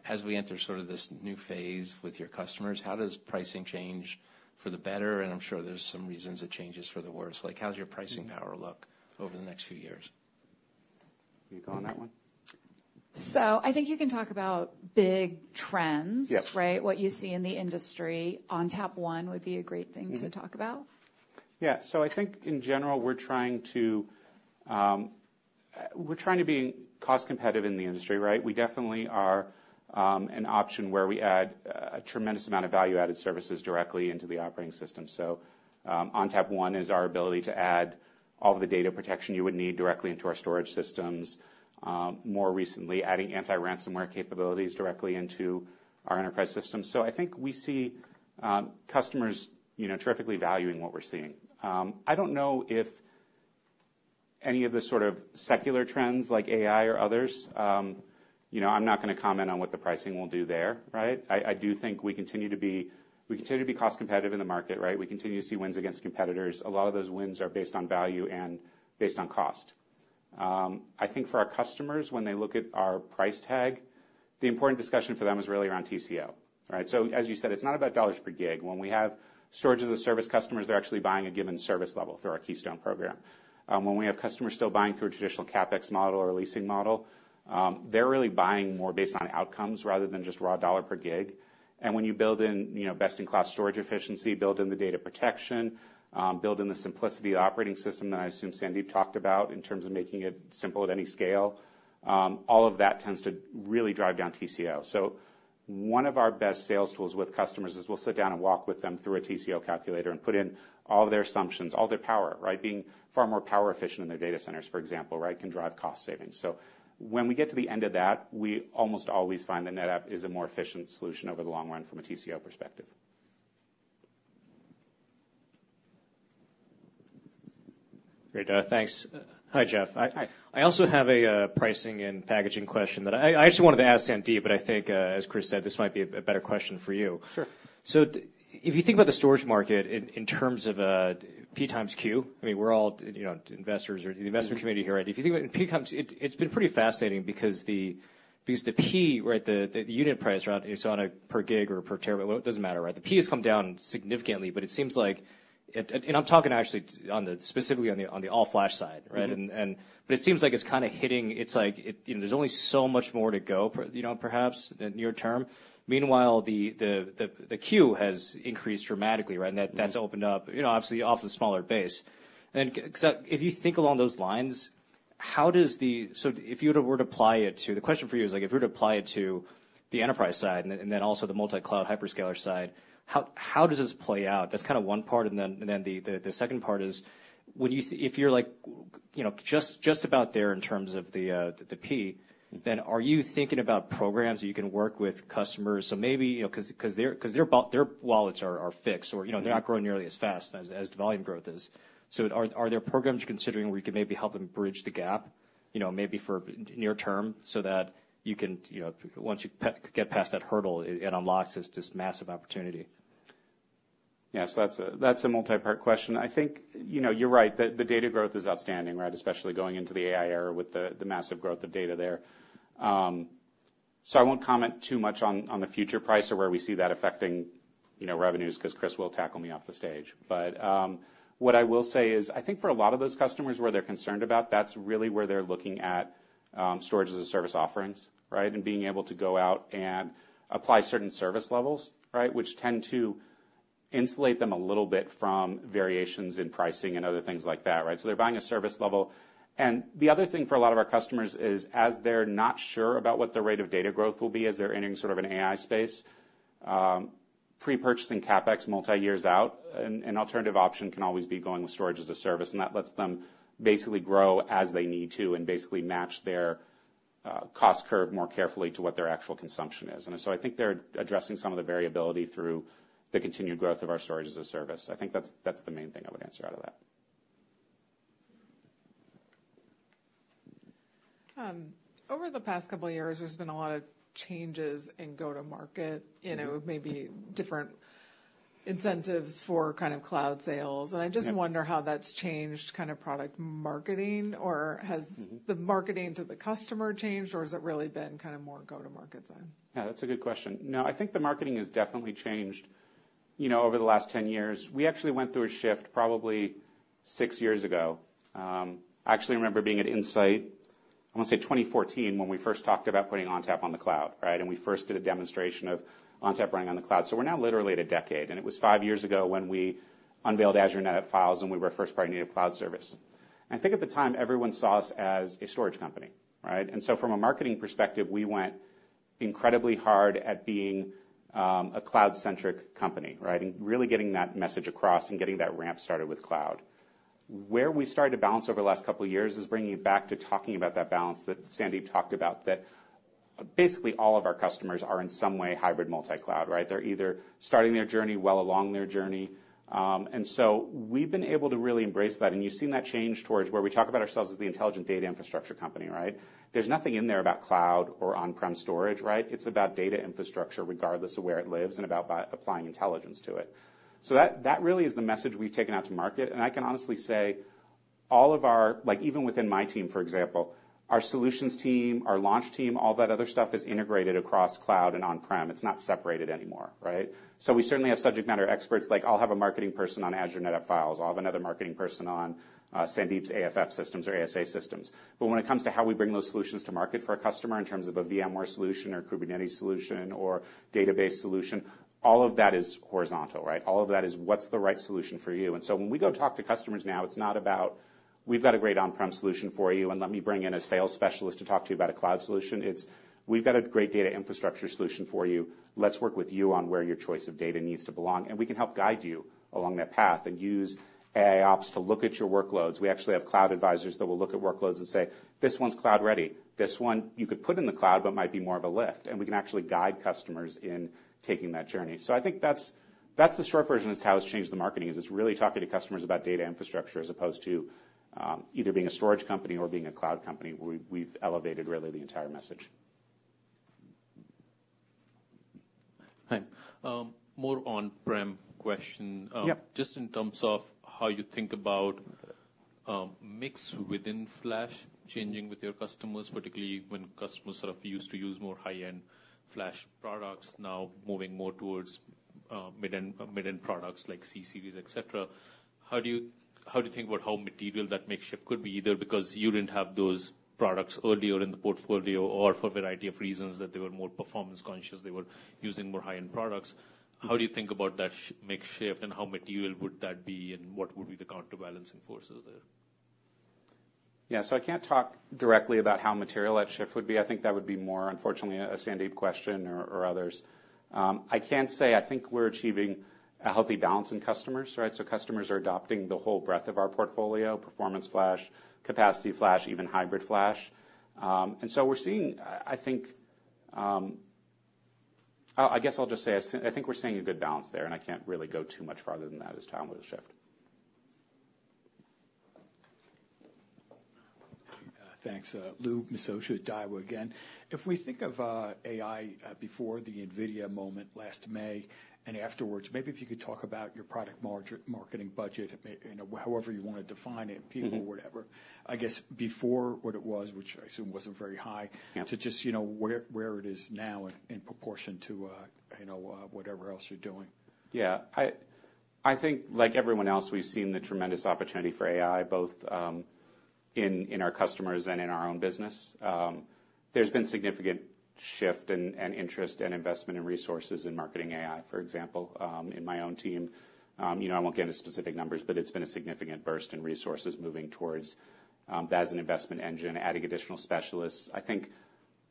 as we enter sort of this new phase with your customers, how does pricing change for the better? And I'm sure there's some reasons it changes for the worse. Like, how's your pricing power look over the next few years? You go on that one? So I think you can talk about big trends. Right? What you see in the industry. ONTAP One would be a great thing to talk about. Yeah. So I think in general, we're trying to be cost competitive in the industry, right? We definitely are an option where we add a tremendous amount of value-added services directly into the operating system. So, ONTAP One is our ability to add all the data protection you would need directly into our storage systems, more recently, adding anti-ransomware capabilities directly into our enterprise system. So I think we see customers, you know, terrifically valuing what we're seeing. I don't know if any of the sort of secular trends like AI or others, you know, I'm not going to comment on what the pricing will do there, right? I do think we continue to be cost competitive in the market, right? We continue to see wins against competitors. A lot of those wins are based on value and based on cost. I think for our customers, when they look at our price tag, the important discussion for them is really around TCO, right? So as you said, it's not about dollars per gig. When we have storage as a service, customers, they're actually buying a given service level through our Keystone program. When we have customers still buying through a traditional CapEx model or a leasing model, they're really buying more based on outcomes rather than just raw dollar per gig, and when you build in, you know, best-in-class storage efficiency, build in the data protection, build in the simplicity of operating system that I assume Sandeep talked about in terms of making it simple at any scale, all of that tends to really drive down TCO. So one of our best sales tools with customers is we'll sit down and walk with them through a TCO calculator and put in all their assumptions, all their power, right? Being far more power efficient in their data centers, for example, right, can drive cost savings. So when we get to the end of that, we almost always find that NetApp is a more efficient solution over the long run from a TCO perspective. Great. Thanks. Hi, Jeff. Hi. I also have a pricing and packaging question that I actually wanted to ask Sandeep, but I think, as Kris said, this might be a better question for you. Sure. So if you think about the storage market in terms of PxQ, I mean, we're all, you know, investors or the investor community here, right? If you think about it, PxQ. It's been pretty fascinating because the P, right, the unit price, right, it's on a per gig or per terabyte, well, it doesn't matter, right? The P has come down significantly, but it seems like it. And I'm talking actually specifically on the all-flash side, right? It seems like it's kind of hitting. It's like, you know, there's only so much more to go for, you know, perhaps in near term. Meanwhile, the Q has increased dramatically, right? That, that's opened up, you know, obviously off the smaller base. So if you think along those lines. How does the so if you were to apply it to, the question for you is like, if you were to apply it to the enterprise side and then also the multi-cloud hyperscaler side, how does this play out? That's kind of one part, and then the second part is: when you if you're like, you know, just about there in terms of the P, then are you thinking about programs that you can work with customers? So maybe, you know, 'cause their wallets are fixed or, you know, they're not growing nearly as fast as the volume growth is. So are there programs you're considering where you can maybe help them bridge the gap, you know, maybe for near term, so that you can, you know, once you get past that hurdle, it unlocks this massive opportunity? Yeah, so that's a multipart question. I think, you know, you're right, the data growth is outstanding, right? Especially going into the AI era with the massive growth of data there. So I won't comment too much on the future price or where we see that affecting, you know, revenues, 'cause Kris will tackle me off the stage. But what I will say is, I think for a lot of those customers, where they're concerned about, that's really where they're looking at storage as a service offerings, right? And being able to go out and apply certain service levels, right? Which tend to insulate them a little bit from variations in pricing and other things like that, right? So they're buying a service level. And the other thing for a lot of our customers is, as they're not sure about what the rate of data growth will be, as they're entering sort of an AI space, pre-purchasing CapEx multi-years out, an alternative option can always be going with storage as a service, and that lets them basically grow as they need to and basically match their cost curve more carefully to what their actual consumption is. And so I think they're addressing some of the variability through the continued growth of our storage as a service. I think that's the main thing I would answer out of that. Over the past couple of years, there's been a lot of changes in go-to-market, you know, maybe different incentives for kind of cloud sales. I just wonder how that's changed kind of product marketing, or has the marketing to the customer changed, or has it really been kind of more go-to-market side? Yeah, that's a good question. No, I think the marketing has definitely changed, you know, over the last 10 years. We actually went through a shift probably six years ago. I actually remember being at Insight, I want to say 2014, when we first talked about putting ONTAP on the cloud, right? And we first did a demonstration of ONTAP running on the cloud. So we're now literally at a decade, and it was five years ago when we unveiled Azure NetApp Files, and we were a first-party native cloud service. I think at the time, everyone saw us as a storage company, right? And so from a marketing perspective, we went incredibly hard at being, a cloud-centric company, right? And really getting that message across and getting that ramp started with cloud. Where we started to balance over the last couple of years is bringing it back to talking about that balance that Sandeep talked about, that basically all of our customers are in some way hybrid multi-cloud, right? They're either starting their journey, well along their journey. And so we've been able to really embrace that, and you've seen that change towards where we talk about ourselves as the Intelligent Data Infrastructure company, right? There's nothing in there about cloud or on-prem storage, right? It's about data infrastructure, regardless of where it lives, and about by applying intelligence to it. So that really is the message we've taken out to market, and I can honestly say all of our, like, even within my team, for example, our solutions team, our launch team, all that other stuff is integrated across cloud and on-prem. It's not separated anymore, right? So we certainly have subject matter experts, like I'll have a marketing person on Azure NetApp Files. I'll have another marketing person on, Sandeep's AFF systems or ASA systems. But when it comes to how we bring those solutions to market for a customer in terms of a VMware solution or Kubernetes solution or database solution, all of that is horizontal, right? All of that is what's the right solution for you. And so when we go talk to customers now, it's not about, "We've got a great on-prem solution for you, and let me bring in a sales specialist to talk to you about a cloud solution." It's: "We've got a great data infrastructure solution for you. Let's work with you on where your choice of data needs to belong, and we can help guide you along that path and use AIOps to look at your workloads." We actually have cloud advisors that will look at workloads and say, "This one's cloud ready. This one you could put in the cloud but might be more of a lift." And we can actually guide customers in taking that journey. So I think that's the short version of how it's changed the marketing, is it's really talking to customers about data infrastructure as opposed to either being a storage company or being a cloud company. We've elevated really the entire message. Hi. More on-prem question? Just in terms of how you think about mix within flash changing with your customers, particularly when customers sort of used to use more high-end flash products, now moving more towards mid-end, mid-end products like C-Series, et cetera. How do you think about how material that mix shift could be, either because you didn't have those products earlier in the portfolio or for a variety of reasons, that they were more performance conscious, they were using more high-end products? How do you think about that mix shift, and how material would that be, and what would be the counterbalancing forces there? Yeah, so I can't talk directly about how material that shift would be. I think that would be more, unfortunately, a Sandeep question or, or others. I can say I think we're achieving a healthy balance in customers, right? So customers are adopting the whole breadth of our portfolio, performance flash, capacity flash, even hybrid flash. And so we're seeing. I guess I'll just say, I think we're seeing a good balance there, and I can't really go too much farther than that as to how it would shift. Thanks. Lou Miscioscia with Daiwa again. If we think of AI, before the NVIDIA moment last May and afterwards, maybe if you could talk about your product marketing budget, you know, however you want to define it people, whatever. I guess before, what it was, which I assume wasn't very high to just, you know, where it is now in proportion to whatever else you're doing. Yeah. I think, like everyone else, we've seen the tremendous opportunity for AI, both in our customers and in our own business. There's been significant shift and interest and investment in resources in marketing AI, for example, in my own team. You know, I won't get into specific numbers, but it's been a significant burst in resources moving towards that as an investment engine, adding additional specialists. I think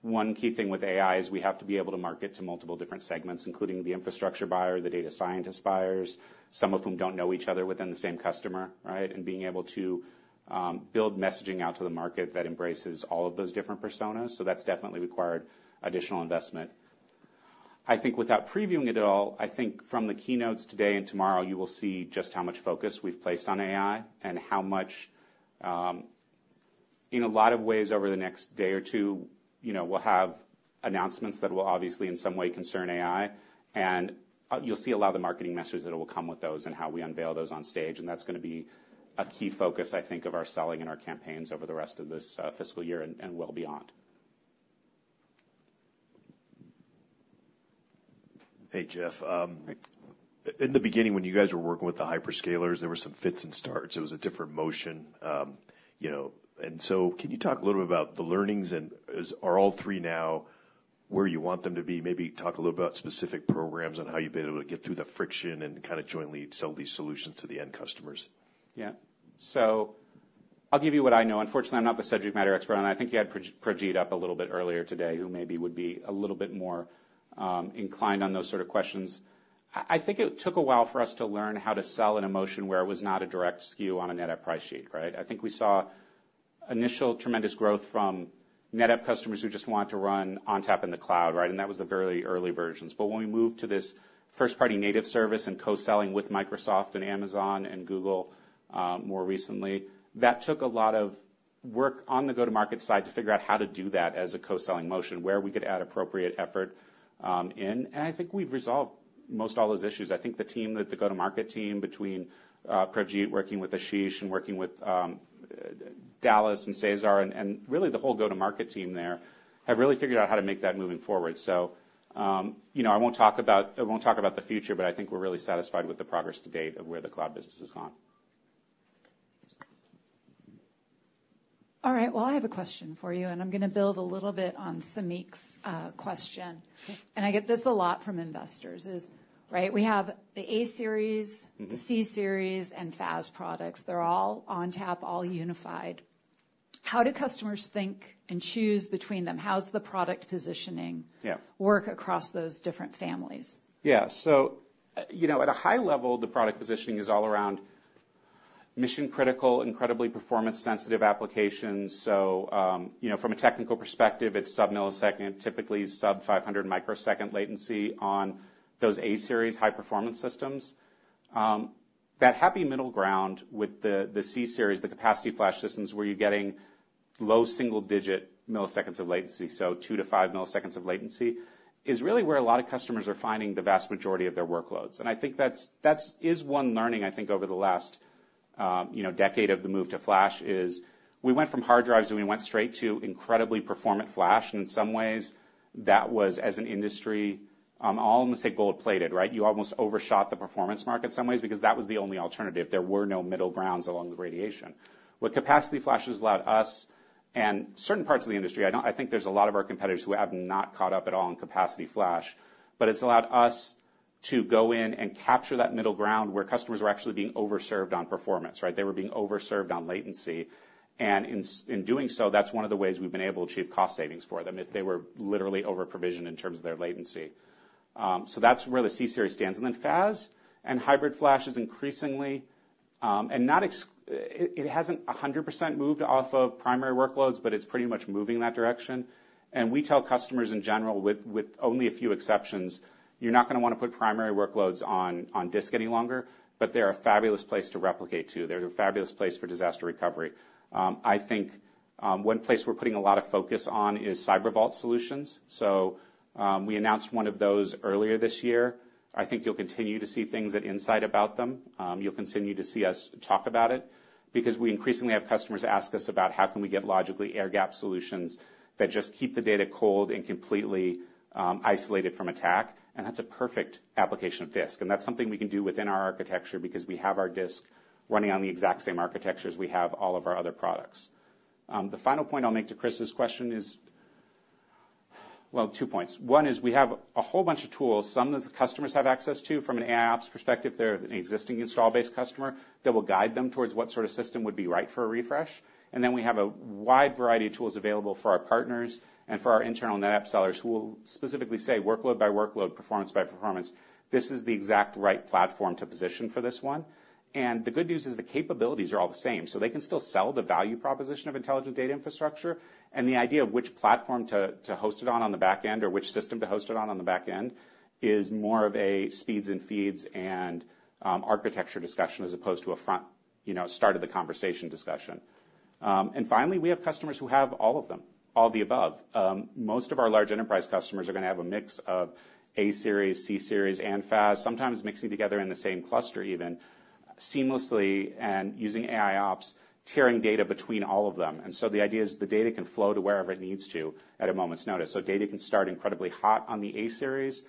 one key thing with AI is we have to be able to market to multiple different segments, including the infrastructure buyer, the data scientist buyers, some of whom don't know each other within the same customer, right? And being able to build messaging out to the market that embraces all of those different personas, so that's definitely required additional investment. I think without previewing it at all, I think from the keynotes today and tomorrow, you will see just how much focus we've placed on AI and how much, in a lot of ways over the next day or two, you know, we'll have announcements that will obviously, in some way, concern AI, and you'll see a lot of the marketing messages that will come with those and how we unveil those on stage, and that's going to be a key focus, I think, of our selling and our campaigns over the rest of this, fiscal year and well beyond. Hey, Jeff. Hey. In the beginning, when you guys were working with the hyperscalers, there were some fits and starts. It was a different motion, you know. And so can you talk a little bit about the learnings, and are all three now where you want them to be? Maybe talk a little bit about specific programs on how you've been able to get through the friction and kind of jointly sell these solutions to the end customers. Yeah, so I'll give you what I know. Unfortunately, I'm not the subject matter expert, and I think you had Pravjit up a little bit earlier today, who maybe would be a little bit more inclined on those sort of questions. I think it took a while for us to learn how to sell an edition where it was not a direct SKU on a NetApp price sheet, right? I think we saw initial tremendous growth from NetApp customers who just wanted to run ONTAP in the cloud, right? And that was the very early versions. But when we moved to this first-party native service and co-selling with Microsoft and Amazon and Google, more recently, that took a lot of work on the go-to-market side to figure out how to do that as a co-selling motion, where we could add appropriate effort in. And I think we've resolved most all those issues. I think the team, the go-to-market team, between Pravjit working with Ashish and working with Dallas and Cesar, and really the whole go-to-market team there, have really figured out how to make that moving forward. So, you know, I won't talk about, I won't talk about the future, but I think we're really satisfied with the progress to date of where the cloud business has gone. All right, well, I have a question for you, and I'm going to build a little bit on Samik's question. Okay. I get this a lot from investors, is, right, we have the A-Series, the C-Series, and FAS products. They're all ONTAP, all unified. How do customers think and choose between them? How's the product positioning work across those different families? Yeah. So, you know, at a high level, the product positioning is all around mission-critical, incredibly performance-sensitive applications. So, you know, from a technical perspective, it's sub-millisecond, typically sub-500 microsecond latency on those A-Series high-performance systems. That happy middle ground with the C-Series, the capacity flash systems, where you're getting low single-digit milliseconds of latency, so two to five milliseconds of latency, is really where a lot of customers are finding the vast majority of their workloads. And I think that's one learning, I think, over the last, you know, decade of the move to flash is we went from hard drives, and we went straight to incredibly performant flash. In some ways, that was, as an industry, I'll almost say gold-plated, right? You almost overshot the performance market in some ways because that was the only alternative. There were no middle grounds along the gradation. What capacity flash has allowed us and certain parts of the industry, I think there's a lot of our competitors who have not caught up at all on capacity flash, but it's allowed us to go in and capture that middle ground where customers were actually being overserved on performance, right? They were being overserved on latency. And in doing so, that's one of the ways we've been able to achieve cost savings for them if they were literally overprovisioned in terms of their latency. So that's where the C-Series stands. And then FAS and hybrid flash is increasingly, and not exactly, it hasn't 100% moved off of primary workloads, but it's pretty much moving in that direction. We tell customers in general, with only a few exceptions, you're not going to want to put primary workloads on disk any longer, but they're a fabulous place to replicate to. They're a fabulous place for disaster recovery. I think one place we're putting a lot of focus on is cyber vault solutions. So, we announced one of those earlier this year. I think you'll continue to see things at Insight about them. You'll continue to see us talk about it because we increasingly have customers ask us about how can we get logically air gap solutions that just keep the data cold and completely isolated from attack, and that's a perfect application of disk. That's something we can do within our architecture because we have our disk running on the exact same architecture as we have all of our other products. The final point I'll make to Kris' question is well, two points. One is we have a whole bunch of tools, some that the customers have access to from an apps perspective, if they're an existing install base customer, that will guide them towards what sort of system would be right for a refresh. And then we have a wide variety of tools available for our partners and for our internal NetApp sellers, who will specifically say, workload by workload, performance by performance, this is the exact right platform to position for this one. And the good news is the capabilities are all the same, so they can still sell the value proposition of Intelligent Data Infrastructure. The idea of which platform to host it on, on the back end, or which system to host it on, on the back end, is more of a speeds and feeds and architecture discussion, as opposed to a front, you know, start of the conversation discussion. Finally, we have customers who have all of them, all the above. Most of our large enterprise customers are going to have a mix of A-Series, C-Series, and FAS, sometimes mixing together in the same cluster even, seamlessly and using AIOps, tiering data between all of them. The idea is the data can flow to wherever it needs to at a moment's notice. Data can start incredibly hot on the A-series.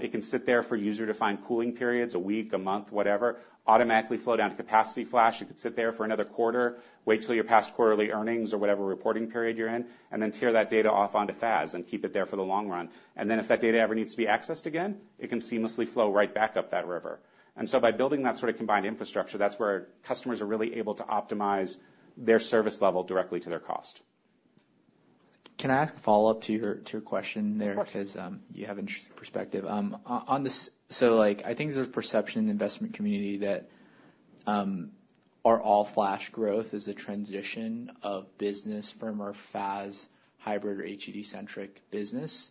It can sit there for user-defined cooling periods, a week, a month, whatever, automatically flow down to capacity flash. It could sit there for another quarter, wait till you're past quarterly earnings or whatever reporting period you're in, and then tier that data off onto FAS and keep it there for the long run. And then if that data ever needs to be accessed again, it can seamlessly flow right back up that river. And so by building that sort of combined infrastructure, that's where customers are really able to optimize their service level directly to their cost. Can I ask a follow-up to your question there? Of course. 'Cause, you have an interesting perspective. On this—so, like, I think there's a perception in the investment community that, our all-flash growth is a transition of business from our FAS hybrid or HDD-centric business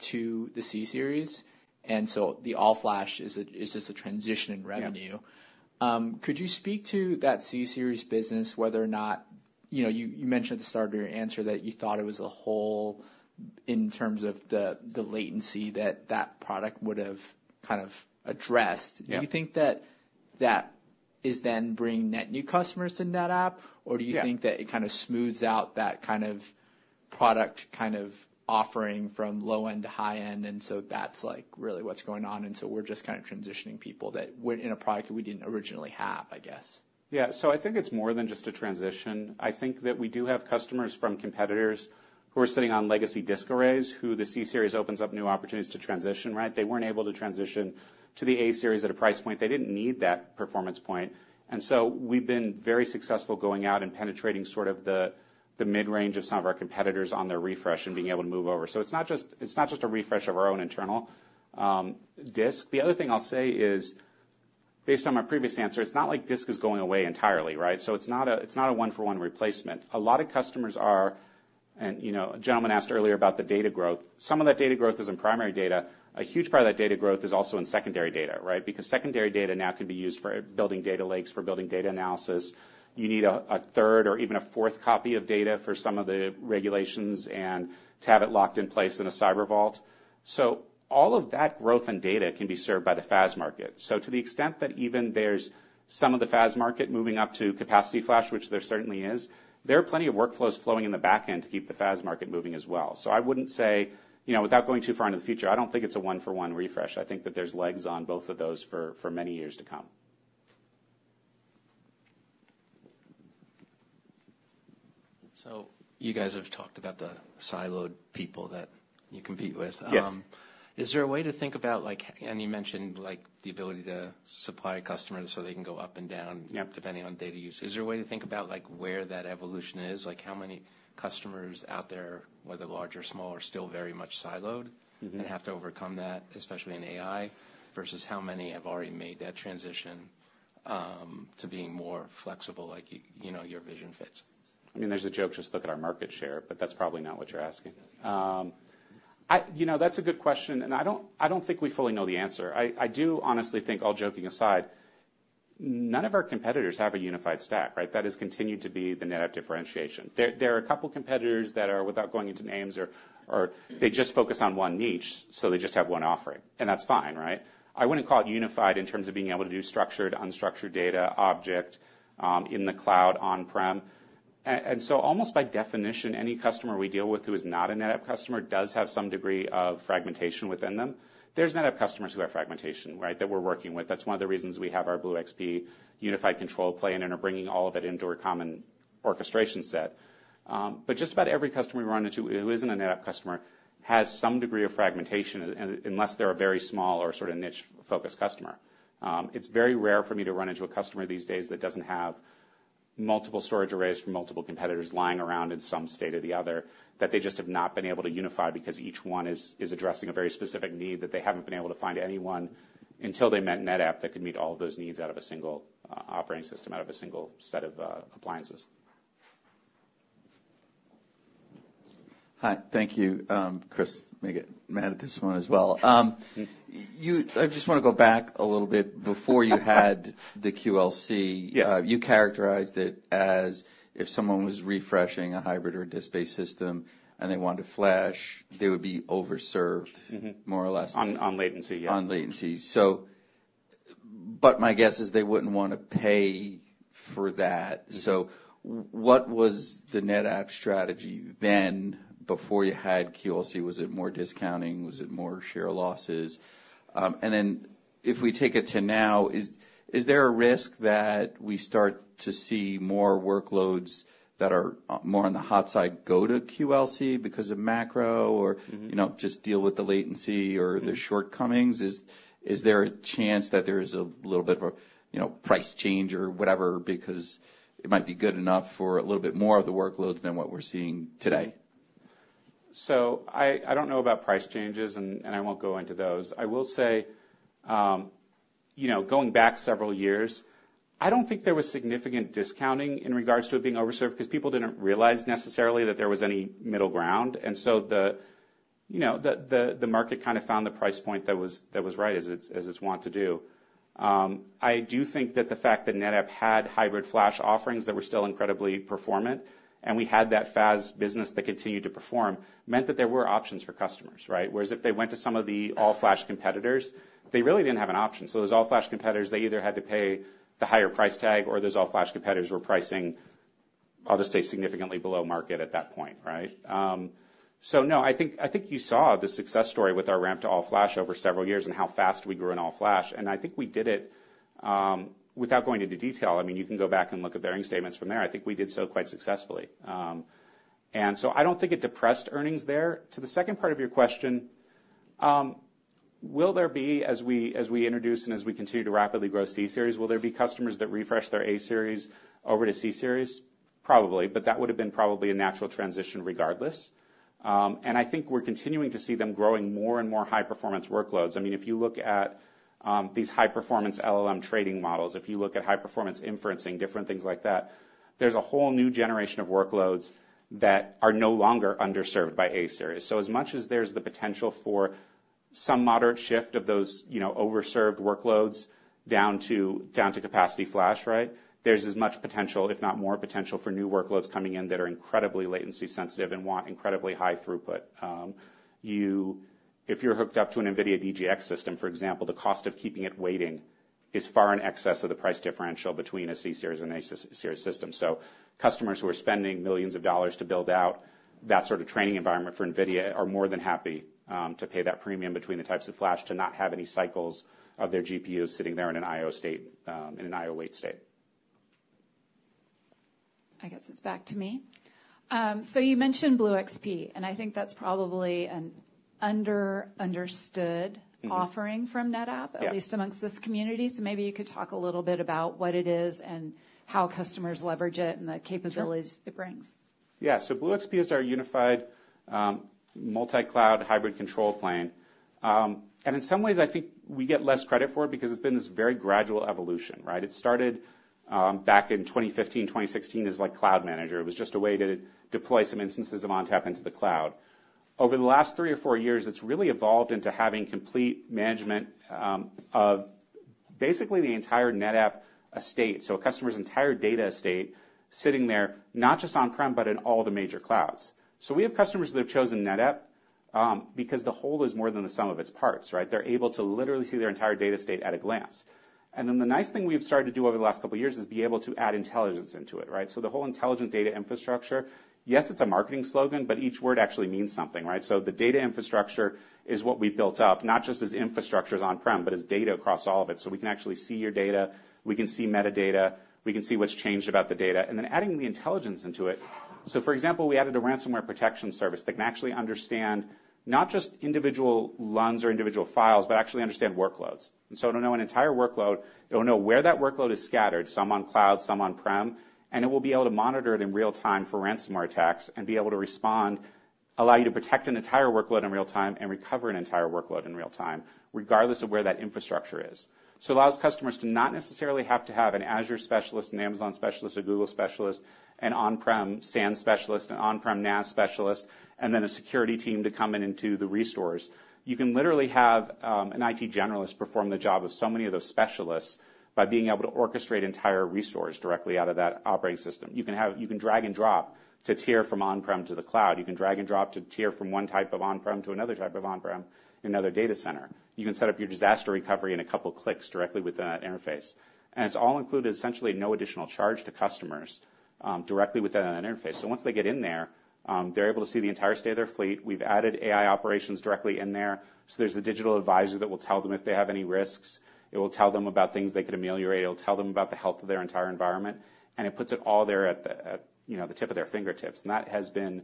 to the C-Series, and so the all-flash is just a transition in revenue. Could you speak to that C-Series business, whether or not... You know, you mentioned at the start of your answer that you thought it was a hole in terms of the latency that that product would have kind of addressed. Do you think that is then bringing net new customers to NetApp? Or do you think that it kind of smooths out that kind of product, kind of offering from low end to high end, and so that's, like, really what's going on, and so we're just kind of transitioning people that we're in a product that we didn't originally have, I guess? Yeah. So I think it's more than just a transition. I think that we do have customers from competitors who are sitting on legacy disk arrays, who the C-Series opens up new opportunities to transition, right? They weren't able to transition to the A-Series at a price point. They didn't need that performance point. And so we've been very successful going out and penetrating sort of the mid-range of some of our competitors on their refresh and being able to move over. So it's not just, it's not just a refresh of our own internal disk. The other thing I'll say is, based on my previous answer, it's not like disk is going away entirely, right? So it's not a, it's not a one-for-one replacement. A lot of customers are... And, you know, a gentleman asked earlier about the data growth. Some of that data growth is in primary data. A huge part of that data growth is also in secondary data, right? Because secondary data now can be used for building data lakes, for building data analysis. You need a third or even a fourth copy of data for some of the regulations and to have it locked in place in a cyber vault. So all of that growth in data can be served by the FAS market. So to the extent that even there's some of the FAS market moving up to capacity flash, which there certainly is, there are plenty of workflows flowing in the back end to keep the FAS market moving as well. So I wouldn't say, you know, without going too far into the future, I don't think it's a one-for-one refresh. I think that there's legs on both of those for many years to come. You guys have talked about the siloed people that you compete with. Yes. Is there a way to think about like, and you mentioned, like, the ability to supply customers so they can go up and down? Depending on data use. Is there a way to think about, like, where that evolution is? Like, how many customers out there, whether large or small, are still very much siloed and have to overcome that, especially in AI, versus how many have already made that transition, to being more flexible, like, you know, your vision fits? I mean, there's a joke, just look at our market share, but that's probably not what you're asking. You know, that's a good question, and I don't think we fully know the answer. I do honestly think, all joking aside, none of our competitors have a unified stack, right? That has continued to be the NetApp differentiation. There are a couple competitors that, without going into names, just focus on one niche, so they just have one offering, and that's fine, right? I wouldn't call it unified in terms of being able to do structured, unstructured data, object, in the cloud, on-prem, and so almost by definition, any customer we deal with who is not a NetApp customer does have some degree of fragmentation within them. There's NetApp customers who have fragmentation, right, that we're working with. That's one of the reasons we have our BlueXP unified control plane and are bringing all of it into our common orchestration set, but just about every customer we run into who isn't a NetApp customer has some degree of fragmentation unless they're a very small or sort of niche-focused customer. It's very rare for me to run into a customer these days that doesn't have multiple storage arrays from multiple competitors lying around in some state or the other, that they just have not been able to unify because each one is addressing a very specific need that they haven't been able to find anyone until they met NetApp, that could meet all of those needs out of a single operating system, out of a single set of appliances. Hi, thank you. Kris may get mad at this one as well. I just want to go back a little bit. Before you had the QLC you characterized it as if someone was refreshing a hybrid or a disk-based system and they wanted to flash, they would be overserved more or less. On latency, yeah. On latency. So, but my guess is they wouldn't want to pay for that. So what was the NetApp strategy then, before you had QLC? Was it more discounting? Was it more share losses? And then if we take it to now, is there a risk that we start to see more workloads that are more on the hot side go to QLC because of macro or you know, just deal with the latency or the shortcomings? Is there a chance that there's a little bit of a, you know, price change or whatever, because it might be good enough for a little bit more of the workloads than what we're seeing today? I don't know about price changes, and I won't go into those. I will say, you know, going back several years, I don't think there was significant discounting in regards to it being overserved, because people didn't realize necessarily that there was any middle ground. And so you know, the market kind of found the price point that was right, as it's wont to do. I do think that the fact that NetApp had hybrid flash offerings that were still incredibly performant, and we had that FAS business that continued to perform, meant that there were options for customers, right? Whereas if they went to some of the all-flash competitors, they really didn't have an option. So those all-flash competitors, they either had to pay the higher price tag, or those all-flash competitors were pricing. I'll just say significantly below market at that point, right? So no, I think you saw the success story with our ramp to all-flash over several years and how fast we grew in all-flash, and I think we did it, without going into detail, I mean, you can go back and look at earnings statements from there. I think we did so quite successfully, and so I don't think it depressed earnings there. To the second part of your question, will there be as we introduce and as we continue to rapidly grow C-Series, will there be customers that refresh their A-Series over to C-Series? Probably, but that would have been probably a natural transition regardless, and I think we're continuing to see them growing more and more high-performance workloads. I mean, if you look at these high-performance LLM trading models, if you look at high-performance inferencing, different things like that, there's a whole new generation of workloads that are no longer underserved by A-Series. So as much as there's the potential for some moderate shift of those, you know, overserved workloads down to capacity flash, right? There's as much potential, if not more potential, for new workloads coming in that are incredibly latency sensitive and want incredibly high throughput. If you're hooked up to an NVIDIA DGX system, for example, the cost of keeping it waiting is far in excess of the price differential between a C-Series and A-Series system. So customers who are spending millions of dollars to build out that sort of training environment for NVIDIA are more than happy to pay that premium between the types of flash to not have any cycles of their GPUs sitting there in an I/O state, in an I/O wait state. I guess it's back to me. So you mentioned BlueXP, and I think that's probably an understood offering from NetApp. At least among this community. So maybe you could talk a little bit about what it is and how customers leverage it and the capabilities it brings. Yeah. So BlueXP is our unified, multi-cloud hybrid control plane. And in some ways, I think we get less credit for it because it's been this very gradual evolution, right? It started back in 2015, 2016, as, like, Cloud Manager. It was just a way to deploy some instances of ONTAP into the cloud. Over the last three or four years, it's really evolved into having complete management of basically the entire NetApp estate. So a customer's entire data estate sitting there, not just on-prem, but in all the major clouds. So we have customers that have chosen NetApp because the whole is more than the sum of its parts, right? They're able to literally see their entire data estate at a glance. And then the nice thing we've started to do over the last couple of years is be able to add intelligence into it, right? So the whole Intelligent Data Infrastructure, yes, it's a marketing slogan, but each word actually means something, right? So the data infrastructure is what we built up, not just as infrastructure is on-prem, but as data across all of it. So we can actually see your data, we can see metadata, we can see what's changed about the data, and then adding the intelligence into it. So for example, we added a ransomware protection service that can actually understand not just individual LUNs or individual files, but actually understand workloads. To know an entire workload, it will know where that workload is spoken, some on cloud, some on-prem, and it will be able to monitor it in real time for ransomware attacks and be able to respond, allow you to protect an entire workload in real time and recover an entire workload in real time, regardless of where that infrastructure is. It allows customers to not necessarily have to have an Azure specialist, an Amazon specialist, a Google specialist, an on-prem SAN specialist, an on-prem NAS specialist, and then a security team to come in and do the restores. You can literally have an IT generalist perform the job of so many of those specialists by being able to orchestrate entire restores directly out of that operating system. You can drag and drop to tier from on-prem to the cloud. You can drag and drop to tier from one type of on-prem to another type of on-prem in another data center. You can set up your disaster recovery in a couple of clicks directly within that interface, and it's all included, essentially, no additional charge to customers directly within that interface. Once they get in there, they're able to see the entire state of their fleet. We've added AI operations directly in there, so there's a digital advisor that will tell them if they have any risks. It will tell them about things they could ameliorate. It'll tell them about the health of their entire environment, and it puts it all there at the, you know, tip of their fingertips. And that has been,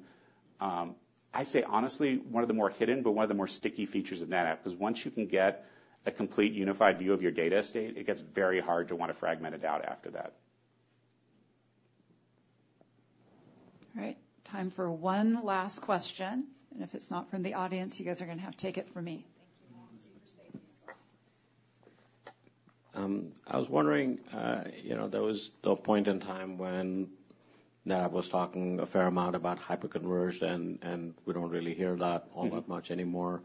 I say, honestly, one of the more hidden, but one of the more sticky features of NetApp, because once you can get a complete unified view of your data estate, it gets very hard to want to fragment it out after that. All right, time for one last question, and if it's not from the audience, you guys are going to have to take it from me. Thank you. I was wondering, you know, there was the point in time when NetApp was talking a fair amount about hyperconverged, and we don't really hear that all that much anymore.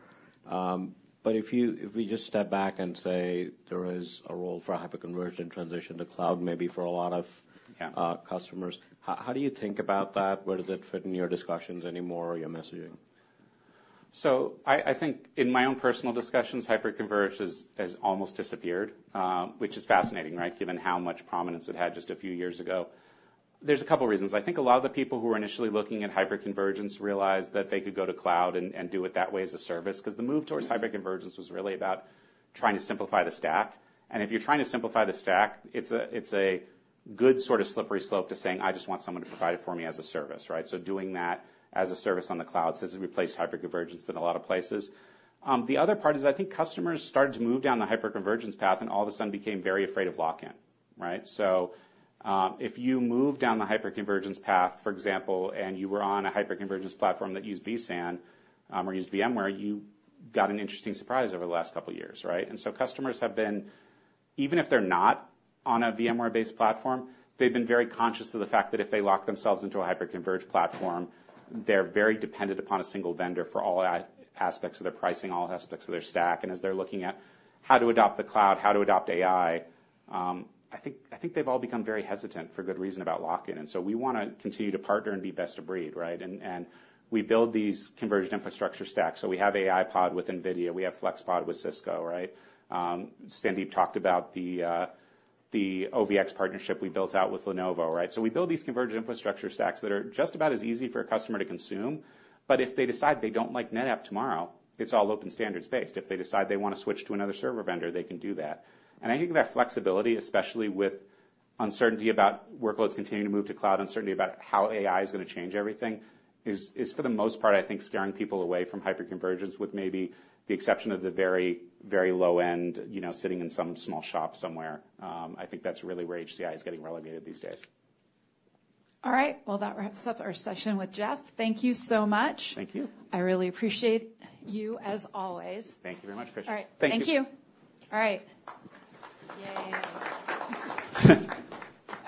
But if you—if we just step back and say there is a role for hyperconverged and transition to cloud, maybe for a lot of customers, how do you think about that? Where does it fit in your discussions anymore or your messaging? So I think in my own personal discussions, hyperconverged has almost disappeared, which is fascinating, right? Given how much prominence it had just a few years ago. There are a couple of reasons. I think a lot of the people who were initially looking at hyperconvergence realized that they could go to cloud and do it that way as a service, because the move towards hyperconvergence was really about trying to simplify the stack. And if you're trying to simplify the stack, it's a good sort of slippery slope to saying: I just want someone to provide it for me as a service, right? So doing that as a service on the cloud has replaced hyperconvergence in a lot of places. The other part is, I think customers started to move down the hyperconvergence path and all of a sudden became very afraid of lock-in, right? So, if you move down the hyperconvergence path, for example, and you were on a hyperconvergence platform that used vSAN, or used VMware, you got an interesting surprise over the last couple of years, right? And so customers have been. Even if they're not on a VMware-based platform, they've been very conscious of the fact that if they lock themselves into a hyperconverged platform, they're very dependent upon a single vendor for all aspects of their pricing, all aspects of their stack. And as they're looking at how to adopt the cloud, how to adopt AI, I think they've all become very hesitant, for good reason, about lock-in. And so we want to continue to partner and be best of breed, right? And we build these converged infrastructure stacks. So we have AIPod with NVIDIA, we have FlexPod with Cisco, right? Sandeep talked about the OVX partnership we built out with Lenovo, right? So we build these converged infrastructure stacks that are just about as easy for a customer to consume, but if they decide they don't like NetApp tomorrow, it's all open standards-based. If they decide they want to switch to another server vendor, they can do that. I think that flexibility, especially with uncertainty about workloads continuing to move to cloud, uncertainty about how AI is going to change everything, is for the most part, I think, scaring people away from hyperconvergence, with maybe the exception of the very, very low end, you know, sitting in some small shop somewhere. I think that's really where HCI is getting relegated these days. All right. Well, that wraps up our session with Jeff. Thank you so much. Thank you. I really appreciate you, as always. Thank you very much, Kris. All right. Thank you. Thank you. All right. Yay.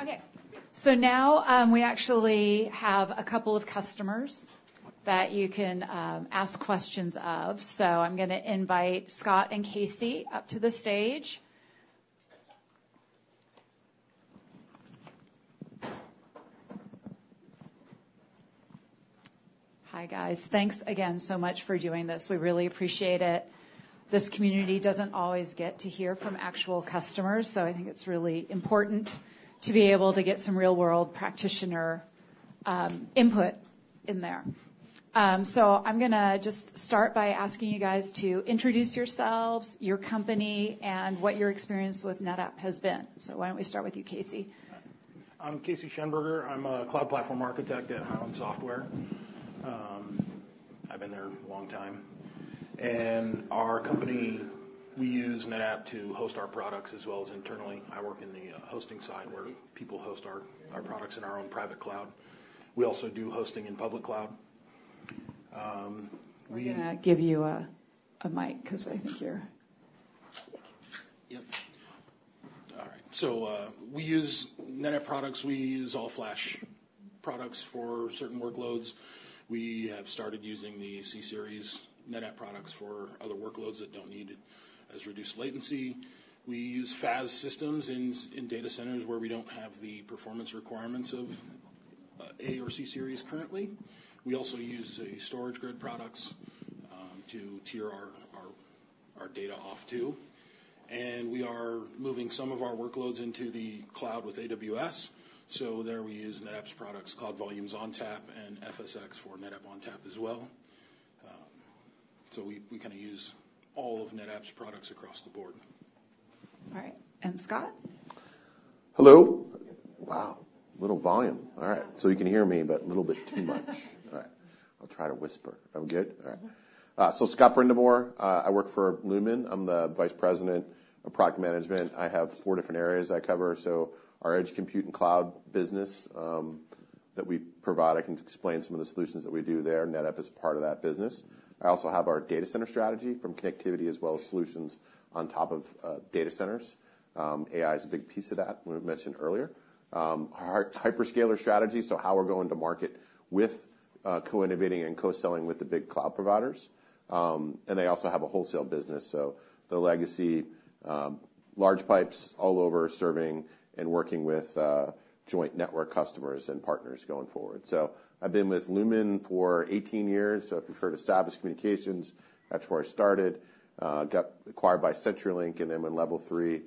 Okay, so now, we actually have a couple of customers that you can ask questions of. So I'm going to invite Scott and Casey up to the stage. Hi, guys. Thanks again, so much for doing this. We really appreciate it. This community doesn't always get to hear from actual customers, so I think it's really important to be able to get some real-world practitioner input in there. I'm going to just start by asking you guys to introduce yourselves, your company, and what your experience with NetApp has been. So why don't we start with you, Casey? I'm Casey Shenberger. I'm a cloud platform architect at Hyland Software. I've been there a long time. And our company, we use NetApp to host our products as well as internally. I work in the hosting side, where people host our products in our own private cloud. We also do hosting in public cloud. We-- I'm going to give you a mic because I think you're. Yep. All right. So, we use NetApp products. We use all-flash products for certain workloads. We have started using the C-Series NetApp products for other workloads that don't need as reduced latency. We use FAS systems in data centers where we don't have the performance requirements of A or C series currently. We also use the StorageGRID products to tier our data off to, and we are moving some of our workloads into the cloud with AWS. So there we use NetApp's products, Cloud Volumes ONTAP and FSx for NetApp ONTAP as well. So we kind of use all of NetApp's products across the board. All right. And Scott? Hello. Wow, a little volume. All right. So you can hear me, but a little bit too much. All right. I'll try to whisper. That was good? All right. So, Scott Brindamour, I work for Lumen. I'm the Vice President of Product Management. I have four different areas I cover, so our edge compute and cloud business that we provide, I can explain some of the solutions that we do there, NetApp is part of that business. I also have our data center strategy from connectivity, as well as solutions on top of data centers. AI is a big piece of that we mentioned earlier. Our hyperscaler strategy, so how we're going to market with co-innovating and co-selling with the big cloud providers. And I also have a wholesale business, so the legacy large pipes all over, serving and working with joint network customers and partners going forward. So I've been with Lumen for 18 years, so prior to Savvis Communications. That's where I started. Got acquired by CenturyLink, and then when Level 3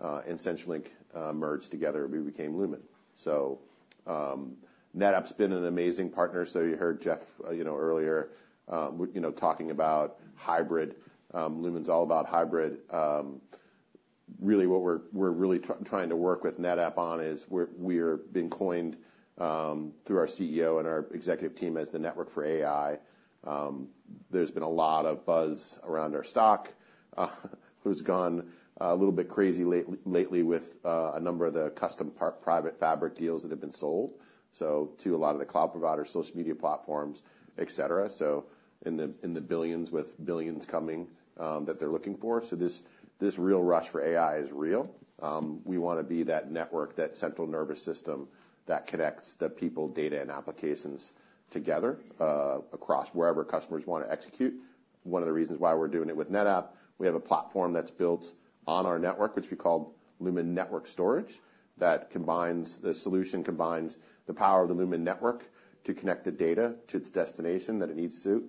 and CenturyLink merged together, we became Lumen. So, NetApp's been an amazing partner. So you heard Jeff, you know, earlier, you know, talking about hybrid. Lumen's all about hybrid. Really, what we're trying to work with NetApp on is we're being coined, through our CEO and our executive team as the network for AI. There's been a lot of buzz around our stock, who's gone a little bit crazy lately with a number of the custom private fabric deals that have been sold, so to a lot of the cloud providers, social media platforms, et cetera. So in the billions, with billions coming, that they're looking for. So this real rush for AI is real. We want to be that network, that central nervous system that connects the people, data, and applications together across wherever customers want to execute. One of the reasons why we're doing it with NetApp, we have a platform that's built on our network, which we call Lumen Network Storage, that combines the power of the Lumen network to connect the data to its destination that it needs to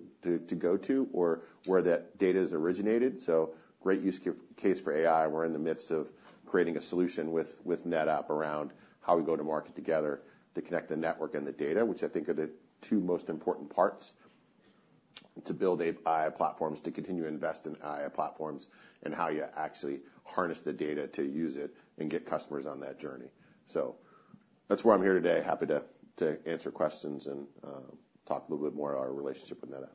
go to or where that data is originated. So great use case for AI. We're in the midst of creating a solution with NetApp around how we go to market together to connect the network and the data, which I think are the two most important parts to build AI platforms, to continue to invest in AI platforms, and how you actually harness the data to use it and get customers on that journey. So that's why I'm here today. Happy to answer questions and talk a little bit more about our relationship with NetApp.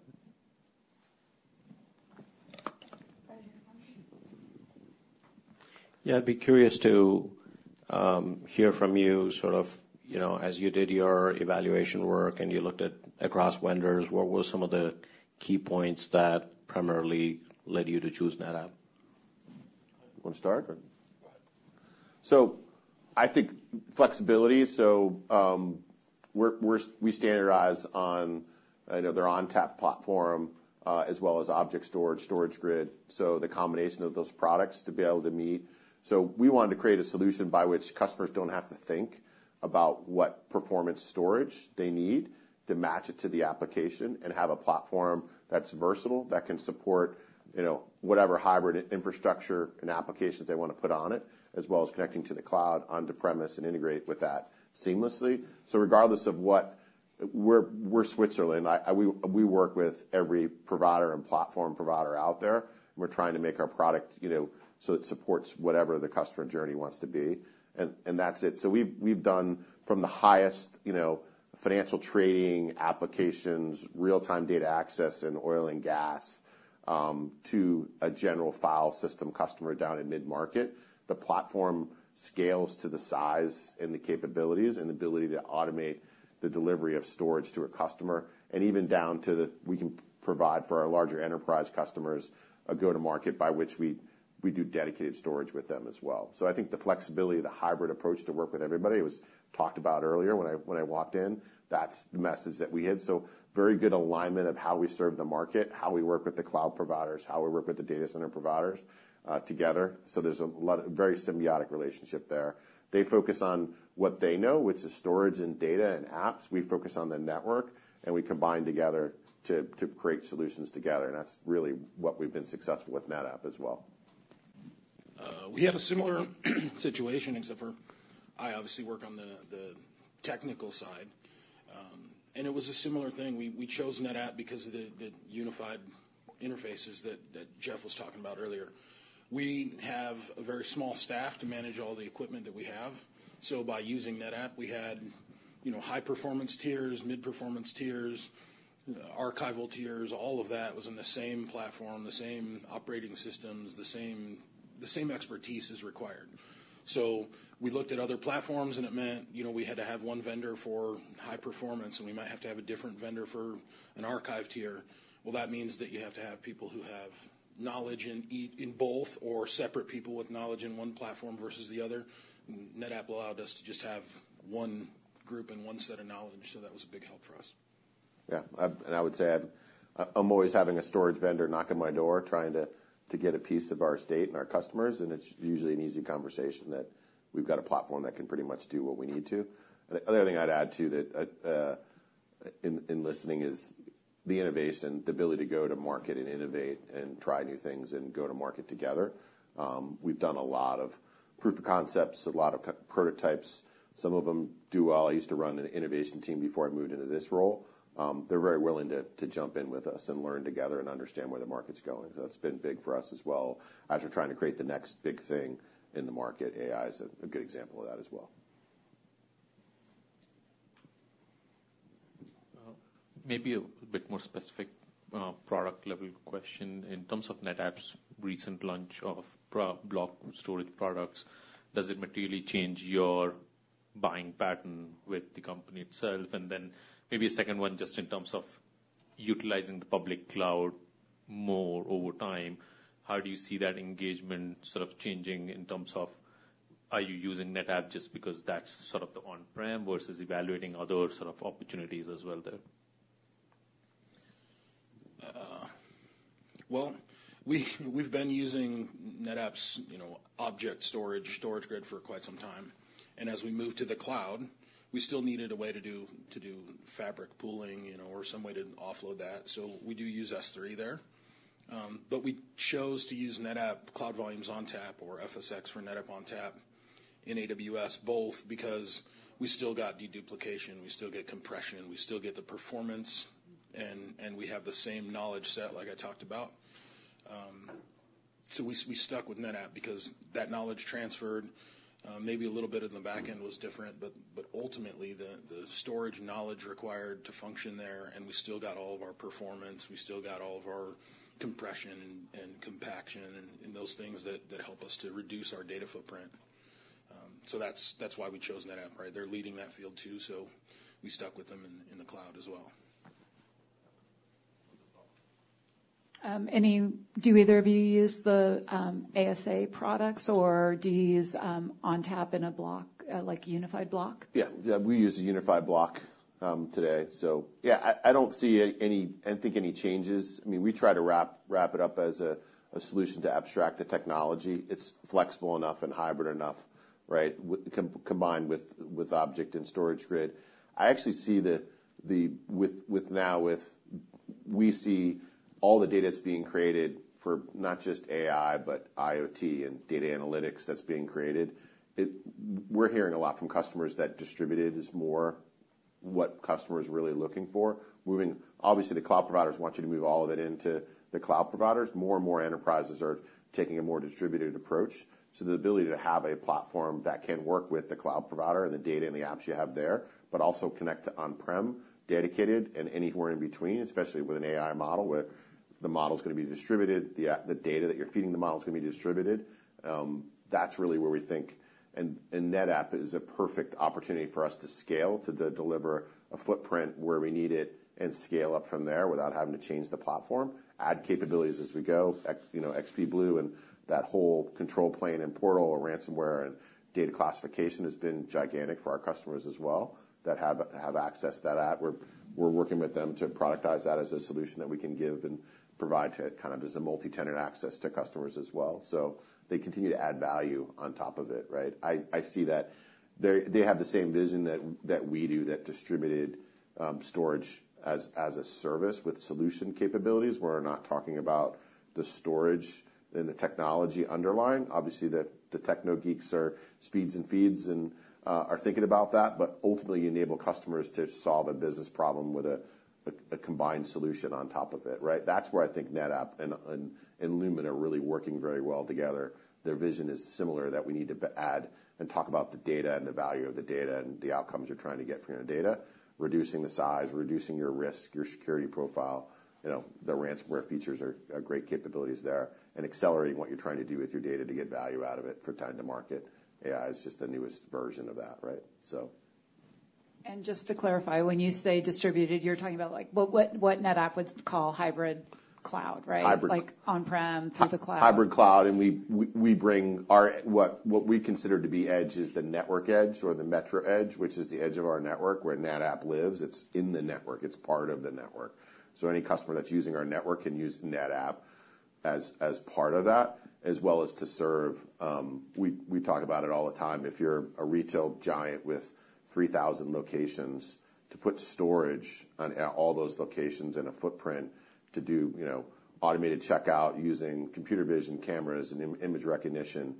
Any questions? Yeah, I'd be curious to hear from you sort of, you know, as you did your evaluation work and you looked at across vendors, what were some of the key points that primarily led you to choose NetApp? You want to start or. So I think flexibility. We standardize on their ONTAP platform, I know, as well as object storage, StorageGRID, so the combination of those products to be able to meet. We wanted to create a solution by which customers don't have to think about what performance storage they need to match it to the application and have a platform that's versatile that can support, you know, whatever hybrid infrastructure and applications they want to put on it, as well as connecting to the cloud, on the premise, and integrate with that seamlessly. Regardless of what. We're Switzerland. We work with every provider and platform provider out there. We're trying to make our product, you know, so it supports whatever the customer journey wants to be, and that's it. We've done from the highest, you know, financial trading applications, real-time data access in oil and gas, to a general file system customer down in mid-market. The platform scales to the size and the capabilities and ability to automate the delivery of storage to a customer, and even down to the we can provide for our larger enterprise customers a go-to-market by which we do dedicated storage with them as well. I think the flexibility, the hybrid approach to work with everybody, it was talked about earlier when I walked in, that's the message that we had. Very good alignment of how we serve the market, how we work with the cloud providers, how we work with the data center providers together. There's a lot, a very symbiotic relationship there. They focus on what they know, which is storage and data and apps. We focus on the network, and we combine together to create solutions together, and that's really what we've been successful with NetApp as well. We have a similar situation, except for I obviously work on the technical side. It was a similar thing. We chose NetApp because of the unified interfaces that Jeff was talking about earlier. We have a very small staff to manage all the equipment that we have, so by using NetApp, we had, you know, high-performance tiers, mid-performance tiers, archival tiers. All of that was in the same platform, the same operating systems, the same expertise is required. So we looked at other platforms, and it meant, you know, we had to have one vendor for high performance, and we might have to have a different vendor for an archive tier. Well, that means that you have to have people who have knowledge in both or separate people with knowledge in one platform versus the other. NetApp allowed us to just have one group and one set of knowledge, so that was a big help for us. Yeah. And I would say, I've, I'm always having a storage vendor knocking on my door, trying to get a piece of our stake and our customers, and it's usually an easy conversation that we've got a platform that can pretty much do what we need to. The other thing I'd add, too, that in listening is the innovation, the ability to go to market and innovate and try new things and go to market together. We've done a lot of proof of concepts, a lot of prototypes. Some of them do well. I used to run an innovation team before I moved into this role. They're very willing to jump in with us and learn together and understand where the market's going. So that's been big for us as well as we're trying to create the next big thing in the market. AI is a good example of that as well. Maybe a bit more specific, product-level question in terms of NetApp's recent launch of block storage products, does it materially change your buying pattern with the company itself? And then maybe a second one, just in terms of utilizing the public cloud more over time, how do you see that engagement sort of changing in terms of are you using NetApp just because that's sort of the on-prem versus evaluating other sort of opportunities as well there? We've been using NetApp's, you know, object storage, StorageGRID, for quite some time. And as we moved to the cloud, we still needed a way to do Data Fabric, you know, or some way to offload that, so we do use S3 there. But we chose to use NetApp Cloud Volumes ONTAP or FSx for NetApp ONTAP in AWS, both because we still got deduplication, we still get compression, we still get the performance, and we have the same knowledge set, like I talked about. We stuck with NetApp because that knowledge transferred. Maybe a little bit in the back end was different, but ultimately, the storage knowledge required to function there, and we still got all of our performance, we still got all of our compression and compaction and those things that help us to reduce our data footprint. So that's why we chose NetApp, right? They're leading that field, too, so we stuck with them in the cloud as well. Do either of you use the ASA products, or do you use ONTAP in a block, like unified block? Yeah. Yeah, we use a unified block today, so yeah, I don't see any. I don't think any changes. I mean, we try to wrap it up as a solution to abstract the technology. It's flexible enough and hybrid enough, right, combined with object and StorageGRID. I actually see. With now, with we see all the data that's being created for not just AI, but IoT and data analytics that's being created. We're hearing a lot from customers that distributed is more what customer is really looking for. Moving. Obviously, the cloud providers want you to move all of it into the cloud providers. More and more enterprises are taking a more distributed approach, so the ability to have a platform that can work with the cloud provider and the data and the apps you have there, but also connect to on-prem, dedicated, and anywhere in between, especially with an AI model, where the model's gonna be distributed, the data that you're feeding the model is gonna be distributed. That's really where we think, and NetApp is a perfect opportunity for us to scale, to deliver a footprint where we need it and scale up from there without having to change the platform, add capabilities as we go. E.g., you know, BlueXP and that whole control plane and portal, our ransomware and data classification has been gigantic for our customers as well, that have accessed that app. We're working with them to productize that as a solution that we can give and provide to kind of as a multi-tenant access to customers as well. So they continue to add value on top of it, right? I see that they're they have the same vision that we do, that distributed storage as a service with solution capabilities, where we're not talking about the storage and the technology underlying. Obviously, the techno geeks are speeds and feeds and are thinking about that, but ultimately, you enable customers to solve a business problem with a combined solution on top of it, right? That's where I think NetApp and Lumen are really working very well together. Their vision is similar, that we need to add and talk about the data and the value of the data and the outcomes you're trying to get from your data, reducing the size, reducing your risk, your security profile. You know, the ransomware features are great capabilities there, and accelerating what you're trying to do with your data to get value out of it for time to market. AI is just the newest version of that, right? So. And just to clarify, when you say distributed, you're talking about like, what, what NetApp would call hybrid cloud, right? Like on-prem through the cloud. Hybrid cloud, and we bring our what we consider to be edge is the network edge or the metro edge, which is the edge of our network where NetApp lives. It's in the network, it's part of the network. So any customer that's using our network can use NetApp as part of that, as well as to serve. We talk about it all the time. If you're a retail giant with 3,000 locations to put storage on all those locations in a footprint to do, you know, automated checkout using computer vision cameras and image recognition,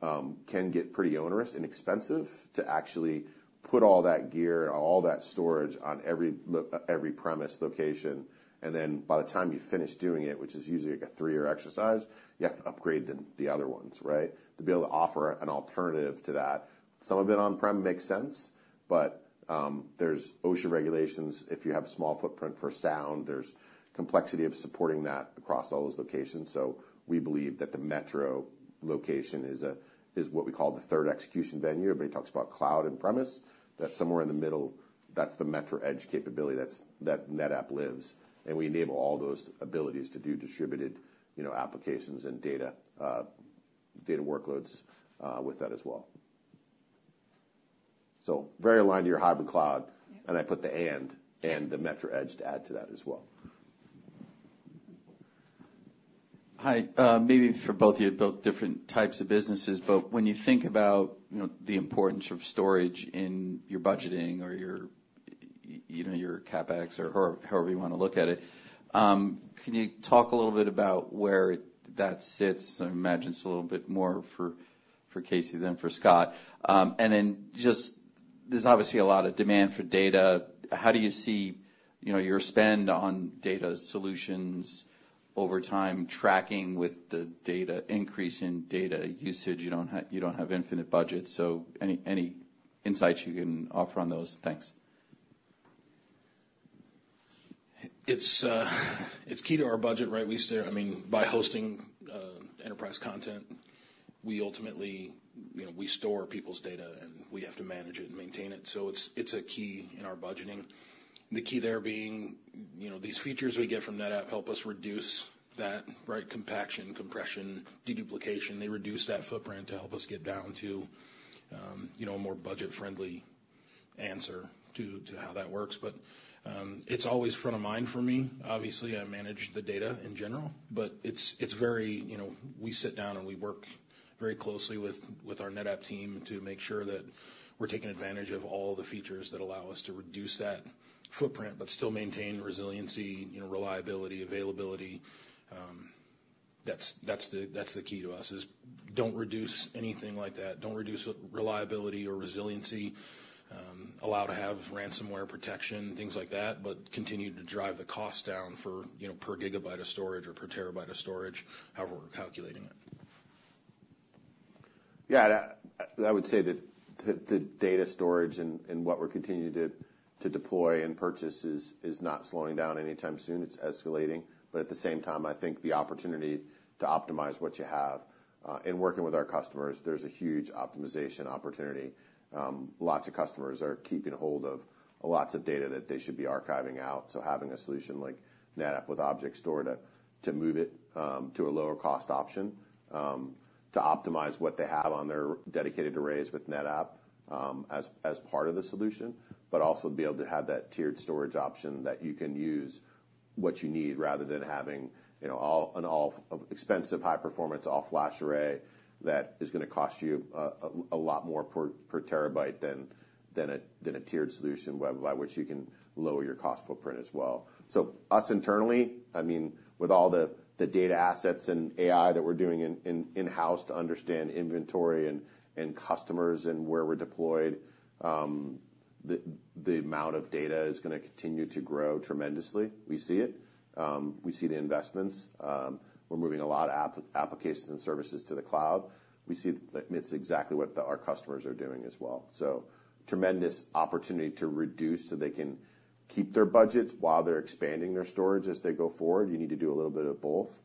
can get pretty onerous and expensive to actually put all that gear and all that storage on every premise location. Then by the time you finish doing it, which is usually, like, a three-year exercise, you have to upgrade the other ones, right? To be able to offer an alternative to that, some of it on-prem makes sense, but there's zoning regulations. If you have a small footprint for sound, there's complexity of supporting that across all those locations. So we believe that the metro location is a, is what we call the third execution venue. Everybody talks about cloud and premises. That's somewhere in the middle. That's the metro edge capability, that's where NetApp lives. And we enable all those abilities to do distributed, you know, applications and data data workloads with that as well. So very aligned to your hybrid cloud. And I put the metro edge to add to that as well. Hi, maybe for both of you, both different types of businesses, but when you think about, you know, the importance of storage in your budgeting or your, you know, your CapEx or however you want to look at it, can you talk a little bit about where that sits? I imagine it's a little bit more for Casey than for Scott. Then just, there's obviously a lot of demand for data. How do you see, you know, your spend on data solutions over time tracking with the data increase in data usage? You don't have infinite budget, so any insights you can offer on those? Thanks. It's key to our budget, right? We, I mean, by hosting enterprise content, we ultimately, you know, we store people's data, and we have to manage it and maintain it, so it's a key in our budgeting. The key there being, you know, these features we get from NetApp help us reduce that, right? Compaction, compression, deduplication, they reduce that footprint to help us get down to, you know, a more budget-friendly answer to how that works, but it's always front of mind for me. Obviously, I manage the data in general, but it's very, you know, we sit down, and we work very closely with our NetApp team to make sure that we're taking advantage of all the features that allow us to reduce that footprint, but still maintain resiliency, you know, reliability, availability. That's the key to us: don't reduce anything like that. Don't reduce reliability or resiliency. Allow to have ransomware protection, things like that, but continue to drive the cost down for, you know, per gigabyte of storage or per terabyte of storage, however we're calculating it. Yeah, I would say that the data storage and what we're continuing to deploy and purchase is not slowing down anytime soon. It's escalating. But at the same time, I think the opportunity to optimize what you have in working with our customers, there's a huge optimization opportunity. Lots of customers are keeping a hold of lots of data that they should be archiving out. So having a solution like NetApp with object store to move it to a lower cost option to optimize what they have on their dedicated arrays with NetApp as part of the solution. But also be able to have that tiered storage option that you can use what you need, rather than having, you know, an all expensive, high performance, all flash array that is going to cost you a lot more per terabyte than a tiered solution, by which you can lower your cost footprint as well. So us internally, I mean, with all the data assets and AI that we're doing in-house to understand inventory and customers and where we're deployed, the amount of data is going to continue to grow tremendously. We see it. We see the investments. We're moving a lot of applications and services to the cloud. We see it, it's exactly what our customers are doing as well. So tremendous opportunity to reduce so they can keep their budgets while they're expanding their storage as they go forward. You need to do a little bit of both.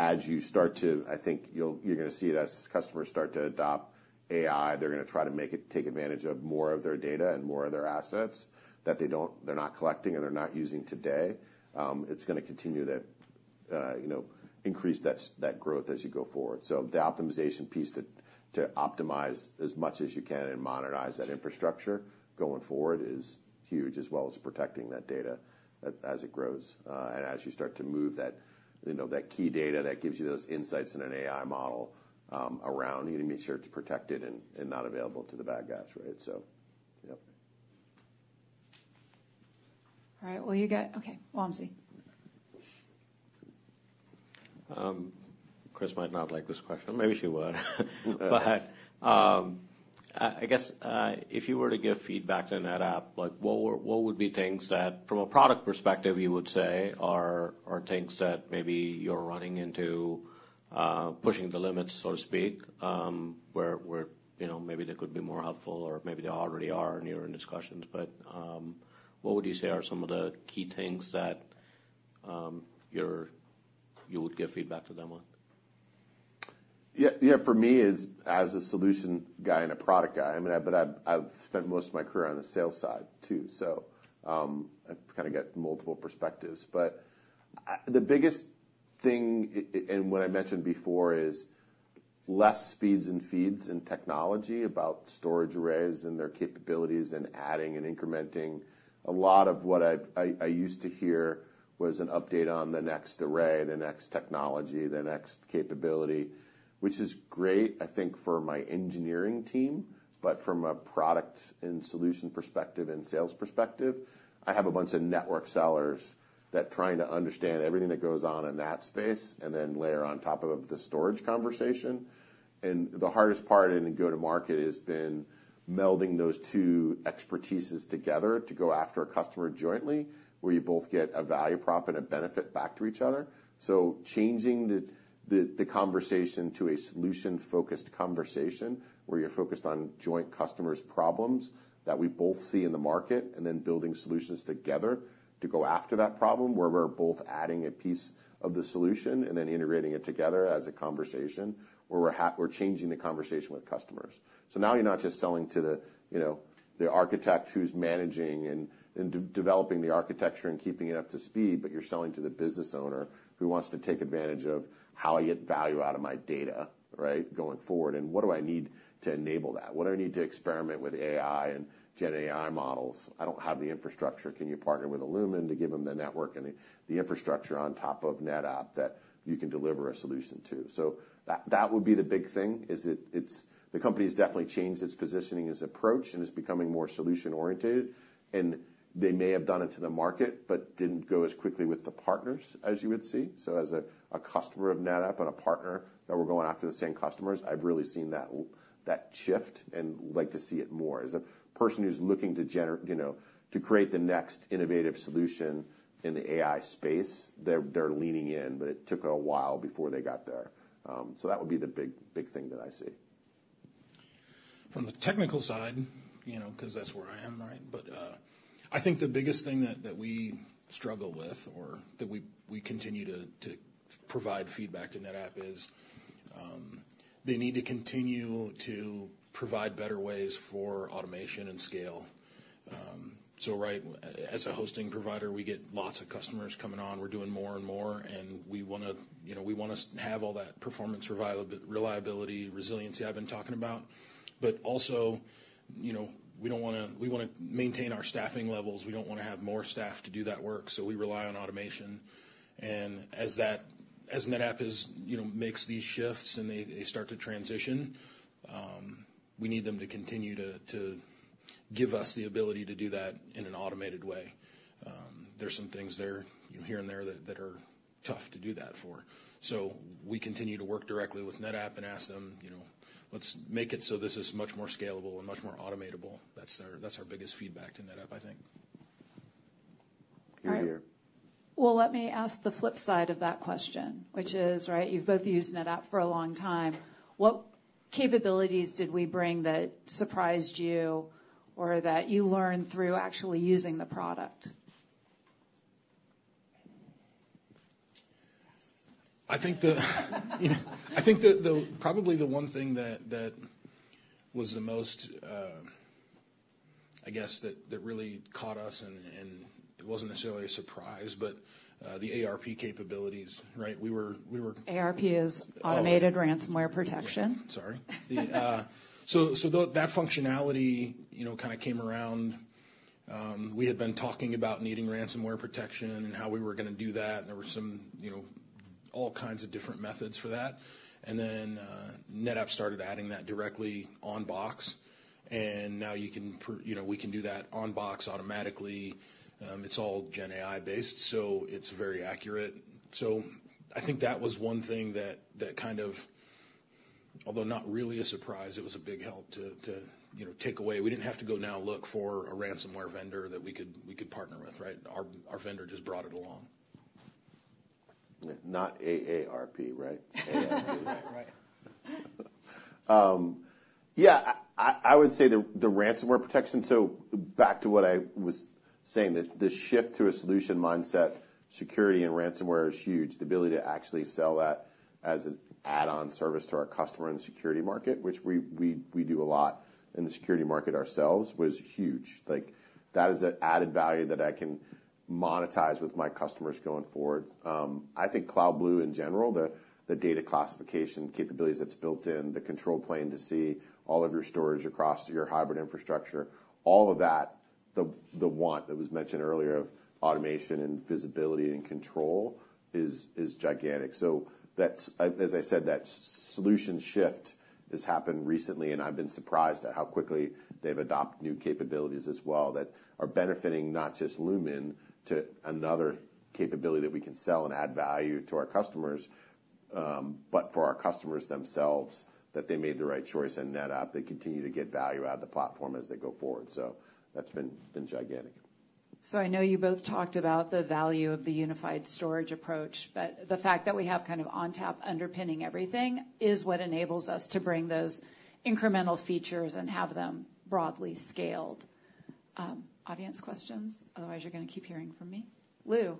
As you start to, I think you're going to see it as customers start to adopt AI, they're going to try to make it, take advantage of more of their data and more of their assets that they don't, they're not collecting and they're not using today. It's going to continue to, you know, increase that growth as you go forward. So the optimization piece, to optimize as much as you can and modernize that infrastructure going forward is huge, as well as protecting that data as it grows. As you start to move that, you know, that key data that gives you those insights in an AI model, you need to make sure it's protected and not available to the bad guys, right? So, yep. All right, well. Okay, Wamsi. Kris might not like this question. Maybe she would. But I guess if you were to give feedback to NetApp, like, what would be things that from a product perspective you would say are things that maybe you're running into pushing the limits, so to speak, where you know maybe they could be more helpful or maybe they already are and you're in discussions. But what would you say are some of the key things that you would give feedback to them on? Yeah, yeah, for me, as a solution guy and a product guy, I mean, but I've spent most of my career on the sales side, too. So, I kind of get multiple perspectives. But the biggest thing and what I mentioned before is less speeds and feeds in technology about storage arrays and their capabilities and adding and incrementing. A lot of what I've used to hear was an update on the next array, the next technology, the next capability, which is great, I think, for my engineering team. But from a product and solution perspective and sales perspective, I have a bunch of network sellers that trying to understand everything that goes on in that space, and then layer on top of the storage conversation. The hardest part in go-to-market has been melding those two expertises together to go after a customer jointly, where you both get a value prop and a benefit back to each other. Changing the conversation to a solution-focused conversation, where you're focused on joint customers' problems that we both see in the market, and then building solutions together to go after that problem, where we're both adding a piece of the solution, and then integrating it together as a conversation, where we're changing the conversation with customers. So now you're not just selling to the, you know, the architect who's managing and developing the architecture and keeping it up to speed, but you're selling to the business owner who wants to take advantage of how I get value out of my data, right, going forward, and what do I need to enable that? What do I need to experiment with AI and GenAI models? I don't have the infrastructure. Can you partner with Lumen to give them the network and the infrastructure on top of NetApp that you can deliver a solution to? So that would be the big thing, is it? It's--the company's definitely changed its positioning, its approach, and is becoming more solution-oriented, and they may have done it to the market, but didn't go as quickly with the partners, as you would see. So as a customer of NetApp and a partner that we're going after the same customers, I've really seen that shift and like to see it more. As a person who's looking to you know, to create the next innovative solution in the AI space, they're leaning in, but it took a while before they got there. So that would be the big, big thing that I see. From the technical side, you know, 'cause that's where I am, right? But, I think the biggest thing that we struggle with or that we continue to provide feedback to NetApp is, they need to continue to provide better ways for automation and scale. So right, as a hosting provider, we get lots of customers coming on. We're doing more and more, and we wanna, you know, we wanna have all that performance reliability, resiliency I've been talking about. But also, you know, we don't wanna we wanna maintain our staffing levels. We don't wanna have more staff to do that work, so we rely on automation. As that, as NetApp is, you know, makes these shifts, and they start to transition, we need them to continue to give us the ability to do that in an automated way. There's some things there, here and there, that are tough to do that for. So we continue to work directly with NetApp and ask them, you know, "Let's make it so this is much more scalable and much more automatable." That's our biggest feedback to NetApp, I think. All right. Well, let me ask the flip side of that question, which is, right, you've both used NetApp for a long time. What capabilities did we bring that surprised you or that you learned through actually using the product? I think probably the one thing that was the most, I guess, that really caught us, and it wasn't necessarily a surprise, but the ARP capabilities, right? We were-- ARP is Autonomous Ransomware Protection. Yeah, sorry. So the functionality, you know, kind of came around. We had been talking about needing ransomware protection and how we were gonna do that, and there were some, you know, all kinds of different methods for that. And then, NetApp started adding that directly on box, and now you can, you know, we can do that on box automatically. It's all GenAI based, so it's very accurate. So I think that was one thing that kind of, although not really a surprise, it was a big help to, to, you know, take away. We didn't have to go now look for a ransomware vendor that we could partner with, right? Our vendor just brought it along. Not AARP, right? ARP. Right, right. Yeah, I would say the ransomware protection, so back to what I was saying, the shift to a solution mindset, security and ransomware is huge. The ability to actually sell that as an add-on service to our customer in the security market, which we do a lot in the security market ourselves, was huge. Like, that is an added value that I can monetize with my customers going forward. I think BlueXP, in general, the data classification capabilities that's built in, the control plane to see all of your storage across your hybrid infrastructure, all of that, the want that was mentioned earlier of automation and visibility and control, is gigantic. So that's, as I said, that solution shift has happened recently, and I've been surprised at how quickly they've adopted new capabilities as well, that are benefiting not just Lumen to another capability that we can sell and add value to our customers, but for our customers themselves, that they made the right choice in NetApp. They continue to get value out of the platform as they go forward. So that's been gigantic. I know you both talked about the value of the unified storage approach, but the fact that we have kind of ONTAP underpinning everything is what enables us to bring those incremental features and have them broadly scaled. Audience questions? Otherwise, you're gonna keep hearing from me. Lou?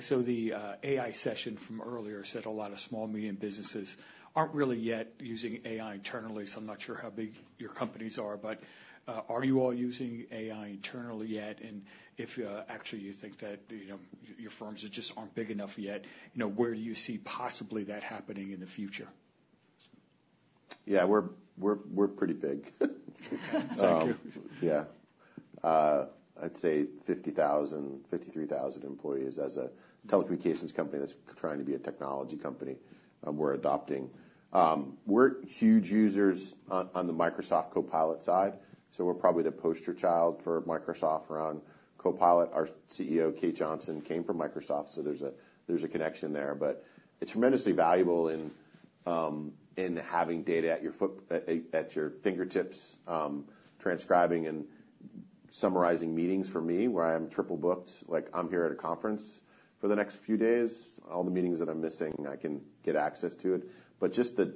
So the AI session from earlier said a lot of small and medium businesses aren't really yet using AI internally, so I'm not sure how big your companies are, but are you all using AI internally yet? And if actually you think that, you know, your firms just aren't big enough yet, you know, where do you see possibly that happening in the future? Yeah, we're pretty big. Thank you. Yeah. I'd say 50,000, 53,000 employees as a telecommunications company that's trying to be a technology company, we're adopting. We're huge users on, on the Microsoft Copilot side, so we're probably the poster child for Microsoft around Copilot. Our CEO, Kate Johnson, came from Microsoft, so there's a, there's a connection there. But it's tremendously valuable in, in having data at your fingertips, transcribing and summarizing meetings for me, where I am triple booked. Like, I'm here at a conference for the next few days. All the meetings that I'm missing, I can get access to it. But just the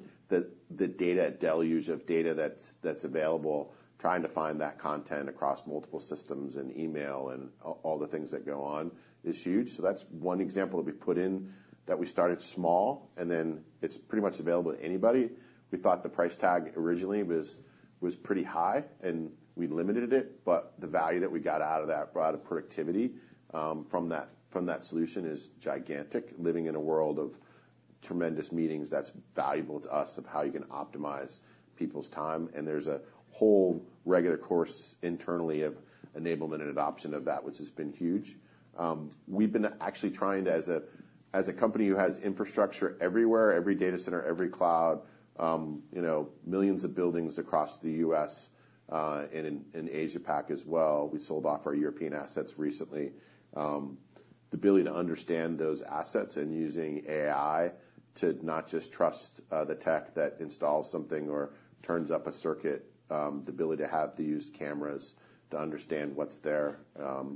data deluge of data that's available, trying to find that content across multiple systems and email and all the things that go on is huge. So that's one example that we put in, that we started small, and then it's pretty much available to anybody. We thought the price tag originally was pretty high, and we limited it, but the value that we got out of that, right, of productivity from that solution is gigantic. Living in a world of tremendous meetings, that's valuable to us of how you can optimize people's time, and there's a whole regular course internally of enablement and adoption of that, which has been huge. We've been actually trying to, as a company who has infrastructure everywhere, every data center, every cloud, you know, millions of buildings across the U.S., and in Asia-Pac as well. We sold off our European assets recently. The ability to understand those assets and using AI to not just trust the tech that installs something or turns up a circuit. The ability to have to use cameras to understand what's there,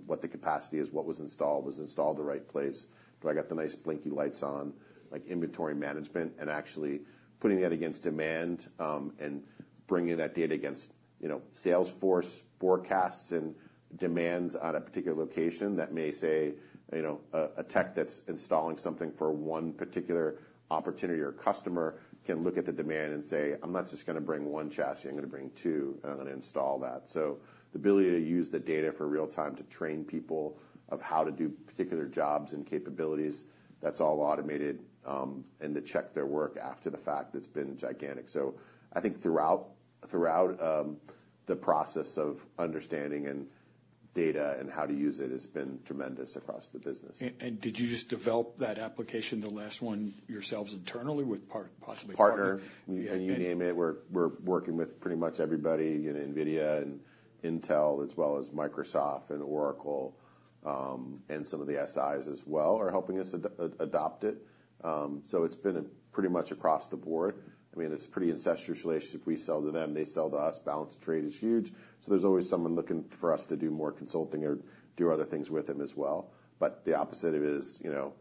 what the capacity is, what was installed, was it installed in the right place? Do I get the nice blinky lights on, like inventory management, and actually putting that against demand, and bringing that data against, you know, sales force forecasts and demands on a particular location that may say, you know, a tech that's installing something for one particular opportunity or customer can look at the demand and say, "I'm not just gonna bring one chassis, I'm gonna bring two, and I'm gonna install that." So the ability to use the data for real time to train people of how to do particular jobs and capabilities, that's all automated, and to check their work after the fact, that's been gigantic. So I think throughout the process of understanding and data and how to use it has been tremendous across the business. Did you just develop that application, the last one, yourselves internally? Partner. Yeah. You name it. We're working with pretty much everybody, you know, NVIDIA and Intel, as well as Microsoft and Oracle, and some of the SIs as well, are helping us adopt it. So it's been pretty much across the board. I mean, it's a pretty incestuous relationship. We sell to them. They sell to us. Balance of trade is huge, so there's always someone looking for us to do more consulting or do other things with them as well. But the opposite of it is, you know,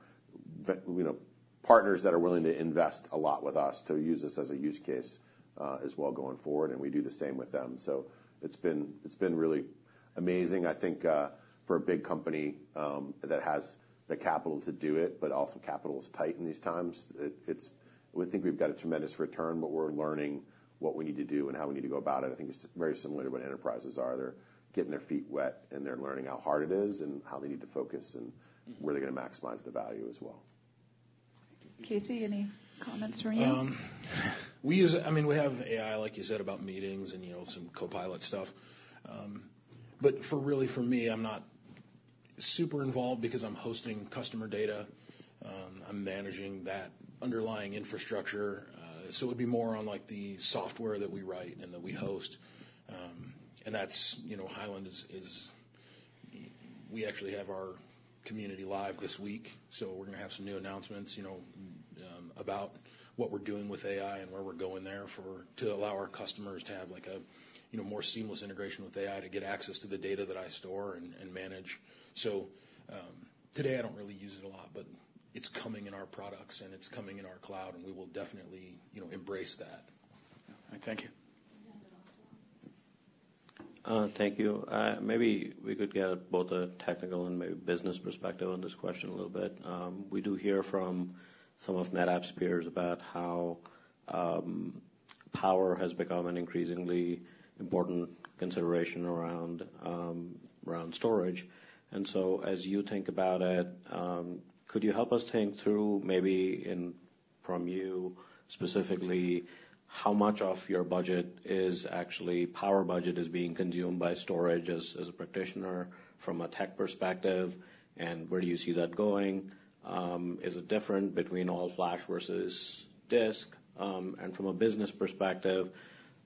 the partners that are willing to invest a lot with us to use this as a use case, as well going forward, and we do the same with them. So it's been really amazing. I think for a big company that has the capital to do it, but also capital is tight in these times, it's. We think we've got a tremendous return, but we're learning what we need to do and how we need to go about it. I think it's very similar to what enterprises are. They're getting their feet wet, and they're learning how hard it is and how they need to focus, and where they're gonna maximize the value as well. Casey, any comments from you? We use--I mean, we have AI, like you said, about meetings and, you know, some Copilot stuff. But really for me, I'm not super involved because I'm hosting customer data. I'm managing that underlying infrastructure, so it would be more on, like, the software that we write and that we host. And that's, you know, Hyland is--we actually have our CommunityLIVE this week, so we're gonna have some new announcements, you know, about what we're doing with AI and where we're going there for, to allow our customers to have, like, a, you know, more seamless integration with AI to get access to the data that I store and manage. Today I don't really use it a lot, but it's coming in our products, and it's coming in our cloud, and we will definitely, you know, embrace that. Thank you. We have one more. Thank you. Maybe we could get both a technical and maybe business perspective on this question a little bit. We do hear from some of NetApp's peers about how power has become an increasingly important consideration around storage. So as you think about it, could you help us think through, maybe input from you specifically, how much of your budget is actually power budget being consumed by storage as a practitioner from a tech perspective, and where do you see that going? Is it different between all-flash versus disk? And from a business perspective,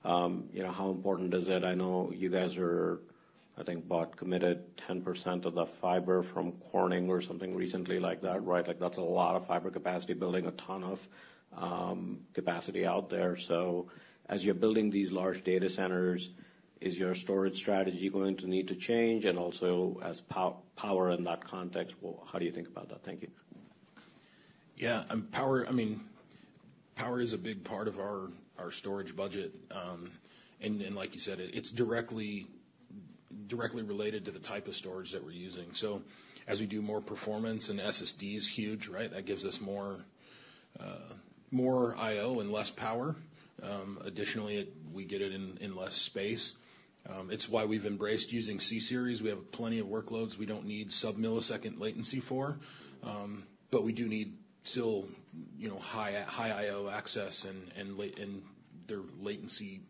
you know, how important is it? I know you guys are, I think, committed about 10% of the fiber from Corning or something recently like that, right? Like, that's a lot of fiber capacity, building a ton of capacity out there. As you're building these large data centers, is your storage strategy going to need to change? And also, as power in that context, well, how do you think about that? Thank you. Yeah, and power, I mean, power is a big part of our storage budget. And then, like you said, it's directly related to the type of storage that we're using. So as we do more performance, and SSD is huge, right? That gives us more I/O and less power. Additionally, we get it in less space. It's why we've embraced using C-Series. We have plenty of workloads we don't need sub-millisecond latency for, but we do need still, you know, high I/O access, and their latency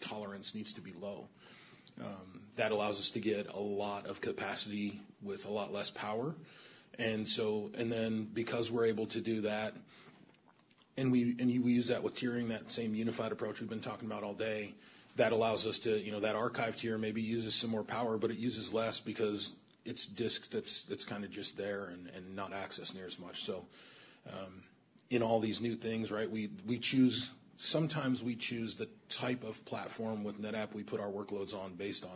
tolerance needs to be low. That allows us to get a lot of capacity with a lot less power. Because we're able to do that, and we use that with tiering, that same unified approach we've been talking about all day, that allows us to, you know, that archive tier maybe uses some more power, but it uses less because it's disk that's kind of just there and not accessed near as much. So, in all these new things, right, we choose sometimes the type of platform with NetApp we put our workloads on based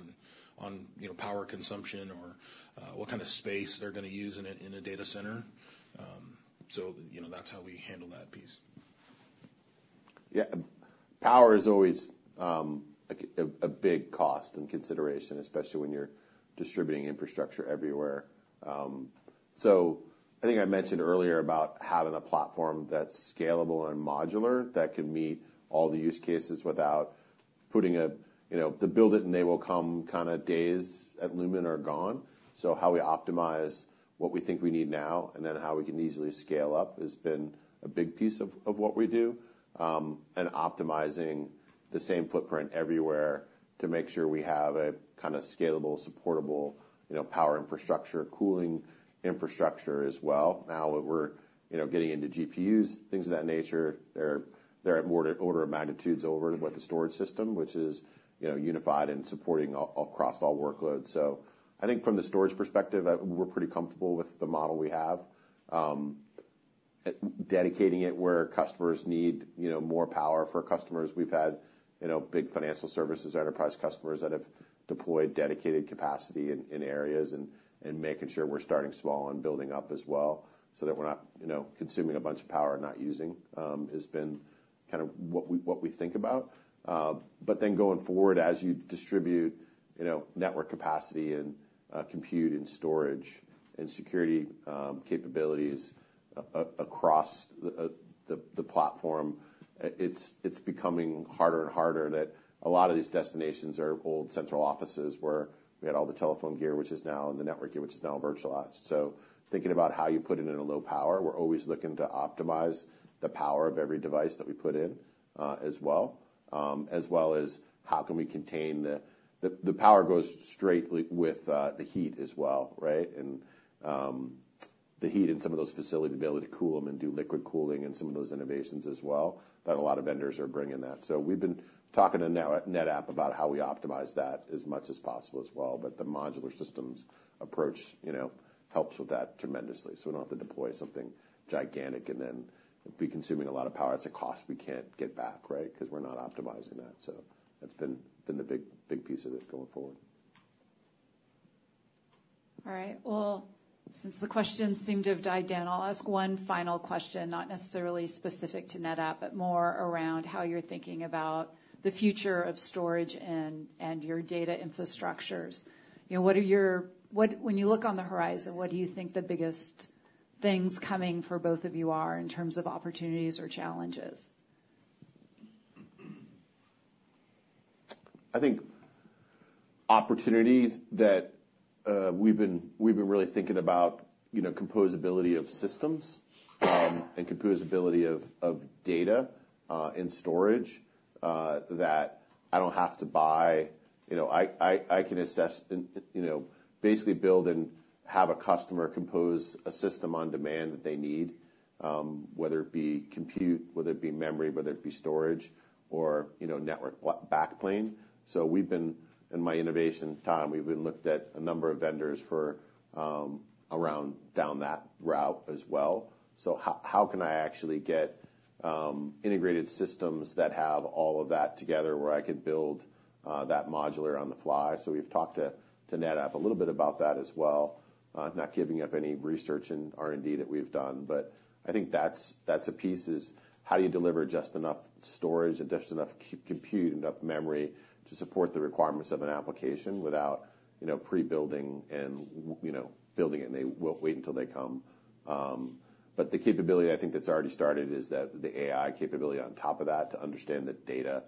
on, you know, power consumption or what kind of space they're going to use in a data center. So, you know, that's how we handle that piece. Yeah, power is always, like a big cost and consideration, especially when you're distributing infrastructure everywhere. So I think I mentioned earlier about having a platform that's scalable and modular, that can meet all the use cases without putting a, you know, the build-it-and-they-will-come kind of days at Lumen are gone. So how we optimize what we think we need now, and then how we can easily scale up, has been a big piece of what we do. And optimizing the same footprint everywhere to make sure we have a kind of scalable, supportable, you know, power infrastructure, cooling infrastructure as well. Now that we're, you know, getting into GPUs, things of that nature, they're at more order of magnitudes over what the storage system, which is, you know, unified and supporting across all workloads. So I think from the storage perspective, we're pretty comfortable with the model we have. Dedicating it where customers need, you know, more power for customers. We've had, you know, big financial services, enterprise customers that have deployed dedicated capacity in areas, and making sure we're starting small and building up as well, so that we're not, you know, consuming a bunch of power and not using has been kind of what we think about. But then going forward, as you distribute, you know, network capacity and compute and storage and security capabilities across the platform, it's becoming harder and harder that a lot of these destinations are old central offices where we had all the telephone gear, which is now in the network, and which is now virtualized. So thinking about how you put it in a low power, we're always looking to optimize the power of every device that we put in, as well. As well as how can we contain the power goes straight with the heat as well, right? And the heat in some of those facilities, to be able to cool them and do liquid cooling and some of those innovations as well, that a lot of vendors are bringing that. So we've been talking to NetApp about how we optimize that as much as possible as well, but the modular systems approach, you know, helps with that tremendously. So we don't have to deploy something gigantic and then be consuming a lot of power. It's a cost we can't get back, right? Because we're not optimizing that. That's been the big piece of it going forward. All right. Well, since the questions seem to have died down, I'll ask one final question, not necessarily specific to NetApp, but more around how you're thinking about the future of storage and, and your data infrastructures. You know, what are your. What--When you look on the horizon, what do you think the biggest things coming for both of you are in terms of opportunities or challenges? I think opportunities that we've been really thinking about, you know, composability of systems, and composability of data, and storage, that I don't have to buy. You know, I can assess and, you know, basically build and have a customer compose a system on demand that they need, whether it be compute, whether it be memory, whether it be storage or, you know, network backplane. So we've been, in my innovation time, we've been looked at a number of vendors for, around down that route as well. So how can I actually get integrated systems that have all of that together where I could build that modular on the fly? So we've talked to NetApp a little bit about that as well. Not giving up any research and R&D that we've done, but I think that's, that's a piece, is how do you deliver just enough storage and just enough compute, enough memory to support the requirements of an application without, you know, pre-building and, you know, building it, and they'll wait until they come. But the capability I think that's already started is that the AI capability on top of that, to understand the data,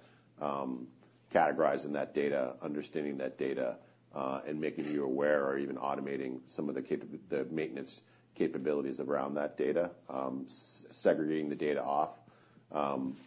categorizing that data, understanding that data, and making you aware or even automating some of the the maintenance capabilities around that data. Segregating the data off,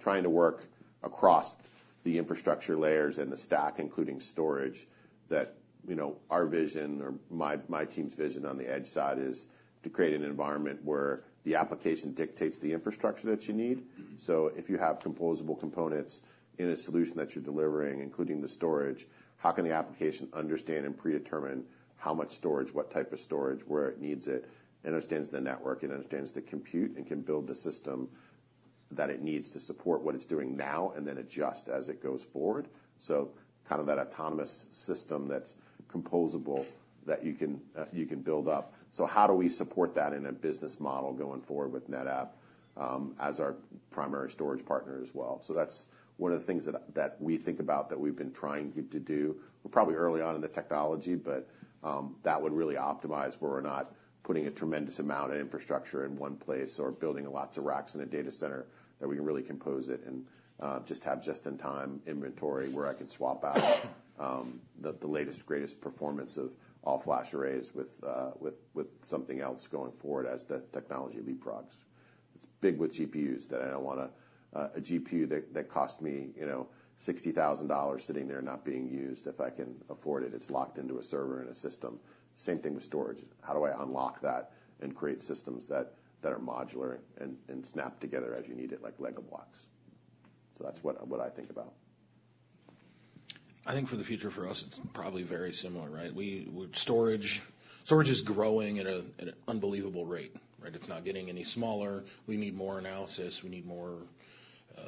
trying to work across the infrastructure layers and the stack, including storage, that, you know, our vision or my team's vision on the edge side is to create an environment where the application dictates the infrastructure that you need. So if you have composable components in a solution that you're delivering, including the storage, how can the application understand and predetermine how much storage, what type of storage, where it needs it, understands the network and understands the compute, and can build the system that it needs to support what it's doing now and then adjust as it goes forward. So kind of that autonomous system that's composable, that you can build up. So how do we support that in a business model going forward with NetApp as our primary storage partner as well? So that's one of the things that we think about that we've been trying to do. We're probably early on in the technology, but that would really optimize where we're not putting a tremendous amount of infrastructure in one place or building lots of racks in a data center, that we can really compose it and just have just-in-time inventory, where I can swap out the latest, greatest performance of all flash arrays with something else going forward as the technology leapfrogs. It's big with GPUs, that I don't want a GPU that costs me, you know, $60,000 sitting there not being used. If I can afford it, it's locked into a server in a system. Same thing with storage. How do I unlock that and create systems that are modular and snap together as you need it, like Lego blocks? So that's what I think about. I think for the future, for us, it's probably very similar, right? We--storage, storage is growing at an unbelievable rate, right? It's not getting any smaller. We need more analysis, we need more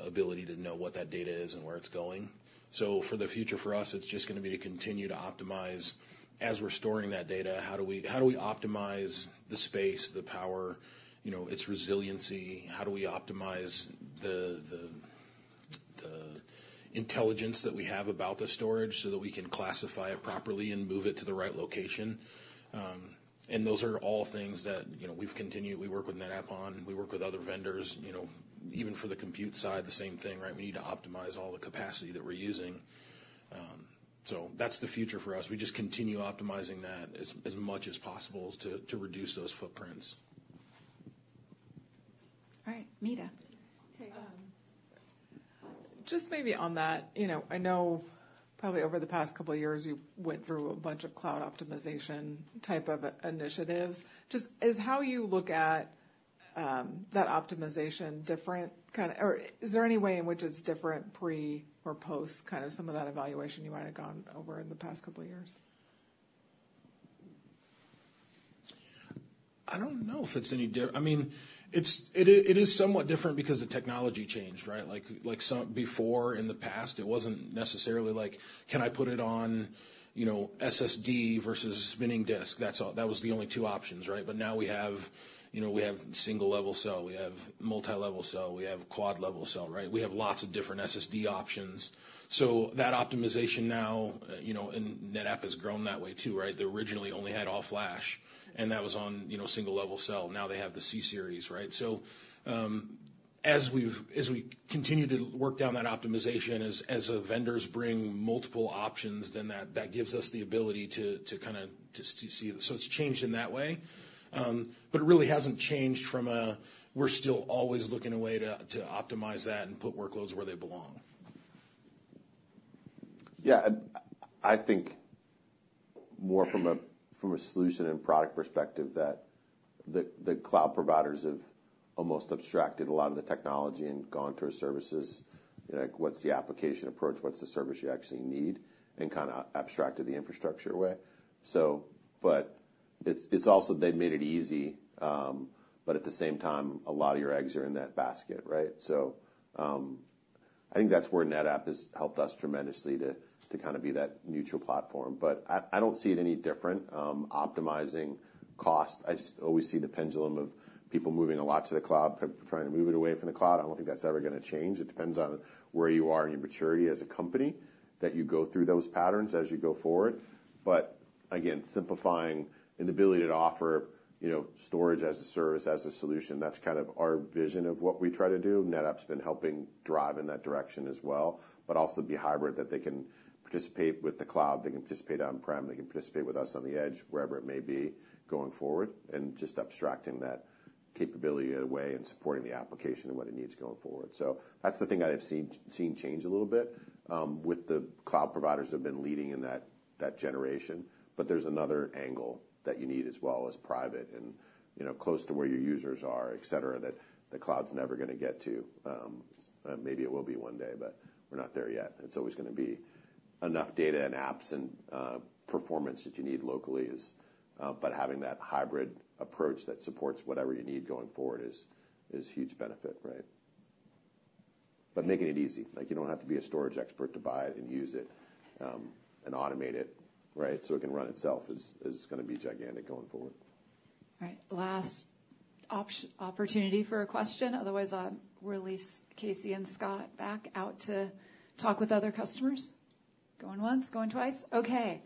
ability to know what that data is and where it's going. So for the future, for us, it's just gonna be to continue to optimize. As we're storing that data, how do we, how do we optimize the space, the power, you know, its resiliency? How do we optimize the intelligence that we have about the storage so that we can classify it properly and move it to the right location? And those are all things that, you know, we work with NetApp on, we work with other vendors. You know, even for the compute side, the same thing, right? We need to optimize all the capacity that we're using. So that's the future for us. We just continue optimizing that as much as possible to reduce those footprints. All right, Nita. Hey, just maybe on that, you know, I know probably over the past couple of years, you went through a bunch of cloud optimization type of initiatives. Just, is how you look at that optimization different kind of--or is there any way in which it's different pre or post, kind of some of that evaluation you might have gone over in the past couple of years? I don't know if it's any different. I mean, it is somewhat different because the technology changed, right? Like, before, in the past, it wasn't necessarily like: Can I put it on, you know, SSD versus spinning disk? That was all, that was the only two options, right? But now we have, you know, we have single-level cell, we have multi-level cell, we have quad-level cell, right? We have lots of different SSD options. So that optimization now, you know, and NetApp has grown that way, too, right? They originally only had all-flash, and that was on, you know, single-level cell. Now they have the C-Series, right? So, as we've as we continue to work down that optimization, as vendors bring multiple options, then that gives us the ability to kind of just see it. So it's changed in that way, but it really hasn't changed from a--we're still always looking a way to optimize that and put workloads where they belong. Yeah, I think more from a solution and product perspective, that the cloud providers have almost abstracted a lot of the technology and gone to services. You know, like, what's the application approach? What's the service you actually need? And kind of abstracted the infrastructure away. So but it's also, they've made it easy, but at the same time, a lot of your eggs are in that basket, right? So, I think that's where NetApp has helped us tremendously to kind of be that neutral platform. But I don't see it any different, optimizing cost. I just always see the pendulum of people moving a lot to the cloud, but trying to move it away from the cloud. I don't think that's ever gonna change. It depends on where you are in your maturity as a company, that you go through those patterns as you go forward. But again, simplifying and the ability to offer, you know, storage as a service, as a solution, that's kind of our vision of what we try to do. NetApp's been helping drive in that direction as well, but also be hybrid that they can participate with the cloud, they can participate on-prem, they can participate with us on the edge, wherever it may be going forward, and just abstracting that capability away and supporting the application and what it needs going forward. So that's the thing I have seen change a little bit, with the cloud providers have been leading in that generation. But there's another angle that you need as well, is private and, you know, close to where your users are, et cetera, that the cloud's never gonna get to. Maybe it will be one day, but we're not there yet. It's always gonna be enough data and apps and performance that you need locally. But having that hybrid approach that supports whatever you need going forward is gonna be gigantic going forward. All right. Last opportunity for a question. Otherwise, I'll release Casey and Scott back out to talk with other customers. Going once, going twice. Okay.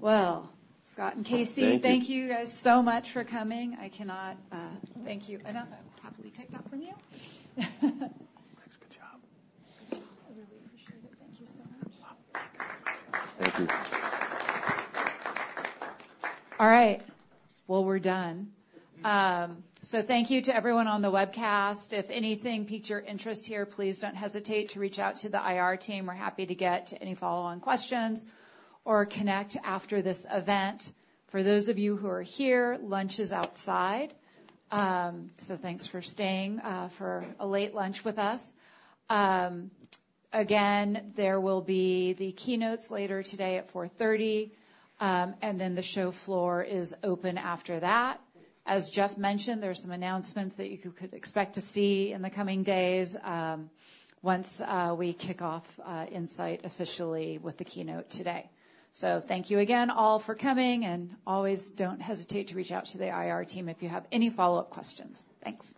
Well, Scott and Casey. Thank you guys so much for coming. I cannot thank you enough. I'll probably take that from you. Thanks. Good job. Good job. I really appreciate it. Thank you so much. Wow. Thank you. All right, well, we're done. So thank you to everyone on the webcast. If anything piqued your interest here, please don't hesitate to reach out to the IR team. We're happy to get to any follow-on questions or connect after this event. For those of you who are here, lunch is outside. So thanks for staying for a late lunch with us. Again, there will be the keynotes later today at 4:30 P.M., and then the show floor is open after that. As Jeff mentioned, there are some announcements that you could expect to see in the coming days, once we kick off Insight officially with the keynote today. So thank you again, all, for coming, and always don't hesitate to reach out to the IR team if you have any follow-up questions. Thanks.